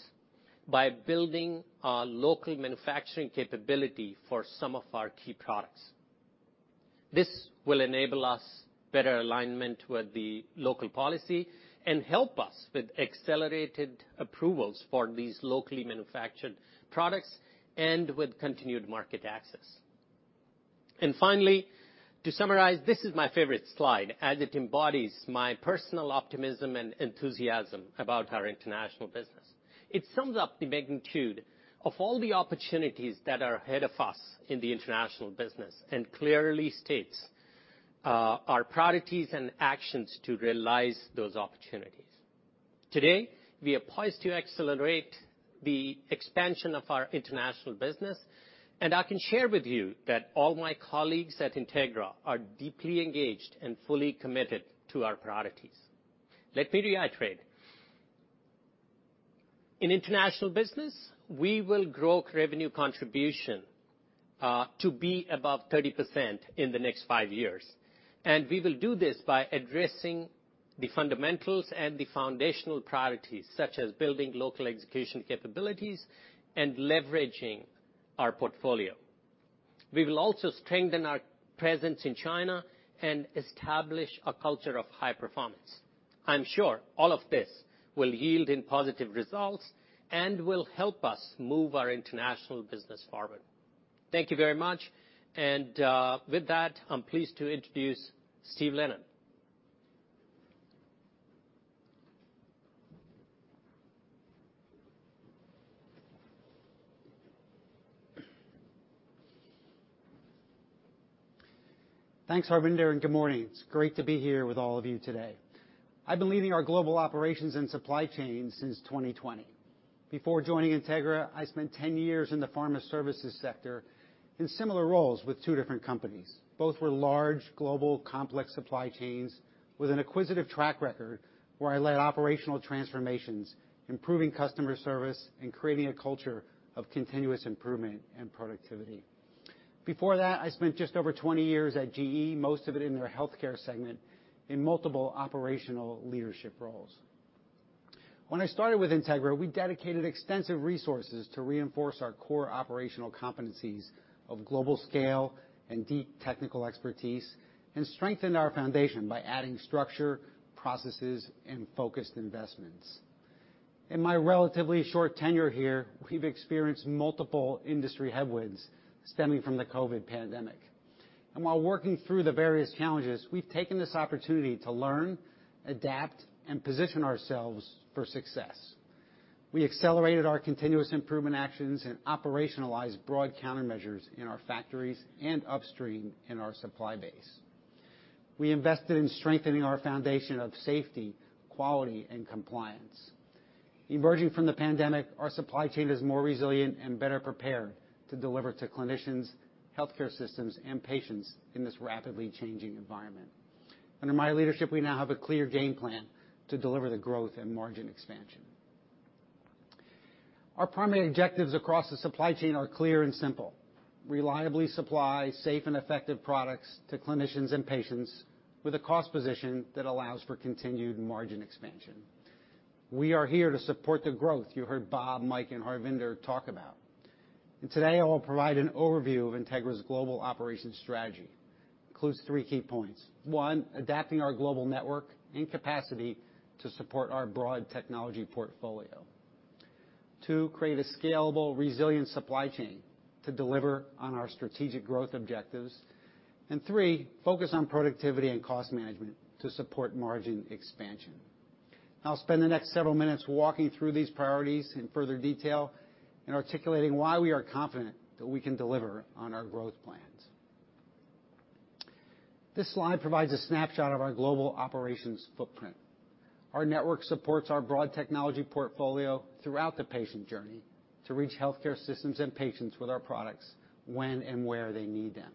Speaker 16: by building our local manufacturing capability for some of our key products. This will enable us better alignment with the local policy and help us with accelerated approvals for these locally manufactured products and with continued market access. Finally, to summarize, this is my favorite slide, as it embodies my personal optimism and enthusiasm about our international business. It sums up the magnitude of all the opportunities that are ahead of us in the international business and clearly states, our priorities and actions to realize those opportunities. Today, we are poised to accelerate the expansion of our international business. I can share with you that all my colleagues at Integra are deeply engaged and fully committed to our priorities. Let me reiterate. In international business, we will grow revenue contribution to be above 30% in the next five years. We will do this by addressing the fundamentals and the foundational priorities, such as building local execution capabilities and leveraging our portfolio. We will also strengthen our presence in China and establish a culture of high performance. I'm sure all of this will yield in positive results and will help us move our international business forward. Thank you very much. With that, I'm pleased to introduce Steve Leonard.
Speaker 17: Thanks, Harvinder. Good morning. It's great to be here with all of you today. I've been leading our global operations and supply chain since 2020. Before joining Integra, I spent 10 years in the pharma services sector in similar roles with two different companies. Both were large, global, complex supply chains with an acquisitive track record where I led operational transformations, improving customer service, and creating a culture of continuous improvement and productivity. Before that, I spent just over 20 years at GE, most of it in their healthcare segment, in multiple operational leadership roles. When I started with Integra, we dedicated extensive resources to reinforce our core operational competencies of global scale and deep technical expertise and strengthened our foundation by adding structure, processes, and focused investments. In my relatively short tenure here, we've experienced multiple industry headwinds stemming from the COVID pandemic. While working through the various challenges, we've taken this opportunity to learn, adapt, and position ourselves for success. We accelerated our continuous improvement actions and operationalized broad countermeasures in our factories and upstream in our supply base. We invested in strengthening our foundation of safety, quality, and compliance. Emerging from the pandemic, our supply chain is more resilient and better prepared to deliver to clinicians, healthcare systems, and patients in this rapidly changing environment. Under my leadership, we now have a clear game plan to deliver the growth and margin expansion. Our primary objectives across the supply chain are clear and simple. Reliably supply safe and effective products to clinicians and patients with a cost position that allows for continued margin expansion. We are here to support the growth you heard Bob, Mike, and Harvinder talk about. Today, I will provide an overview of Integra's global operation strategy. Includes three key points. One, adapting our global network and capacity to support our broad technology portfolio. 2, create a scalable, resilient supply chain to deliver on our strategic growth objectives. Three, focus on productivity and cost management to support margin expansion. I'll spend the next several minutes walking through these priorities in further detail and articulating why we are confident that we can deliver on our growth plans. This slide provides a snapshot of our global operations footprint. Our network supports our broad technology portfolio throughout the patient journey to reach healthcare systems and patients with our products when and where they need them.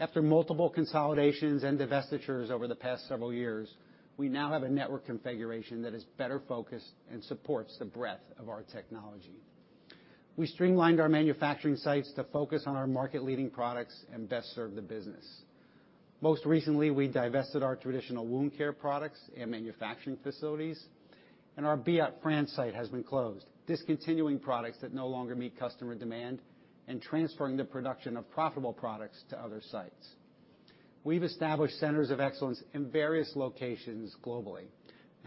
Speaker 17: After multiple consolidations and divestitures over the past several years, we now have a network configuration that is better focused and supports the breadth of our technology. We streamlined our manufacturing sites to focus on our market-leading products and best serve the business. Most recently, we divested our traditional wound care products and manufacturing facilities, and our Biot France site has been closed, discontinuing products that no longer meet customer demand and transferring the production of profitable products to other sites. We've established centers of excellence in various locations globally.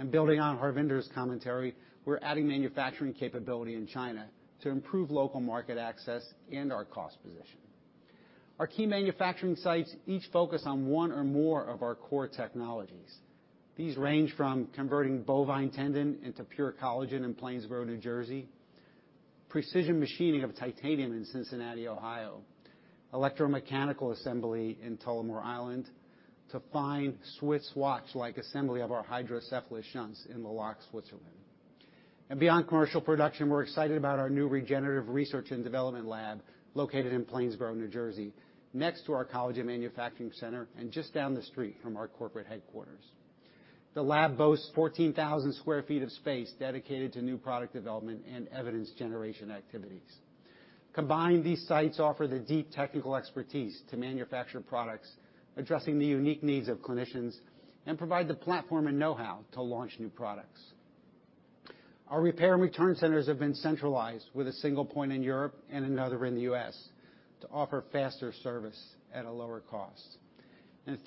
Speaker 17: Building on Harvinder's commentary, we're adding manufacturing capability in China to improve local market access and our cost position. Our key manufacturing sites each focus on one or more of our core technologies. These range from converting bovine tendon into pure collagen in Plainsboro, New Jersey, precision machining of titanium in Cincinnati, Ohio, electromechanical assembly in Tullamore, Ireland, to fine Swiss watch-like assembly of our hydrocephalus shunts in Le Locle, Switzerland. Beyond commercial production, we're excited about our new regenerative research and development lab located in Plainsboro, New Jersey, next to our Collagen Manufacturing Center and just down the street from our corporate headquarters. The lab boasts 14,000 sq ft of space dedicated to new product development and evidence generation activities. Combined, these sites offer the deep technical expertise to manufacture products addressing the unique needs of clinicians and provide the platform and know-how to launch new products. Our repair and return centers have been centralized with a single point in Europe and another in the U.S. to offer faster service at a lower cost.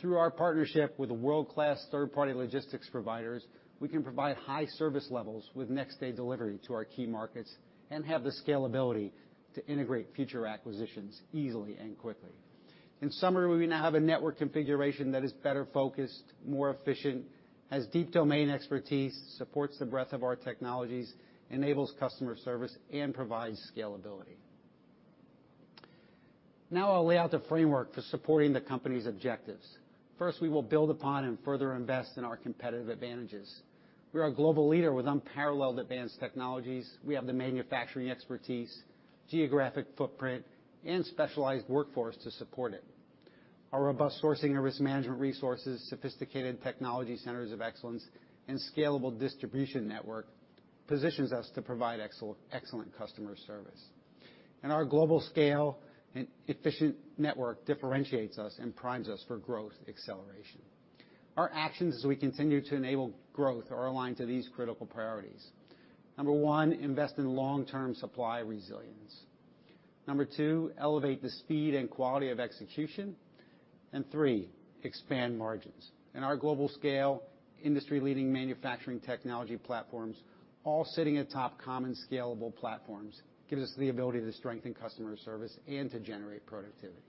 Speaker 17: Through our partnership with world-class third-party logistics providers, we can provide high service levels with next-day delivery to our key markets and have the scalability to integrate future acquisitions easily and quickly. In summary, we now have a network configuration that is better focused, more efficient, has deep domain expertise, supports the breadth of our technologies, enables customer service, and provides scalability. Now I'll lay out the framework for supporting the company's objectives. First, we will build upon and further invest in our competitive advantages. We are a global leader with unparalleled advanced technologies. We have the manufacturing expertise, geographic footprint, and specialized workforce to support it. Our robust sourcing and risk management resources, sophisticated technology centers of excellence, and scalable distribution network positions us to provide excellent customer service. Our global scale and efficient network differentiates us and primes us for growth acceleration. Our actions as we continue to enable growth are aligned to these critical priorities. Number one, invest in long-term supply resilience. Number two, elevate the speed and quality of execution. Three, expand margins. Our global scale, industry-leading manufacturing technology platforms, all sitting atop common scalable platforms, gives us the ability to strengthen customer service and to generate productivity.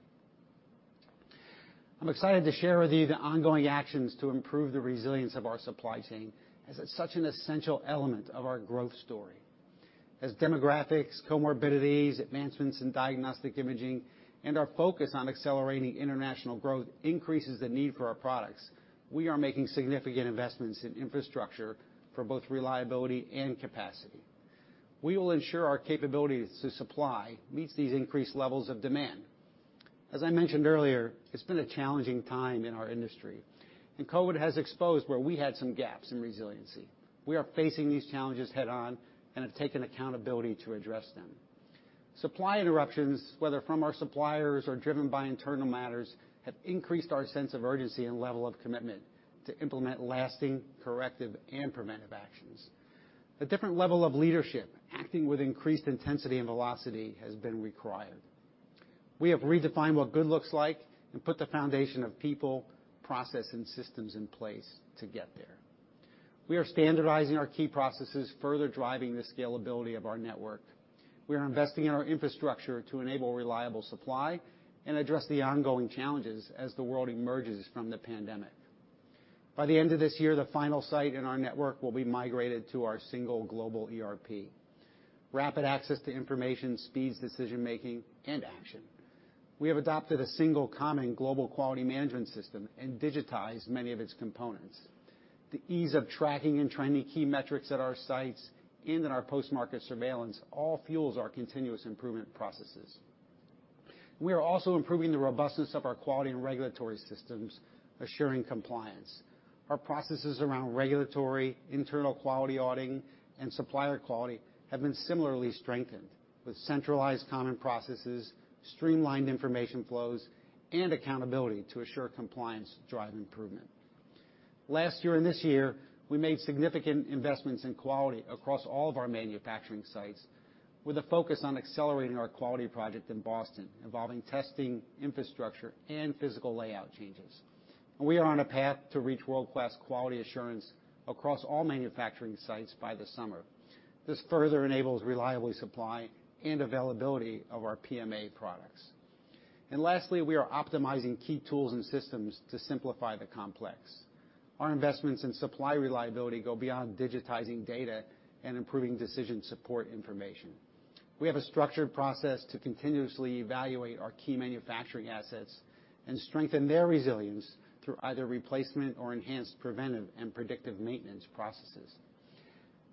Speaker 17: I'm excited to share with you the ongoing actions to improve the resilience of our supply chain, as it's such an essential element of our growth story. As demographics, comorbidities, advancements in diagnostic imaging, and our focus on accelerating international growth increases the need for our products, we are making significant investments in infrastructure for both reliability and capacity. We will ensure our capabilities to supply meets these increased levels of demand. As I mentioned earlier, it's been a challenging time in our industry, and COVID has exposed where we had some gaps in resiliency. We are facing these challenges head-on and have taken accountability to address them. Supply interruptions, whether from our suppliers or driven by internal matters, have increased our sense of urgency and level of commitment to implement lasting corrective and preventive actions. A different level of leadership, acting with increased intensity and velocity, has been required. We have redefined what good looks like and put the foundation of people, process, and systems in place to get there. We are standardizing our key processes, further driving the scalability of our network. We are investing in our infrastructure to enable reliable supply and address the ongoing challenges as the world emerges from the pandemic. By the end of this year, the final site in our network will be migrated to our single global ERP. Rapid access to information speeds decision-making and action. We have adopted a single common global quality management system and digitized many of its components. The ease of tracking and trending key metrics at our sites and in our post-market surveillance all fuels our continuous improvement processes. We are also improving the robustness of our quality and regulatory systems, assuring compliance. Our processes around regulatory, internal quality auditing and supplier quality have been similarly strengthened with centralized common processes, streamlined information flows, and accountability to assure compliance drive improvement. Last year and this year, we made significant investments in quality across all of our manufacturing sites with a focus on accelerating our quality project in Boston, involving testing, infrastructure, and physical layout changes. We are on a path to reach world-class quality assurance across all manufacturing sites by the summer. This further enables reliable supply and availability of our PMA products. Lastly, we are optimizing key tools and systems to simplify the complex. Our investments in supply reliability go beyond digitizing data and improving decision support information. We have a structured process to continuously evaluate our key manufacturing assets and strengthen their resilience through either replacement or enhanced preventive and predictive maintenance processes.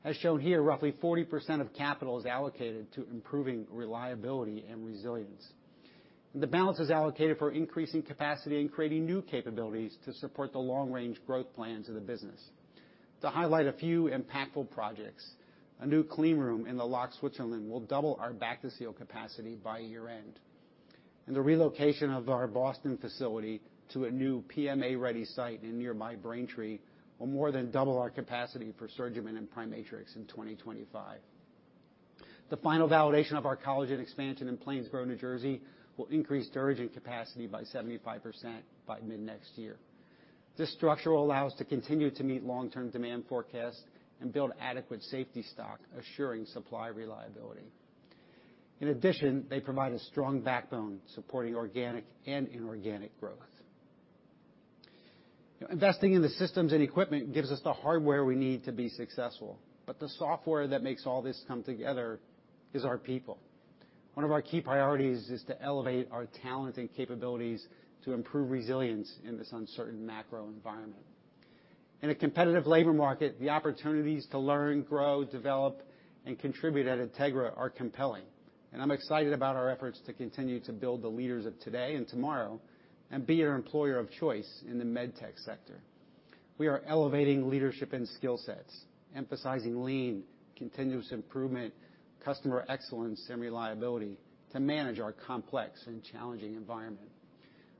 Speaker 17: As shown here, roughly 40% of capital is allocated to improving reliability and resilience. The balance is allocated for increasing capacity and creating new capabilities to support the long-range growth plans of the business. To highlight a few impactful projects, a new clean room in Le Locle, Switzerland will double our bacitracin capacity by year-end. The relocation of our Boston facility to a new PMA-ready site in near by Braintree will more than double our capacity for SurgiMend and PriMatrix in 2025. The final validation of our collagen expansion in Plainsboro, New Jersey, will increase DuraGen capacity by 75% by mid-next year. This structure will allow us to continue to meet long-term demand forecasts and build adequate safety stock, assuring supply reliability. In addition, they provide a strong backbone supporting organic and inorganic growth. You know, investing in the systems and equipment gives us the hardware we need to be successful, but the software that makes all this come together is our people. One of our key priorities is to elevate our talent and capabilities to improve resilience in this uncertain macro environment. In a competitive labor market, the opportunities to learn, grow, develop, and contribute at Integra are compelling, and I'm excited about our efforts to continue to build the leaders of today and tomorrow and be an employer of choice in the med tech sector. We are elevating leadership and skill sets, emphasizing Lean, continuous improvement, customer excellence, and reliability to manage our complex and challenging environment.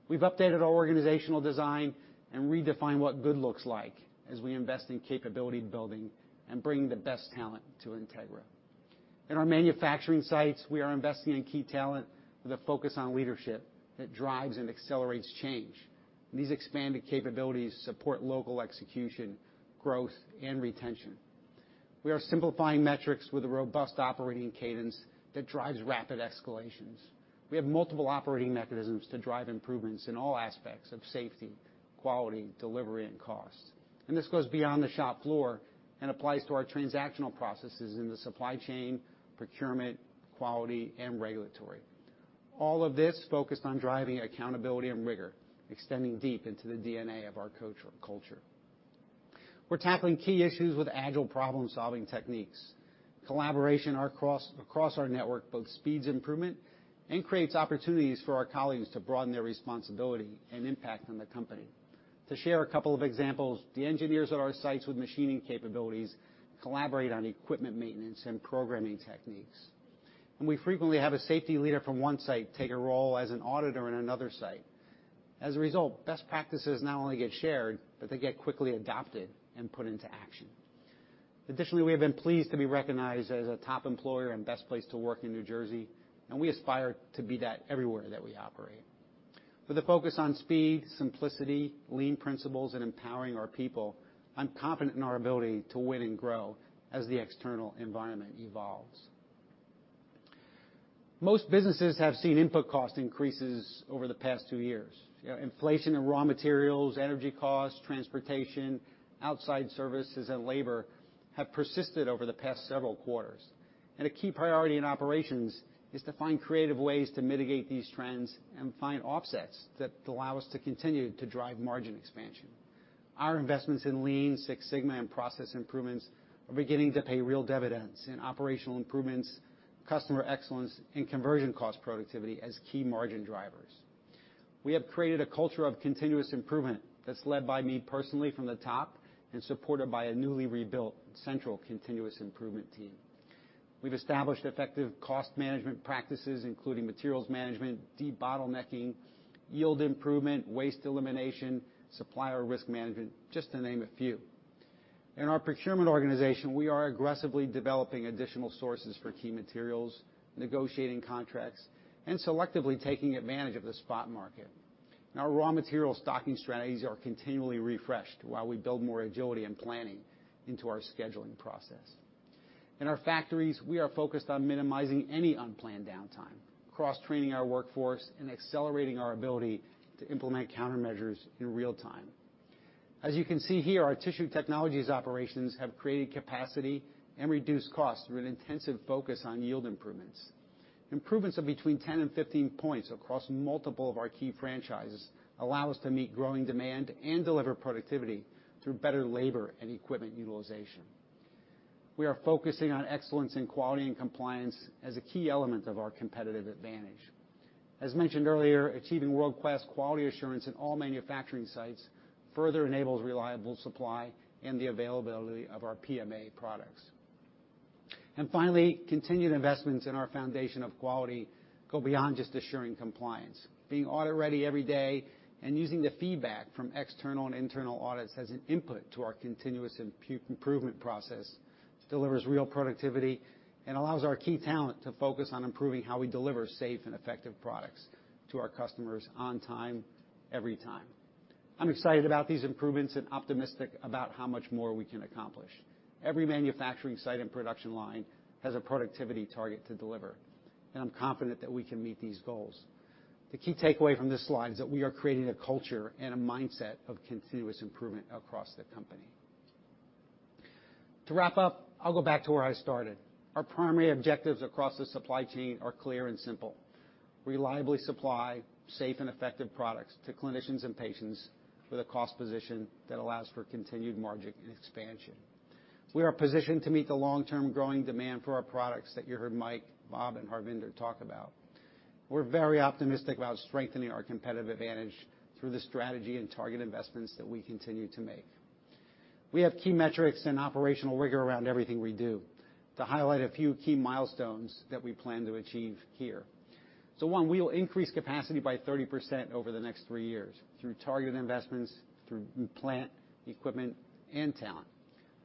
Speaker 17: We've updated our organizational design and redefined what good looks like as we invest in capability building and bringing the best talent to Integra. In our manufacturing sites, we are investing in key talent with a focus on leadership that drives and accelerates change. These expanded capabilities support local execution, growth, and retention. We are simplifying metrics with a robust operating cadence that drives rapid escalations. We have multiple operating mechanisms to drive improvements in all aspects of safety, quality, delivery, and cost. This goes beyond the shop floor and applies to our transactional processes in the supply chain, procurement, quality, and regulatory. All of this focused on driving accountability and rigor, extending deep into the DNA of our culture. We're tackling key issues with agile problem-solving techniques. Collaboration across our network both speeds improvement and creates opportunities for our colleagues to broaden their responsibility and impact on the company. To share a couple of examples, the engineers at our sites with machining capabilities collaborate on equipment maintenance and programming techniques. We frequently have a safety leader from one site take a role as an auditor in another site. As a result, best practices not only get shared, but they get quickly adopted and put into action. We have been pleased to be recognized as a top employer and best place to work in New Jersey, and we aspire to be that everywhere that we operate. With a focus on speed, simplicity, Lean principles, and empowering our people, I'm confident in our ability to win and grow as the external environment evolves. Most businesses have seen input cost increases over the past two years. You know, inflation in raw materials, energy costs, transportation, outside services, and labor have persisted over the past several quarters. A key priority in operations is to find creative ways to mitigate these trends and find offsets that allow us to continue to drive margin expansion. Our investments in Lean, Six Sigma, and process improvements are beginning to pay real dividends in operational improvements, customer excellence, and conversion cost productivity as key margin drivers. We have created a culture of continuous improvement that's led by me personally from the top and supported by a newly rebuilt central continuous improvement team. We've established effective cost management practices, including materials management, debottlenecking, yield improvement, waste elimination, supplier risk management, just to name a few. In our procurement organization, we are aggressively developing additional sources for key materials, negotiating contracts, and selectively taking advantage of the spot market. Our raw material stocking strategies are continually refreshed while we build more agility and planning into our scheduling process. In our factories, we are focused on minimizing any unplanned downtime, cross-training our workforce, and accelerating our ability to implement countermeasures in real time. As you can see here, our Tissue Technologies operations have created capacity and reduced costs through an intensive focus on yield improvements. Improvements of between 10 and 15 points across multiple of our key franchises allow us to meet growing demand and deliver productivity through better labor and equipment utilization. We are focusing on excellence in quality and compliance as a key element of our competitive advantage. As mentioned earlier, achieving world-class quality assurance in all manufacturing sites further enables reliable supply and the availability of our PMA products. Finally, continued investments in our foundation of quality go beyond just assuring compliance. Being audit ready every day and using the feedback from external and internal audits as an input to our continuous improvement process delivers real productivity and allows our key talent to focus on improving how we deliver safe and effective products to our customers on time, every time. I'm excited about these improvements and optimistic about how much more we can accomplish. Every manufacturing site and production line has a productivity target to deliver, and I'm confident that we can meet these goals. The key takeaway from this slide is that we are creating a culture and a mindset of continuous improvement across the company. To wrap up, I'll go back to where I started. Our primary objectives across the supply chain are clear and simple. Reliably supply safe and effective products to clinicians and patients with a cost position that allows for continued margin expansion. We are positioned to meet the long-term growing demand for our products that you heard Mike, Bob, and Harvinder talk about. We're very optimistic about strengthening our competitive advantage through the strategy and target investments that we continue to make. We have key metrics and operational rigor around everything we do. To highlight a few key milestones that we plan to achieve here. One, we will increase capacity by 30% over the next three years through targeted investments, through new plant, equipment, and talent.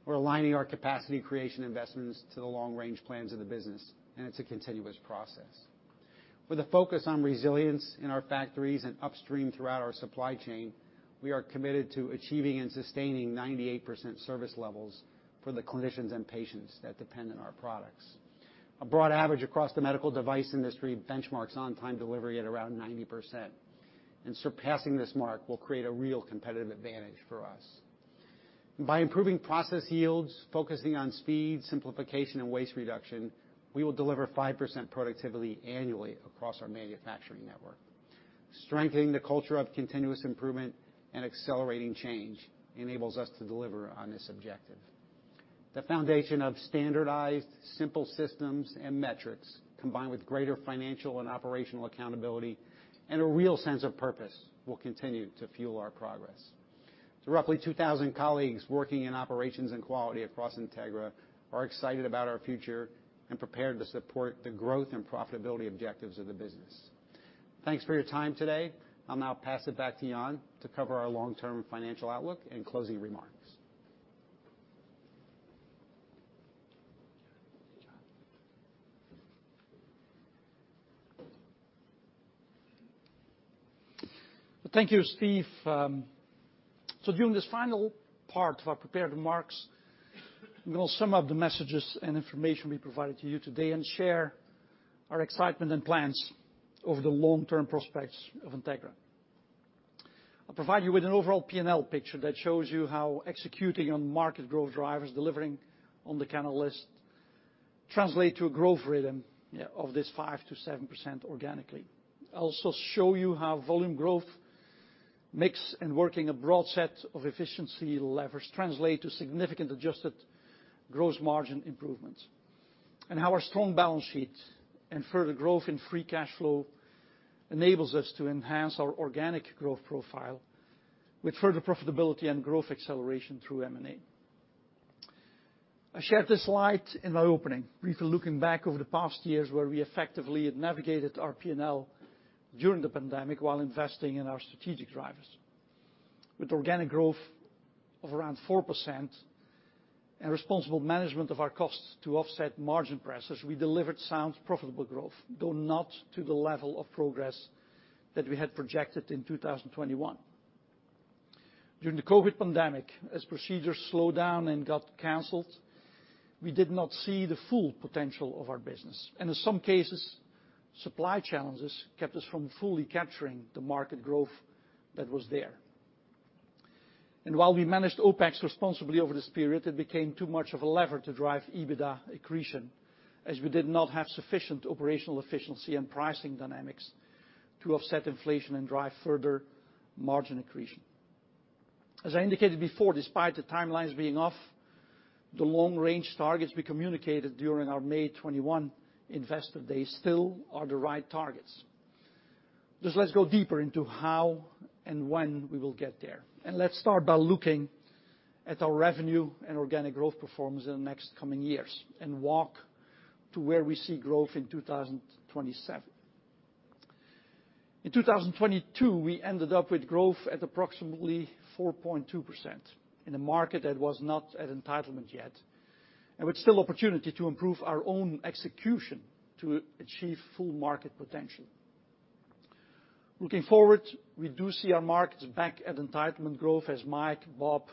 Speaker 17: We're aligning our capacity creation investments to the long-range plans of the business, and it's a continuous process. With a focus on resilience in our factories and upstream throughout our supply chain, we are committed to achieving and sustaining 98% service levels for the clinicians and patients that depend on our products. A broad average across the medical device industry benchmarks on-time delivery at around 90%, and surpassing this mark will create a real competitive advantage for us. By improving process yields, focusing on speed, simplification, and waste reduction, we will deliver 5% productivity annually across our manufacturing network. Strengthening the culture of continuous improvement and accelerating change enables us to deliver on this objective. The foundation of standardized simple systems and metrics, combined with greater financial and operational accountability and a real sense of purpose, will continue to fuel our progress. The roughly 2,000 colleagues working in operations and quality across Integra are excited about our future and prepared to support the growth and profitability objectives of the business. Thanks for your time today. I'll now pass it back to Jan to cover our long-term financial outlook and closing remarks.
Speaker 3: Thank you, Steve. During this final part of our prepared remarks, I'm gonna sum up the messages and information we provided to you today and share our excitement and plans over the long-term prospects of Integra. I'll provide you with an overall P&L picture that shows you how executing on market growth drivers, delivering on the catalyst translate to a growth rhythm of this 5% to 7% organically. I'll also show you how volume growth mix and working a broad set of efficiency levers translate to significant adjusted gross margin improvements, and how our strong balance sheet and further growth in free cash flow enables us to enhance our organic growth profile with further profitability and growth acceleration through M&A. I shared this slide in my opening, briefly looking back over the past years where we effectively had navigated our P&L during the pandemic while investing in our strategic drivers. With organic growth of around 4% and responsible management of our costs to offset margin pressures, we delivered sound profitable growth, though not to the level of progress that we had projected in 2021. During the COVID pandemic, as procedures slowed down and got canceled, we did not see the full potential of our business, in some cases, supply challenges kept us from fully capturing the market growth that was there. While we managed OpEx responsibly over this period, it became too much of a lever to drive EBITDA accretion, as we did not have sufficient operational efficiency and pricing dynamics to offset inflation and drive further margin accretion. As I indicated before, despite the timelines being off, the long-range targets we communicated during our May 2021 Investor Day still are the right targets. Just let's go deeper into how and when we will get there. Let's start by looking at our revenue and organic growth performance in the next coming years and walk to where we see growth in 2027. In 2022, we ended up with growth at approximately 4.2% in a market that was not at entitlement yet, and with still opportunity to improve our own execution to achieve full market potential. Looking forward, we do see our markets back at entitlement growth, as Mike, Bob,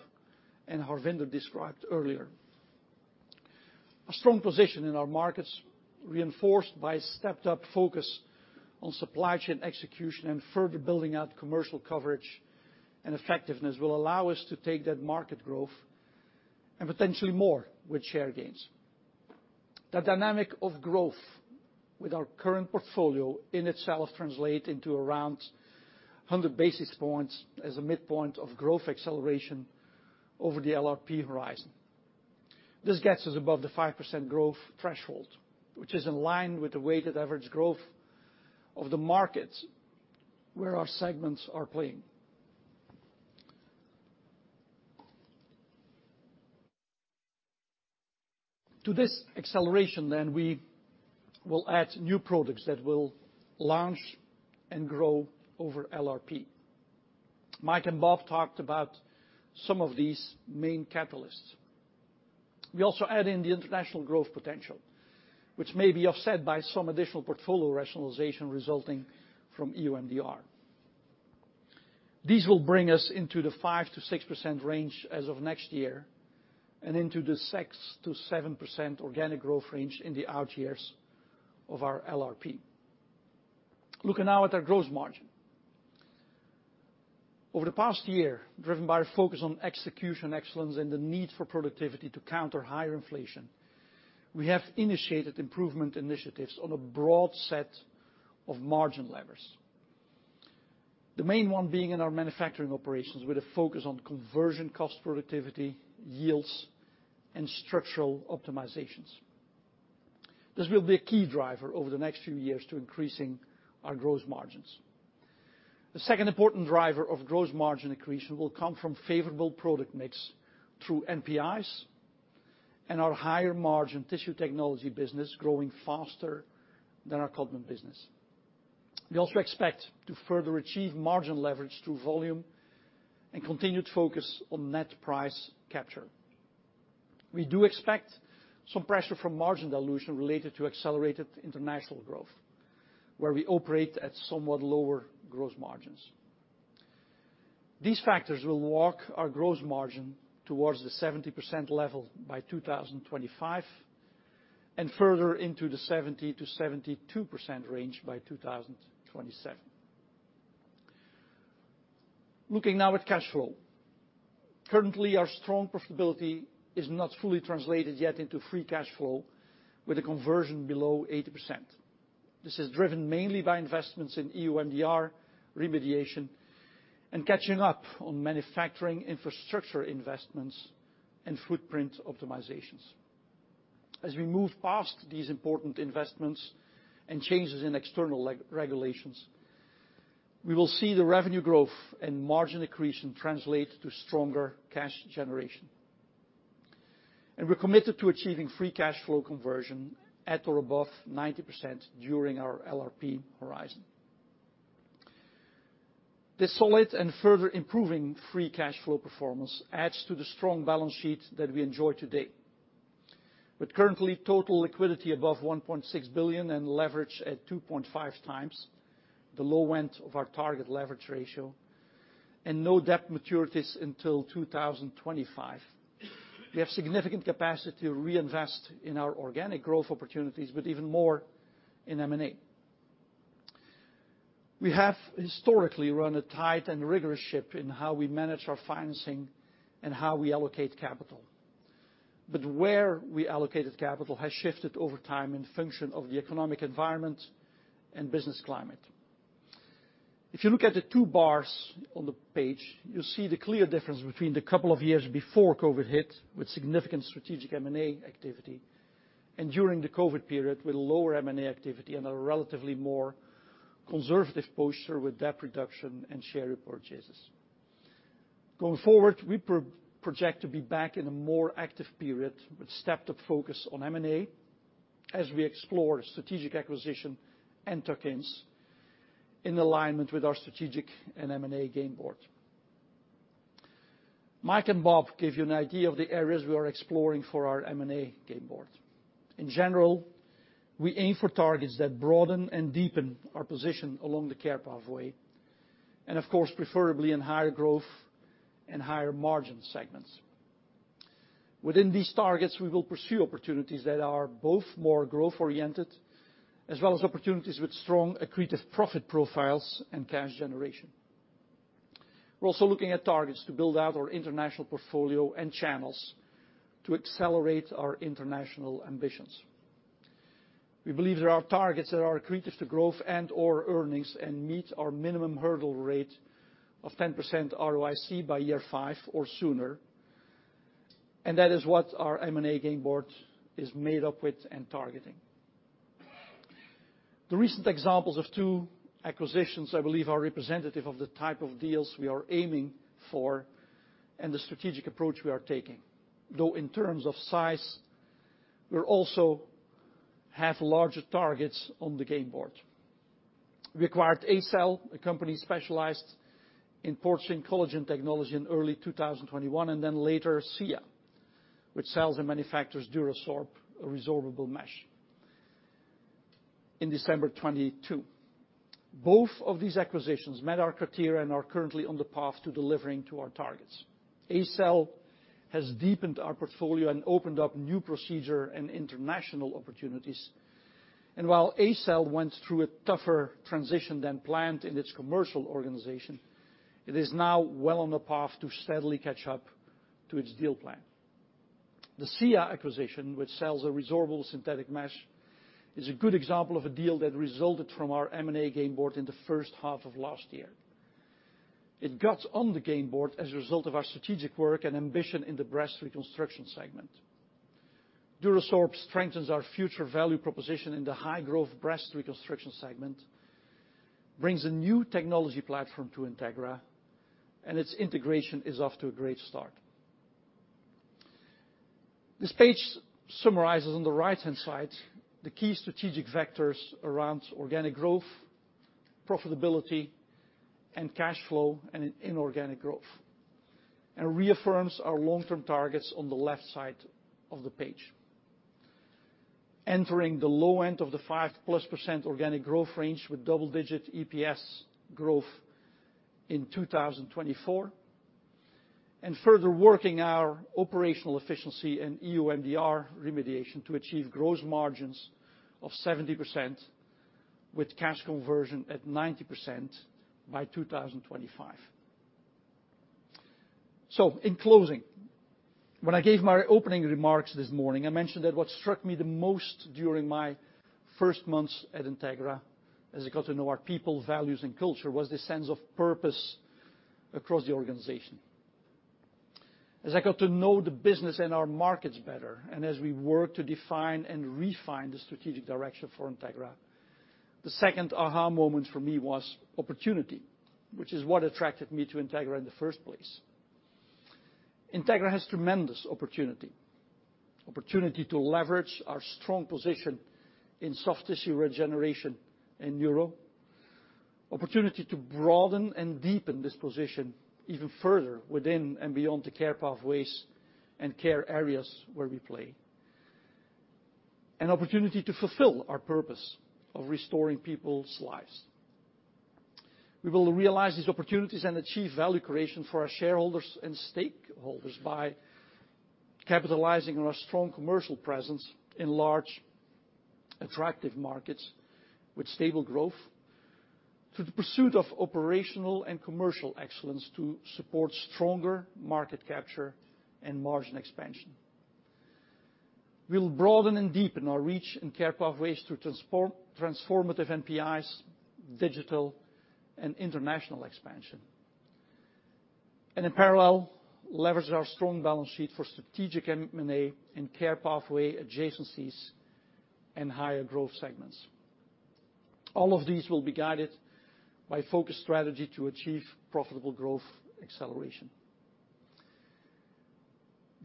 Speaker 3: and Harvinder described earlier. A strong position in our markets, reinforced by stepped-up focus on supply chain execution and further building out commercial coverage and effectiveness, will allow us to take that market growth and potentially more with share gains. The dynamic of growth with our current portfolio in itself translate into around 100 basis points as a midpoint of growth acceleration over the LRP horizon. This gets us above the 5% growth threshold, which is in line with the weighted average growth of the markets where our segments are playing. To this acceleration then, we will add new products that will launch and grow over LRP. Mike and Bob talked about some of these main catalysts. We also add in the international growth potential, which may be offset by some additional portfolio rationalization resulting from EU MDR. These will bring us into the 5%-6% range as of next year and into the 6%-7% organic growth range in the out years of our LRP. Looking now at our gross margin. Over the past year, driven by our focus on execution excellence and the need for productivity to counter higher inflation, we have initiated improvement initiatives on a broad set of margin levers. The main one being in our manufacturing operations with a focus on conversion cost productivity, yields, and structural optimizations. This will be a key driver over the next few years to increasing our gross margins. The second important driver of gross margin accretion will come from favorable product mix through NPIs and our higher-margin Tissue Technologies business growing faster than our Codman business. We also expect to further achieve margin leverage through volume and continued focus on net price capture. We do expect some pressure from margin dilution related to accelerated international growth, where we operate at somewhat lower gross margins. These factors will walk our gross margin towards the 70% level by 2025, and further into the 70%-72% range by 2027. Looking now at cash flow. Currently, our strong profitability is not fully translated yet into free cash flow, with a conversion below 80%. This is driven mainly by investments in EU MDR remediation and catching up on manufacturing infrastructure investments and footprint optimizations. As we move past these important investments and changes in external regulations, we will see the revenue growth and margin accretion translate to stronger cash generation. We're committed to achieving free cash flow conversion at or above 90% during our LRP horizon. This solid and further improving free cash flow performance adds to the strong balance sheet that we enjoy today. With currently total liquidity above $1.6 billion and leverage at 2.5 times the low end of our target leverage ratio and no debt maturities until 2025, we have significant capacity to reinvest in our organic growth opportunities, but even more in M&A. We have historically run a tight and rigorous ship in how we manage our financing and how we allocate capital. Where we allocated capital has shifted over time in function of the economic environment and business climate. If you look at the two bars on the page, you'll see the clear difference between the couple of years before COVID hit, with significant strategic M&A activity, and during the COVID period, with lower M&A activity and a relatively more conservative posture with debt reduction and share repurchases. Going forward, we project to be back in a more active period with stepped-up focus on M&A as we explore strategic acquisition and tokens in alignment with our strategic and M&A game board. Mike and Bob gave you an idea of the areas we are exploring for our M&A game board. In general, we aim for targets that broaden and deepen our position along the care pathway, and of course, preferably in higher growth and higher margin segments. Within these targets, we will pursue opportunities that are both more growth-oriented, as well as opportunities with strong accretive profit profiles and cash generation. We're also looking at targets to build out our international portfolio and channels to accelerate our international ambitions. We believe there are targets that are accretive to growth and/or earnings and meet our minimum hurdle rate of 10% ROIC by year five or sooner, and that is what our M&A game board is made up with and targeting. The recent examples of two acquisitions I believe are representative of the type of deals we are aiming for and the strategic approach we are taking. In terms of size, we'll also have larger targets on the game board. We acquired ACell, a company specialized in porcine collagen technology in early 2021, later Sia, which sells and manufactures DuraSorb, a resorbable mesh in December 22. Both of these acquisitions met our criteria and are currently on the path to delivering to our targets. ACell has deepened our portfolio and opened up new procedure and international opportunities. While ACell went through a tougher transition than planned in its commercial organization, it is now well on the path to steadily catch up to its deal plan. The Sia acquisition, which sells a resorbable synthetic mesh, is a good example of a deal that resulted from our M&A game board in the first half of last year. It got on the game board as a result of our strategic work and ambition in the breast reconstruction segment. DuraSorb strengthens our future value proposition in the high-growth breast reconstruction segment, brings a new technology platform to Integra, Its integration is off to a great start. This page summarizes on the right-hand side the key strategic vectors around organic growth, profitability, and cash flow and inorganic growth, Reaffirms our long-term targets on the left side of the page. Entering the low end of the 5+% organic growth range with double-digit EPS growth in 2024, Further working our operational efficiency and EU MDR remediation to achieve gross margins of 70% with cash conversion at 90% by 2025. In closing, when I gave my opening remarks this morning, I mentioned that what struck me the most during my first months at Integra, as I got to know our people, values, and culture, was this sense of purpose across the organization. As I got to know the business and our markets better, as we worked to define and refine the strategic direction for Integra, the second aha moment for me was opportunity, which is what attracted me to Integra in the first place. Integra has tremendous opportunity. Opportunity to leverage our strong position in soft tissue regeneration and neuro. Opportunity to broaden and deepen this position even further within and beyond the care pathways and care areas where we play, and opportunity to fulfill our purpose of restoring people's lives. We will realize these opportunities and achieve value creation for our shareholders and stakeholders by capitalizing on our strong commercial presence in large, attractive markets with stable growth, through the pursuit of operational and commercial excellence to support stronger market capture and margin expansion. We'll broaden and deepen our reach and care pathways through transformative NPIs, digital and international expansion, and in parallel, leverage our strong balance sheet for strategic M&A and care pathway adjacencies and higher growth segments. These will be guided by focused strategy to achieve profitable growth acceleration.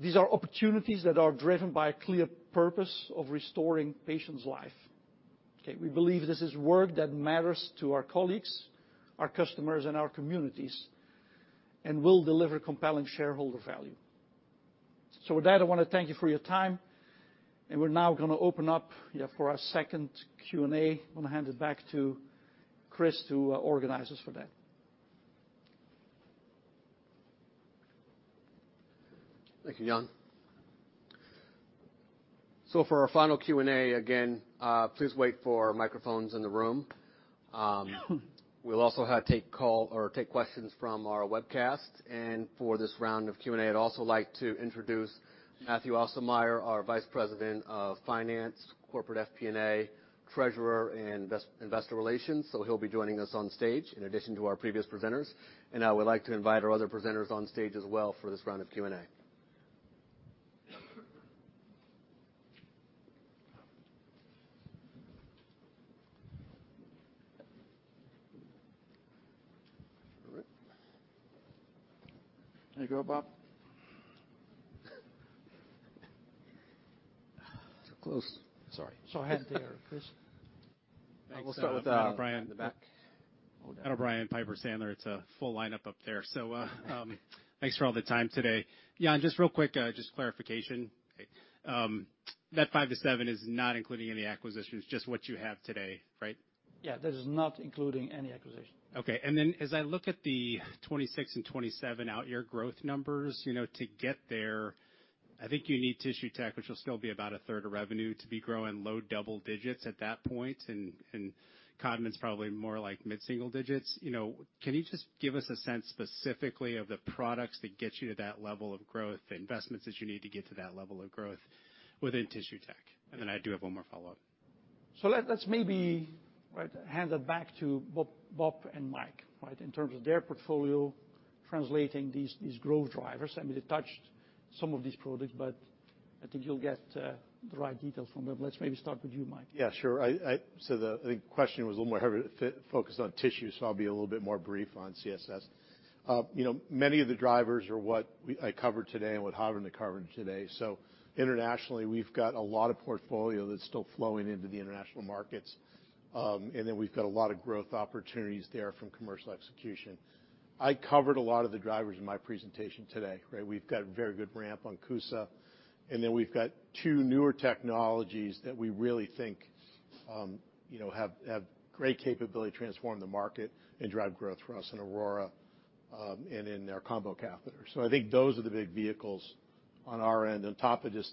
Speaker 3: These are opportunities that are driven by a clear purpose of restoring patients' life. Okay. We believe this is work that matters to our colleagues, our customers, and our communities, and will deliver compelling shareholder value. With that, I wanna thank you for your time, and we're now gonna open up for our second Q&A. I'm gonna hand it back to Chris, who organizes for that.
Speaker 2: Thank you, Jan. For our final Q&A, again, please wait for microphones in the room. We'll also take questions from our webcast. For this round of Q&A, I'd also like to introduce Mathieu Aussermeier, our Vice President of Finance, Corporate FP&A, Treasurer, and Investor Relations. He'll be joining us on stage in addition to our previous presenters. Now I would like to invite our other presenters on stage as well for this round of Q&A.
Speaker 3: All right. There you go, Bob. Close.
Speaker 2: Sorry.
Speaker 3: I had there, Chris.
Speaker 2: We'll start with in the back.
Speaker 15: It's a full lineup up there. Thanks for all the time today. Jan, just real quick, just clarification. That 5-7 is not including any acquisitions, just what you have today, right?
Speaker 3: Yeah. That is not including any acquisition.
Speaker 15: Okay. As I look at the 2026 and 2027 out year growth numbers, you know, to get there, I think you need Tissue Tech, which will still be about a third of revenue to be growing low double digits at that point, and Codman's probably more like mid-single digits. You know, can you just give us a sense specifically of the products that get you to that level of growth, the investments that you need to get to that level of growth within Tissue Tech? Then I do have one more follow-up.
Speaker 3: Let's maybe, right, hand it back to Bob and Mike, right? In terms of their portfolio translating these growth drivers. I mean, they touched some of these products, but I think you'll get the right details from them. Let's maybe start with you, Mike.
Speaker 4: Yeah, sure. I think the question was a little more heavy focused on tissue, so I'll be a little bit more brief on CSS. you know, many of the drivers are what I covered today and what Harald covered today. Internationally, we've got a lot of portfolio that's still flowing into the international markets. We've got a lot of growth opportunities there from commercial execution. I covered a lot of the drivers in my presentation today, right? We've got very good ramp on CUSA, we've got two newer technologies that we really think, you know, have great capability to transform the market and drive growth for us in AURORA, and in our combo catheters. I think those are the big vehicles on our end on top of just,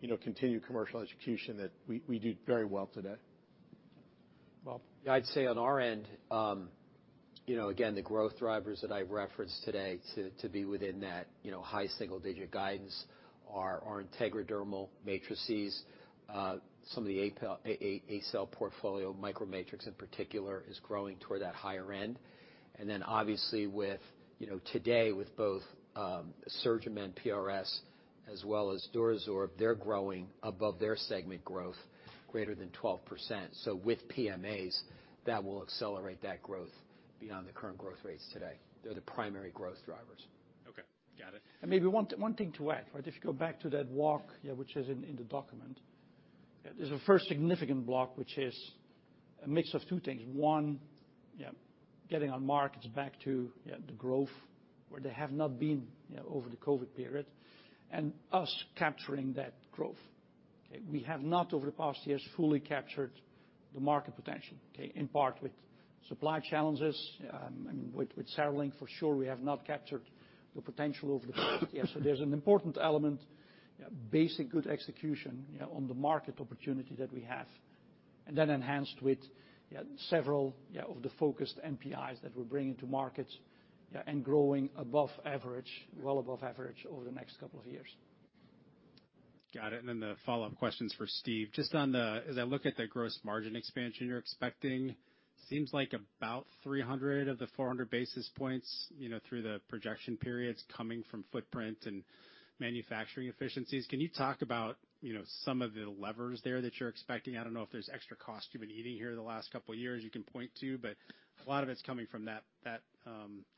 Speaker 4: you know, continued commercial execution that we do very well today.
Speaker 5: Well, I'd say on our end, you know, again, the growth drivers that I referenced today to be within that, you know, high single-digit guidance are our Integra Dermal Matrices. Some of the ACell portfolio MicroMatrix, in particular, is growing toward that higher end. Obviously with, you know, today with both, SurgiMend PRS as well as DuraSorb, they're growing above their segment growth greater than 12%. With PMAs, that will accelerate that growth beyond the current growth rates today. They're the primary growth drivers.
Speaker 15: Okay. Got it.
Speaker 3: Maybe one thing to add, right? If you go back to that walk, which is in the document. There's a first significant block which is a mix of two things. One, getting our markets back to the growth where they have not been over the COVID period, and us capturing that growth, okay. We have not, over the past years, fully captured the market potential, okay, in part with supply challenges, I mean, with CereLink, for sure, we have not captured the potential over the years. There's an important element, basic good execution on the market opportunity that we have, and then enhanced with several of the focused NPIs that we're bringing to markets, and growing above average, well above average over the next couple of years.
Speaker 15: Got it. Then the follow-up question's for Steve. Just as I look at the gross margin expansion you're expecting, seems like about 300 of the 400 basis points, you know, through the projection period's coming from footprint and manufacturing efficiencies. Can you talk about, you know, some of the levers there that you're expecting? I don't know if there's extra cost you've been eating here the last couple years you can point to, but a lot of it's coming from that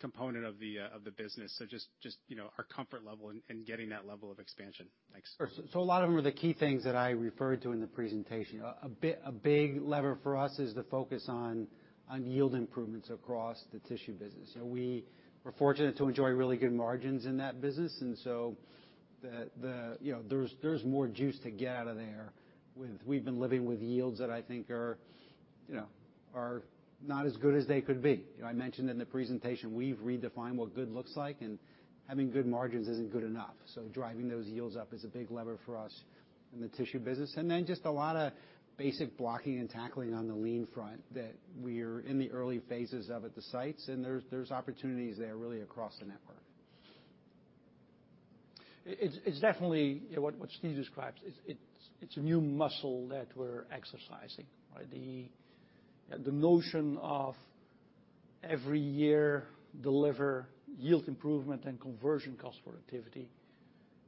Speaker 15: component of the business. Just, you know, our comfort level in getting that level of expansion. Thanks.
Speaker 17: A lot of them are the key things that I referred to in the presentation. A big lever for us is the focus on yield improvements across the tissue business. We were fortunate to enjoy really good margins in that business. The, you know, there's more juice to get out of there. We've been living with yields that I think are, you know, are not as good as they could be. You know, I mentioned in the presentation, we've redefined what good looks like, and having good margins isn't good enough. Driving those yields up is a big lever for us in the tissue business. Just a lot of basic blocking and tackling on the Lean front that we're in the early phases of at the sites, and there's opportunities there really across the network.
Speaker 3: It's, it's definitely what Steve describes. It's, it's a new muscle that we're exercising, right? The, the notion of every year deliver yield improvement and conversion cost productivity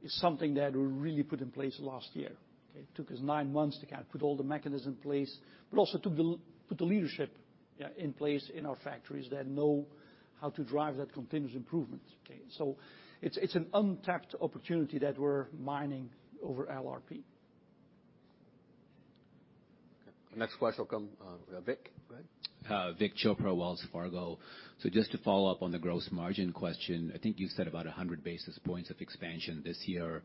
Speaker 3: is something that we really put in place last year, okay. It took us 9 months to kind of put all the mechanisms in place, but also to put the leadership, yeah, in place in our factories that know how to drive that continuous improvement, okay. It's, it's an untapped opportunity that we're mining over LRP.
Speaker 5: Okay. The next question come, Vik, right?
Speaker 9: Vik Chopra, Wells Fargo. Just to follow up on the gross margin question. I think you said about 100 basis points of expansion this year.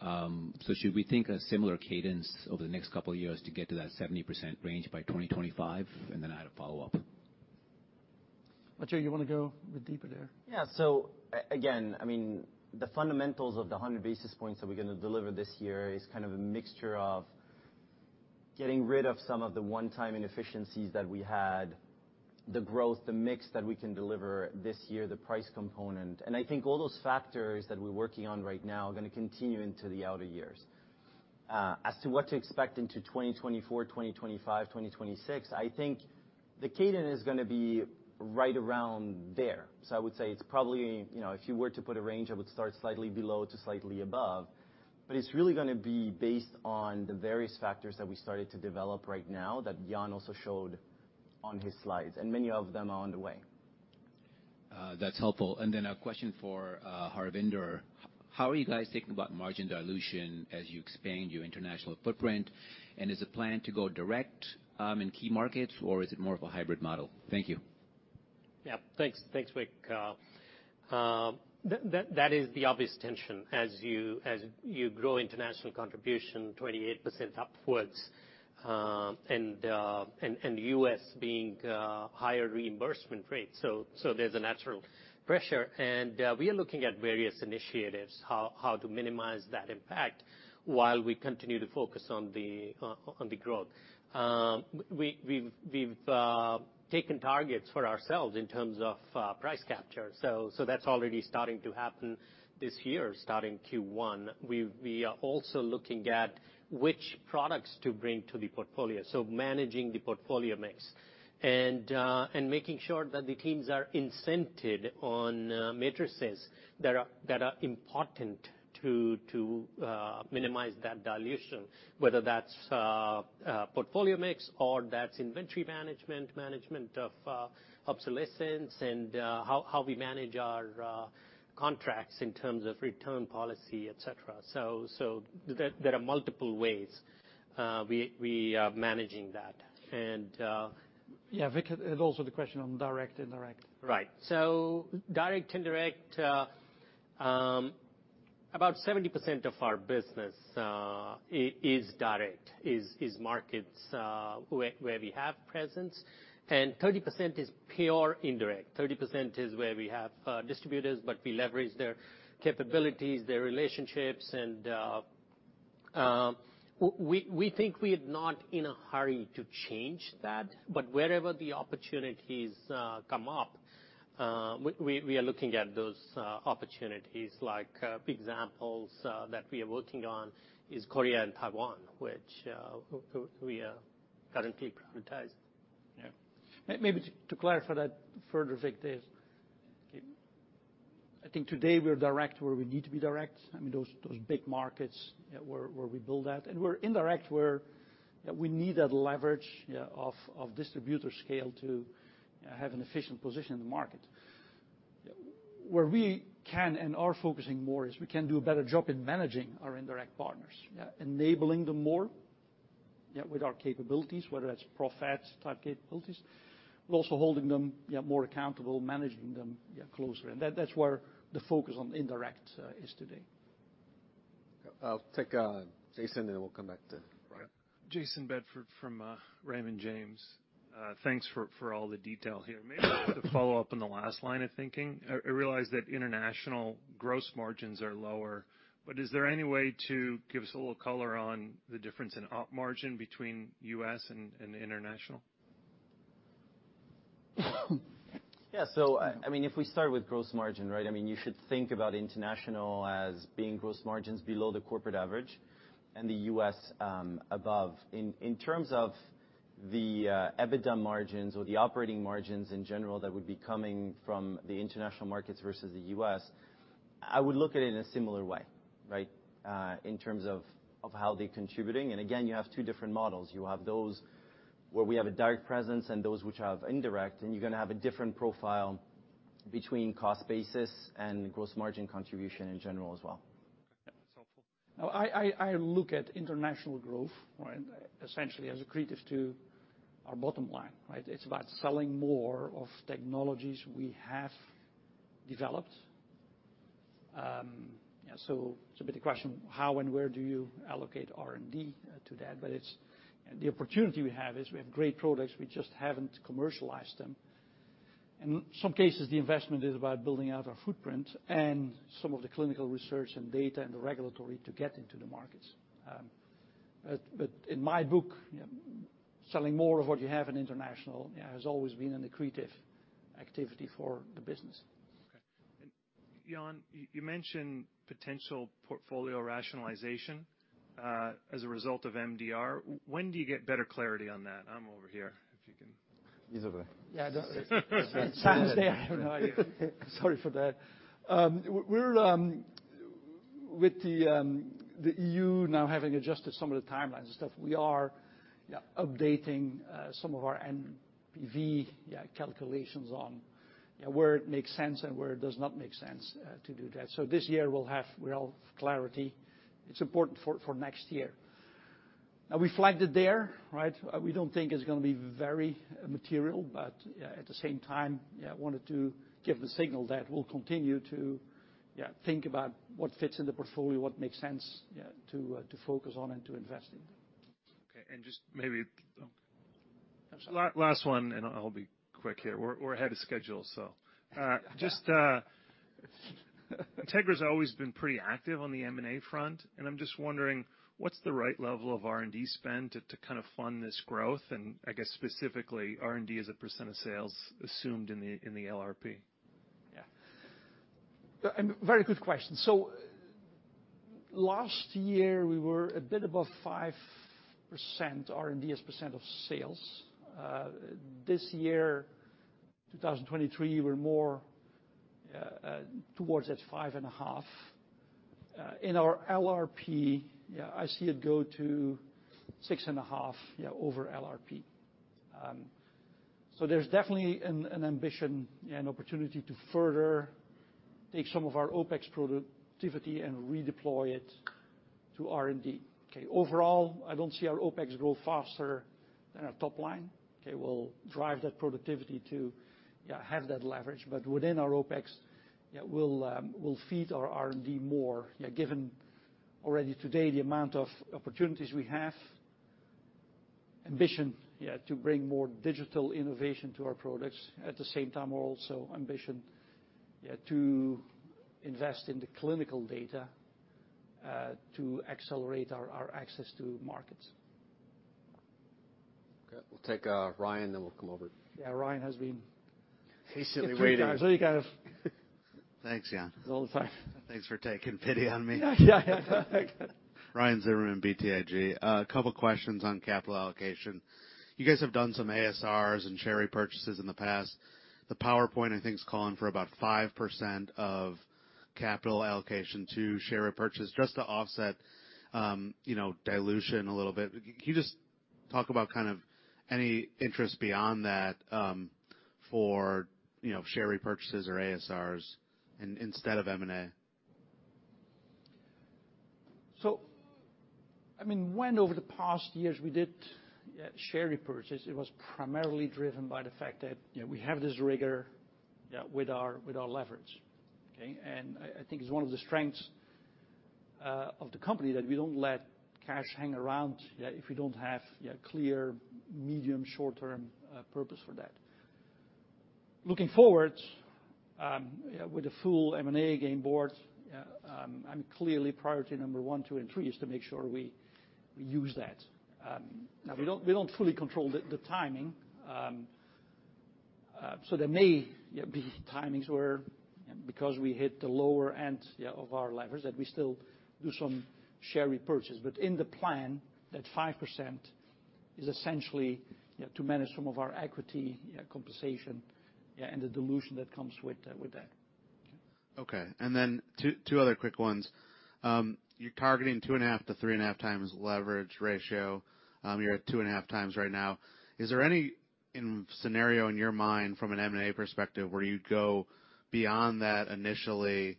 Speaker 9: Should we think a similar cadence over the next couple of years to get to that 70% range by 2025? I had a follow-up.
Speaker 3: Ajay, you wanna go a bit deeper there?
Speaker 18: Yeah. Again, I mean, the fundamentals of the 100 basis points that we're gonna deliver this year is kind of a mixture of getting rid of some of the one-time inefficiencies that we had, the growth, the mix that we can deliver this year, the price component. I think all those factors that we're working on right now are gonna continue into the outer years. As to what to expect into 2024, 2025, 2026, I think the cadence is gonna be right around there. I would say it's probably, you know, if you were to put a range, I would start slightly below to slightly above, but it's really gonna be based on the various factors that we started to develop right now that Jan also showed on his slides, and many of them are on the way.
Speaker 9: That's helpful. A question for Harvinder. How are you guys thinking about margin dilution as you expand your international footprint? Is the plan to go direct in key markets, or is it more of a hybrid model? Thank you.
Speaker 16: Yeah. Thanks. Thanks, Vik. That is the obvious tension as you grow international contribution 28% upwards, and U.S. being higher reimbursement rates. There's a natural pressure. We are looking at various initiatives, how to minimize that impact while we continue to focus on the growth. We've taken targets for ourselves in terms of price capture. That's already starting to happen this year, starting Q1. We are also looking at which products to bring to the portfolio, so managing the portfolio mix, and making sure that the teams are incented on matrices that are important to minimize that dilution, whether that's portfolio mix or that's inventory management of obsolescence and how we manage our contracts in terms of return policy, et cetera. There are multiple ways we are managing that.
Speaker 3: Yeah, Vik, it also the question on direct, indirect.
Speaker 16: Right. Direct, indirect, about 70% of our business, is direct, is markets, where we have presence, and 30% is pure indirect. 30% is where we have distributors, but we leverage their capabilities, their relationships.
Speaker 18: We think we're not in a hurry to change that, but wherever the opportunities come up, we are looking at those opportunities. Like examples that we are working on is Korea and Taiwan, which we are currently prioritizing.
Speaker 3: Maybe to clarify that further, Victor, I think today we are direct where we need to be direct. I mean, those big markets where we build that, and we're indirect where we need that leverage of distributor scale to have an efficient position in the market. Where we can and are focusing more is we can do a better job in managing our indirect partners. Enabling them more with our capabilities, whether that's ProFat-type capabilities, but also holding them more accountable, managing them closer. That's where the focus on indirect is today.
Speaker 2: I'll take, Jayson, and then we'll come back to Ryan.
Speaker 19: Jayson Bedford from Raymond James. Thanks for all the detail here. Maybe to follow up on the last line of thinking. I realize that international gross margins are lower, but is there any way to give us a little color on the difference in op margin between US and international?
Speaker 18: I mean, if we start with gross margin. I mean, you should think about international as being gross margins below the corporate average and the U.S., above. In terms of the EBITDA margins or the operating margins in general that would be coming from the international markets versus the U.S., I would look at it in a similar way. In terms of how they're contributing. Again, you have two different models. You have those where we have a direct presence and those which have indirect, and you're gonna have a different profile between cost basis and gross margin contribution in general as well.
Speaker 19: Okay. That's helpful.
Speaker 3: I look at international growth, right, essentially as accretive to our bottom line, right. It's about selling more of technologies we have developed. It's a bit a question, how and where do you allocate R&D to that. The opportunity we have is we have great products, we just haven't commercialized them. In some cases, the investment is about building out our footprint and some of the clinical research and data and the regulatory to get into the markets. In my book, selling more of what you have in international has always been an accretive activity for the business.
Speaker 19: Okay. Jan, you mentioned potential portfolio rationalization as a result of MDR. When do you get better clarity on that? I'm over here, if you can...
Speaker 2: Either way.
Speaker 3: Yeah. Saturday, I have no idea. Sorry for that. We're with the EU now having adjusted some of the timelines and stuff, we are, yeah, updating some of our NPV, yeah, calculations on where it makes sense and where it does not make sense to do that. This year we'll have clarity. It's important for next year. We flagged it there, right? We don't think it's gonna be very material, but, yeah, at the same time, yeah, wanted to give the signal that we'll continue to, yeah, think about what fits in the portfolio, what makes sense, yeah, to focus on and to invest in.
Speaker 19: Okay. just maybe...
Speaker 3: I'm sorry.
Speaker 19: Last one, I'll be quick here. We're ahead of schedule. Just, Integra's always been pretty active on the M&A front, I'm just wondering what's the right level of R&D spend to kind of fund this growth? I guess specifically, R&D as a % of sales assumed in the LRP.
Speaker 3: Yeah, very good question. Last year we were a bit above 5% R&D as % of sales. This year, 2023, we're more towards that 5.5%. In our LRP, I see it go to 6.5% over LRP. There's definitely an ambition and opportunity to further take some of our OpEx productivity and redeploy it to R&D. Okay. Overall, I don't see our OpEx grow faster than our top line. Okay? We'll drive that productivity to have that leverage. Within our OpEx, we'll feed our R&D more given already today the amount of opportunities we have. Ambition to bring more digital innovation to our products. At the same time, we're also ambition to invest in the clinical data to accelerate our access to markets.
Speaker 2: Okay. We'll take Ryan, then we'll come over.
Speaker 3: Yeah. Ryan.
Speaker 2: Patiently waiting.
Speaker 3: ...a few times, so you kind of...
Speaker 7: Thanks, Jan.
Speaker 3: All the time.
Speaker 7: Thanks for taking pity on me.
Speaker 3: Yeah.
Speaker 7: A couple questions on capital allocation. You guys have done some ASRs and share repurchases in the past. The PowerPoint, I think, is calling for about 5% of capital allocation to share a purchase just to offset, you know, dilution a little bit. Can you just talk about kind of any interest beyond that, for, you know, share repurchases or ASRs instead of M&A?
Speaker 3: I mean, when over the past years we did share repurchase, it was primarily driven by the fact that, you know, we have this rigor with our, with our leverage. Okay? I think it's one of the strengths of the company that we don't let cash hang around if we don't have clear, medium, short-term purpose for that. Looking forward, with a full M&A game board, and clearly priority number one to make sure we use that. Now we don't fully control the timing, so there may be timings where, because we hit the lower end of our levers, that we still do some share repurchase. In the plan, that 5% is essentially, you know, to manage some of our equity, compensation, and the dilution that comes with that.
Speaker 7: Okay. Two other quick ones. You're targeting two and a half to three and a half times leverage ratio. You're at two and a half times right now. Is there any scenario in your mind from an M&A perspective where you'd go beyond that initially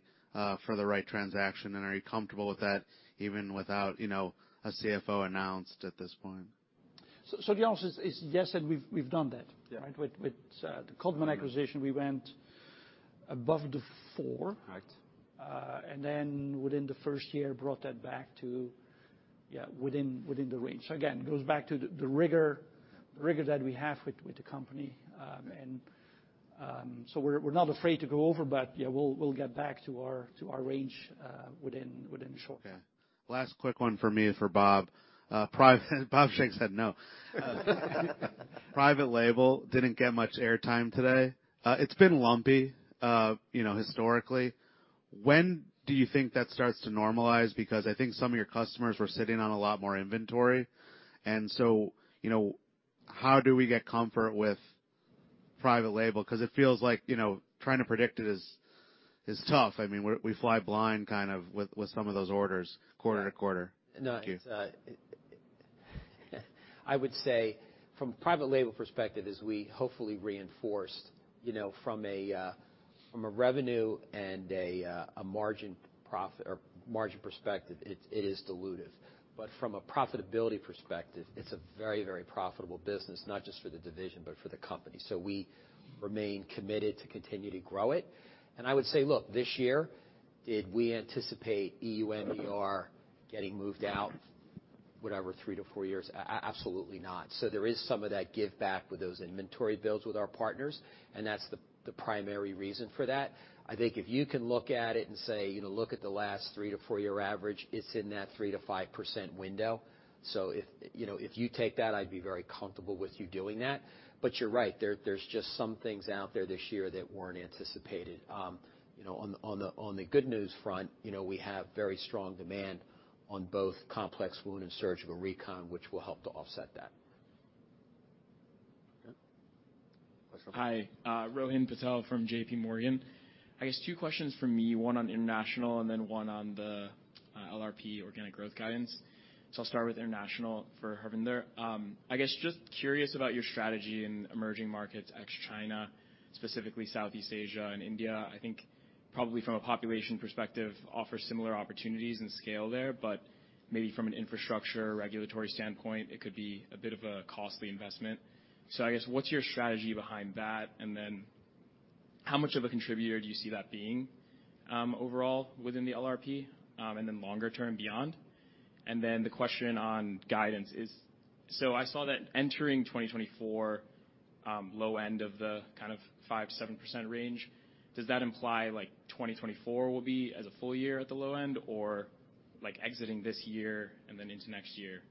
Speaker 7: for the right transaction? Are you comfortable with that even without, you know, a CFO announced at this point?
Speaker 3: The answer is yes, and we've done that.
Speaker 7: Yeah.
Speaker 3: Right? With the Codman acquisition, we went above the four.
Speaker 7: Right.
Speaker 3: Then within the 1st year, brought that back to, yeah, within the range. Again, it goes back to the rigor that we have with the company. We're not afraid to go over, but yeah, we'll get back to our range within short.
Speaker 7: Okay. Last quick one for me is for Bob, private Bob Shank said no. Private label didn't get much airtime today. It's been lumpy, you know, historically. When do you think that starts to normalize? Because I think some of your customers were sitting on a lot more inventory. You know, how do we get comfort with private label? 'Cause it feels like, you know, trying to predict it is tough. I mean, we fly blind kind of with some of those orders quarter-to-quarter.
Speaker 5: No, it's I would say from private label perspective, as we hopefully reinforced, you know, from a revenue and a margin or margin perspective, it is dilutive. From a profitability perspective, it's a very, very profitable business, not just for the division, but for the company. We remain committed to continue to grow it. I would say, look, this year, did we anticipate EU MDR getting moved out, whatever, three to four years? Absolutely not. There is some of that give back with those inventory builds with our partners, and that's the primary reason for that. I think if you can look at it and say, you know, look at the last 3-4 year average, it's in that 3-5% window. If, you know, if you take that, I'd be very comfortable with you doing that. You're right. There's just some things out there this year that weren't anticipated. You know, on the good news front, you know, we have very strong demand on both complex wound and surgical recon, which will help to offset that.
Speaker 3: Okay. Question.
Speaker 12: Hi, Rohan Patel from J.P. Morgan. I guess two questions from me, one on international and then one on the LRP organic growth guidance. I'll start with international for Harvinder. I guess just curious about your strategy in emerging markets, ex China, specifically Southeast Asia and India. I think probably from a population perspective, offer similar opportunities and scale there, but maybe from an infrastructure regulatory standpoint, it could be a bit of a costly investment. I guess, what's your strategy behind that? How much of a contributor do you see that being overall within the LRP, and then longer term beyond? The question on guidance is, I saw that entering 2024, low end of the kind of 5%-7% range. Does that imply like 2024 will be as a full year at the low end, or like exiting this year and then into next year,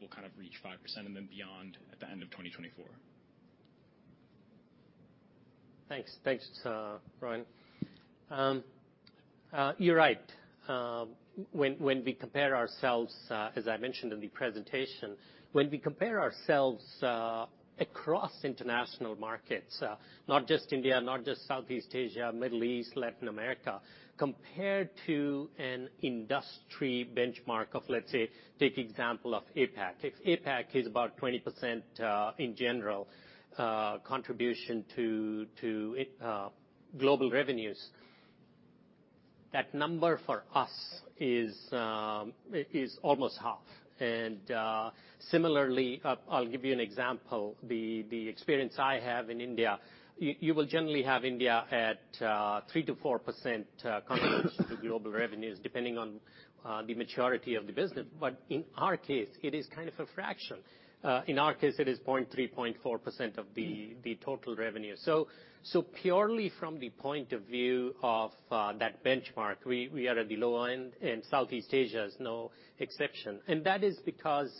Speaker 12: we'll kind of reach 5% and then beyond at the end of 2024?
Speaker 16: Thanks. Thanks, Rohan Patel. You're right. When we compare ourselves, as I mentioned in the presentation, when we compare ourselves across international markets, not just India, not just Southeast Asia, Middle East, Latin America, compared to an industry benchmark of, let's say, take example of APAC. If APAC is about 20% in general, contribution to global revenues, that number for us is almost half. Similarly, I'll give you an example. The experience I have in India, you will generally have India at 3%-4% contribution to global revenues, depending on the maturity of the business. In our case, it is kind of a fraction. In our case, it is 0.3%, 0.4% of the total revenue. Purely from the point of view of that benchmark, we are at the low end, Southeast Asia is no exception. That is because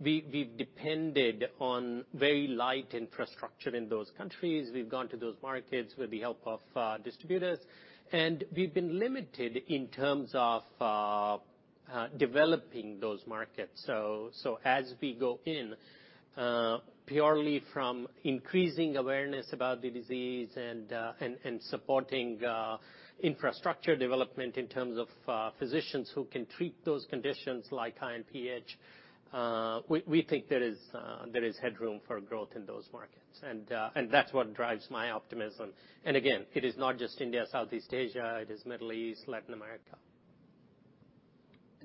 Speaker 16: we've depended on very light infrastructure in those countries. We've gone to those markets with the help of distributors, we've been limited in terms of developing those markets. As we go in, purely from increasing awareness about the disease and supporting infrastructure development in terms of physicians who can treat those conditions like INPH, we think there is headroom for growth in those markets. That's what drives my optimism. Again, it is not just India, Southeast Asia. It is Middle East, Latin America.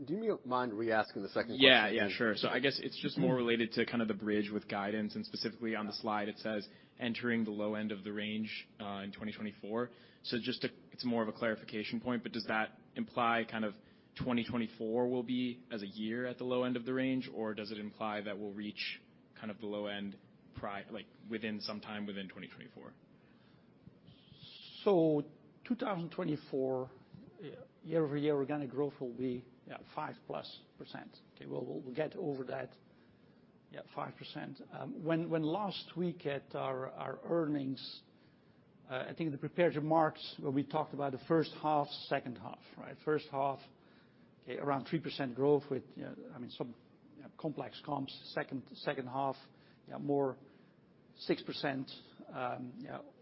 Speaker 3: Do you mind reasking the second question?
Speaker 12: Yeah, yeah, sure. I guess it's just more related to kind of the bridge with guidance, and specifically on the slide, it says, "Entering the low end of the range, in 2024." Just it's more of a clarification point, but does that imply kind of 2024 will be as a year at the low end of the range, or does it imply that we'll reach kind of the low end like within, some time within 2024?
Speaker 3: 2024 year-over-year organic growth will be 5+%. We'll get over that 5%. When last week at our earnings, I think the prepared remarks where we talked about the first half, second half, right? First half, around 3% growth with, you know, I mean some, you know, complex comps. Second half, more 6%,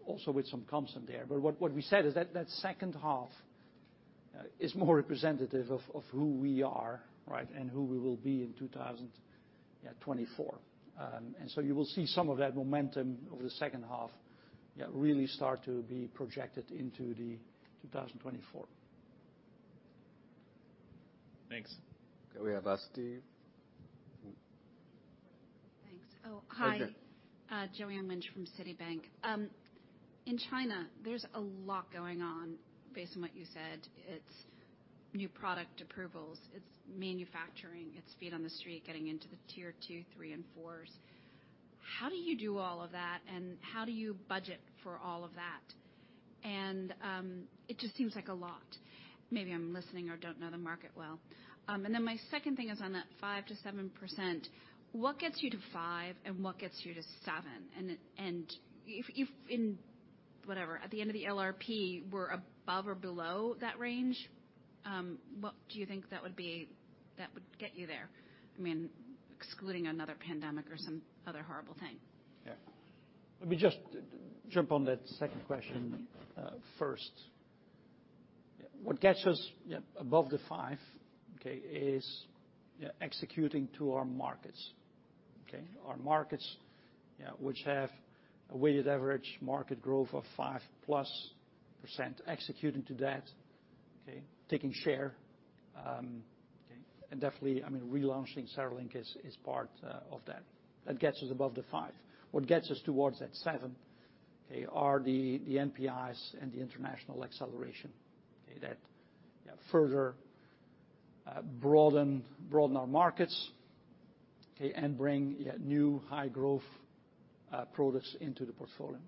Speaker 3: also with some comps in there. What we said is that second half is more representative of who we are, right? Who we will be in 2024. You will see some of that momentum over the second half really start to be projected into the 2024.
Speaker 17: Thanks. Okay, we have Asti.
Speaker 20: Thanks. Oh, hi.
Speaker 17: Hi there.
Speaker 20: Joanne Wuensch from Citibank. In China, there's a lot going on, based on what you said. It's new product approvals, it's manufacturing, it's feet on the street, getting into the tier 2, 3, and 4s. How do you do all of that, and how do you budget for all of that? It just seems like a lot. Maybe I'm listening or don't know the market well. My second thing is on that 5%-7%. What gets you to 5, and what gets you to 7? If at the end of the LRP were above or below that range, what do you think that would be that would get you there? I mean, excluding another pandemic or some other horrible thing.
Speaker 3: Yeah. Let me just jump on that second question, first. What gets us, yeah, above the 5, okay, is, yeah, executing to our markets. Okay. Our markets, yeah, which have a weighted average market growth of 5+%. Executing to that, okay, taking share, okay. Definitely, I mean, relaunching CereLink is part of that. That gets us above the 5. What gets us towards that 7, okay, are the NPIs and the international acceleration. Okay. That, yeah, further, broaden our markets, okay, and bring, yeah, new high-growth, products into the portfolio.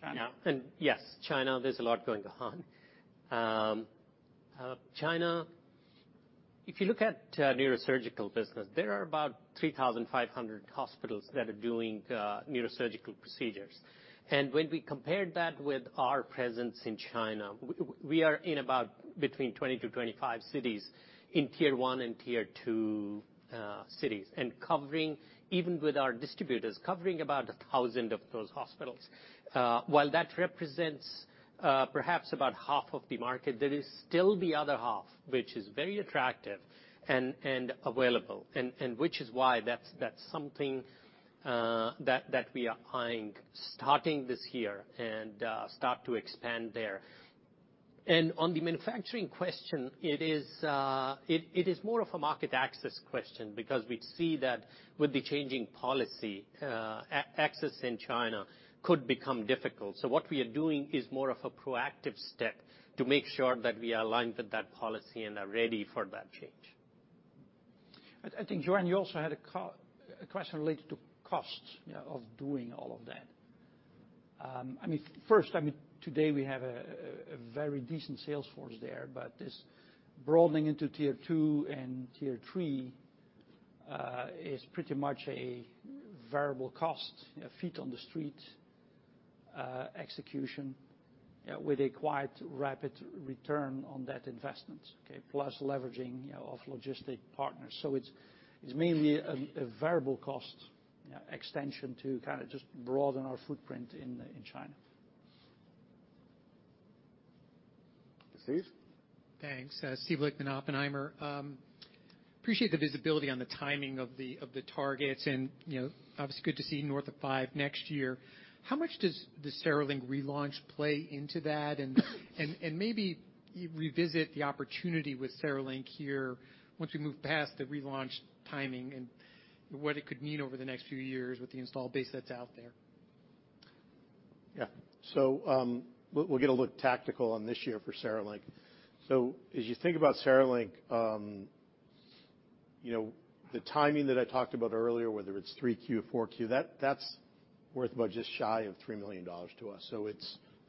Speaker 17: China.
Speaker 16: Yes, China, there's a lot going on. China, if you look at neurosurgical business, there are about 3,500 hospitals that are doing neurosurgical procedures. When we compared that with our presence in China, we are in about between 20-25 cities in tier one and tier two cities, and covering, even with our distributors, covering about 1,000 of those hospitals. While that represents perhaps about half of the market, there is still the other half, which is very attractive and available, and which is why that's something that we are eyeing starting this year and start to expand there. On the manufacturing question, it is more of a market access question because we see that with the changing policy, access in China could become difficult. What we are doing is more of a proactive step to make sure that we are aligned with that policy and are ready for that change.
Speaker 3: I think, Joanne, you also had a question related to costs, yeah, of doing all of that. I mean, first, I mean, today we have a very decent sales force there, but this broadening into tier two and tier three is pretty much a variable cost, a feet on the street execution, with a quite rapid return on that investment, okay? Plus leveraging, you know, of logistic partners. It's mainly a variable cost, yeah, extension to kind of just broaden our footprint in China.
Speaker 17: Steve?
Speaker 11: Thanks. Steven Lichtman, Oppenheimer. Appreciate the visibility on the timing of the, of the targets, you know, obviously good to see north of 5 next year. How much does the CereLink relaunch play into that? Maybe you revisit the opportunity with CereLink here once we move past the relaunch timing and what it could mean over the next few years with the installed base that's out there.
Speaker 4: We'll get a little tactical on this year for CereLink. As you think about CereLink, you know, the timing that I talked about earlier, whether it's 3 Q, 4 Q, that's worth about just shy of $3 million to us.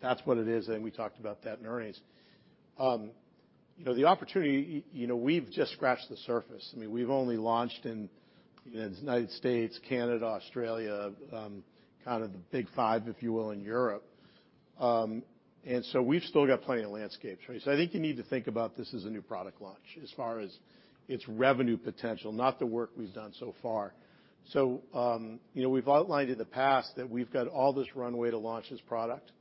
Speaker 4: That's what it is, and we talked about that in earnings. You know, the opportunity, you know, we've just scratched the surface. I mean, we've only launched in, you know, the United States, Canada, Australia, kind of the Big Five, if you will, in Europe. We've still got plenty of landscapes, right? I think you need to think about this as a new product launch as far as its revenue potential, not the work we've done so far. You know, we've outlined in the past that we've got all this runway to launch this product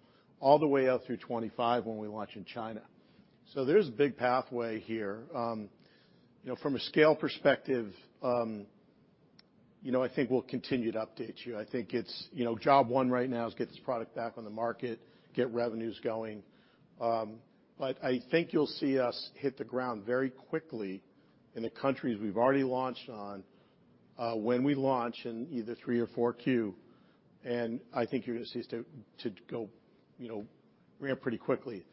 Speaker 4: all the way out through 2025 when we launch in China. There's a big pathway here. You know, from a scale perspective, you know, I think we'll continue to update you. I think it's, you know, job one right now is get this product back on the market, get revenues going. I think you'll see us hit the ground very quickly in the countries we've already launched on, when we launch in either 3Q or 4Q. I think you're gonna see us go, you know, ramp pretty quickly.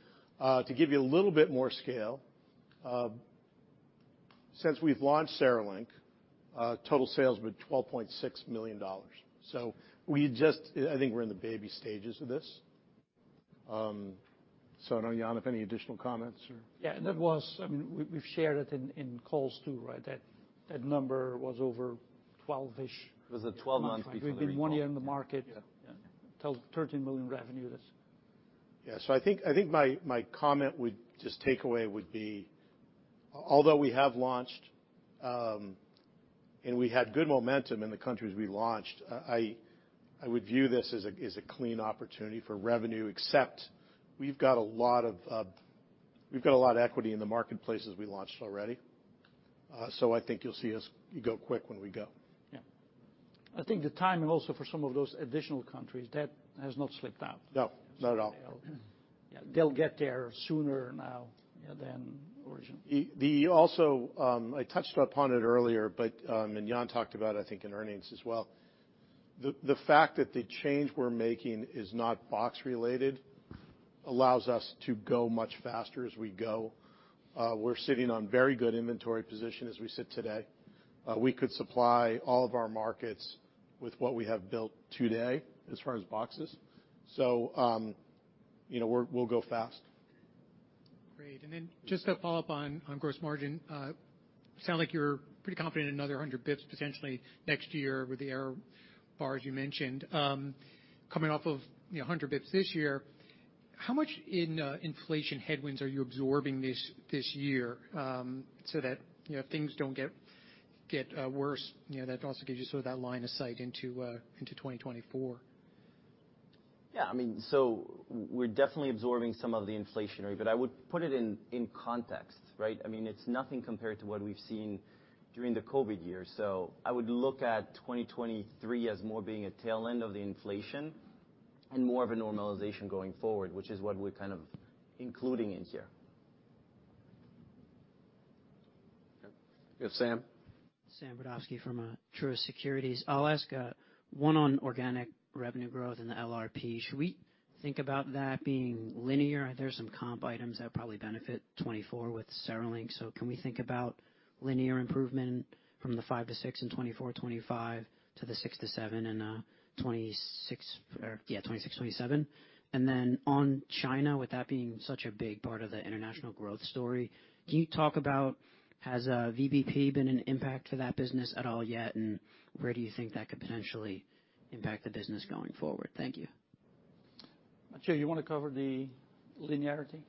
Speaker 4: To give you a little bit more scale, since we've launched CereLink, total sales were $12.6 million. I think we're in the baby stages of this. I don't know, Jan, if any additional comments or?
Speaker 16: Yeah, I mean, we've shared it in calls too, right? That number was over 12-ish.
Speaker 18: It was at 12 months before the recall.
Speaker 16: We've been one year in the market.
Speaker 4: Yeah. Yeah.
Speaker 16: $13 million revenue, that's...
Speaker 4: I think my comment would just take away would be, although we have launched, and we had good momentum in the countries we launched, I would view this as a clean opportunity for revenue, except we've got a lot of equity in the marketplaces we launched already. I think you'll see us go quick when we go.
Speaker 16: Yeah. I think the timing also for some of those additional countries, that has not slipped out.
Speaker 4: No, not at all.
Speaker 16: They'll, yeah, they'll get there sooner now, yeah, than originally.
Speaker 4: The also, I touched upon it earlier, but Jan talked about, I think in earnings as well, the fact that the change we're making is not box related allows us to go much faster as we go. We're sitting on very good inventory position as we sit today. We could supply all of our markets with what we have built today as far as boxes. You know, we're, we'll go fast.
Speaker 11: Great. Just to follow up on gross margin, sound like you're pretty confident another 100 basis points potentially next year with the error bar, as you mentioned, coming off of, you know, 100 basis points this year, how much in inflation headwinds are you absorbing this year, so that, you know, things don't get worse, you know, that also gives you sort of that line of sight into 2024?
Speaker 18: I mean, we're definitely absorbing some of the inflationary, but I would put it in context, right? I mean, it's nothing compared to what we've seen during the Covid years. I would look at 2023 as more being a tail end of the inflation and more of a normalization going forward, which is what we're kind of including in here.
Speaker 4: Okay. Yeah, Sam?
Speaker 13: Samuel Brodsky from Truist Securities. I'll ask one on organic revenue growth in the LRP. Should we think about that being linear? There's some comp items that probably benefit 2024 with CereLink. Can we think about linear improvement from the 5%-6% in 2024, 2025 to the 6%-7% in 2026 or, yeah, 2026, 2027. On China, with that being such a big part of the international growth story, can you talk about has VBP been an impact for that business at all yet? Where do you think that could potentially impact the business going forward? Thank you.
Speaker 16: Matteo, you wanna cover the linearity?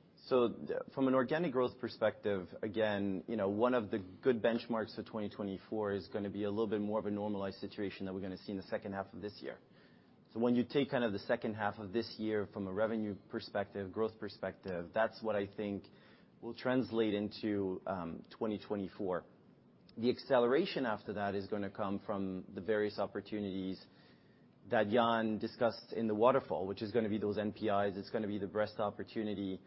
Speaker 18: From an organic growth perspective, again, you know, one of the good benchmarks for 2024 is gonna be a little bit more of a normalized situation than we're gonna see in the second half of this year. When you take kind of the second half of this year from a revenue perspective, growth perspective, that's what I think will translate into 2024. The acceleration after that is gonna come from the various opportunities that Jan discussed in the waterfall, which is gonna be those NPIs. It's gonna be the breast opportunity.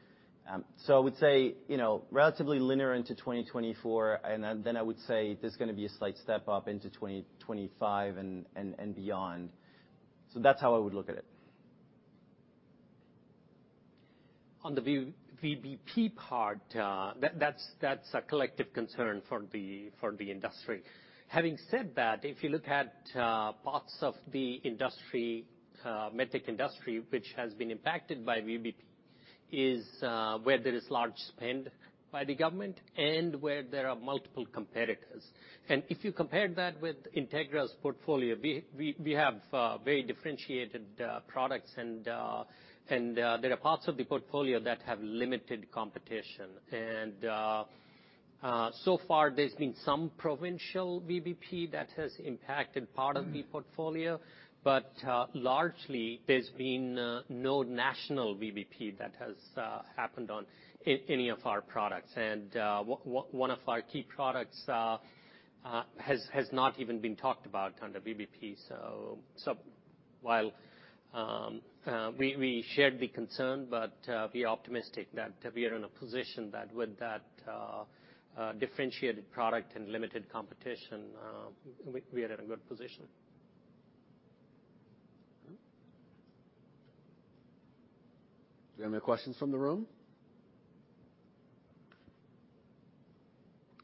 Speaker 18: I would say, you know, relatively linear into 2024, and then I would say there's gonna be a slight step up into 2025 and beyond. That's how I would look at it.
Speaker 16: On the V-VBP part, that's a collective concern for the industry. Having said that, if you look at parts of the industry, med tech industry, which has been impacted by VBP, is where there is large spend by the government and where there are multiple competitors. If you compare that with Integra's portfolio, we have very differentiated products and there are parts of the portfolio that have limited competition. So far there's been some provincial VBP that has impacted part of the portfolio, but largely there's been no national VBP that has happened on any of our products. One of our key products has not even been talked about on the VBP. While we share the concern but we are optimistic that we are in a position that with that differentiated product and limited competition, we are in a good position.
Speaker 4: Do we have any questions from the room?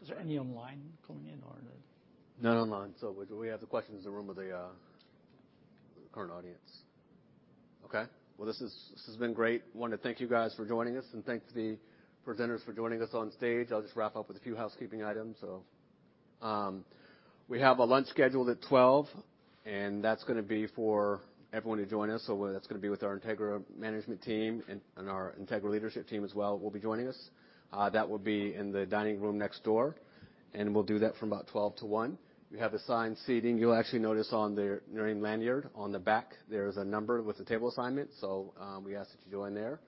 Speaker 16: Is there any online coming in or no?
Speaker 2: None online. We have the questions in the room with the current audience. Well, this has been great. Wanted to thank you guys for joining us. Thanks to the presenters for joining us on stage. I'll just wrap up with a few housekeeping items. We have a lunch scheduled at 12, that's gonna be for everyone to join us, so that's gonna be with our Integra management team and our Integra leadership team as well will be joining us. That will be in the dining room next door. We'll do that from about 12-1. We have assigned seating. You'll actually notice on their name lanyard on the back, there's a number with a table assignment.
Speaker 4: We ask that you join there,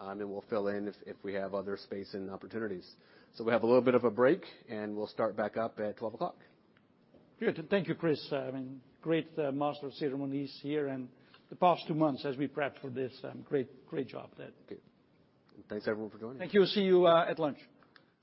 Speaker 4: and we'll fill in if we have other space and opportunities. We have a little bit of a break, and we'll start back up at 12:00 P.M.
Speaker 16: Good. Thank you, Chris. I mean great master of ceremonies here and the past two months as we prepped for this, great job there.
Speaker 2: Okay. Thanks everyone for joining.
Speaker 16: Thank you. See you at lunch.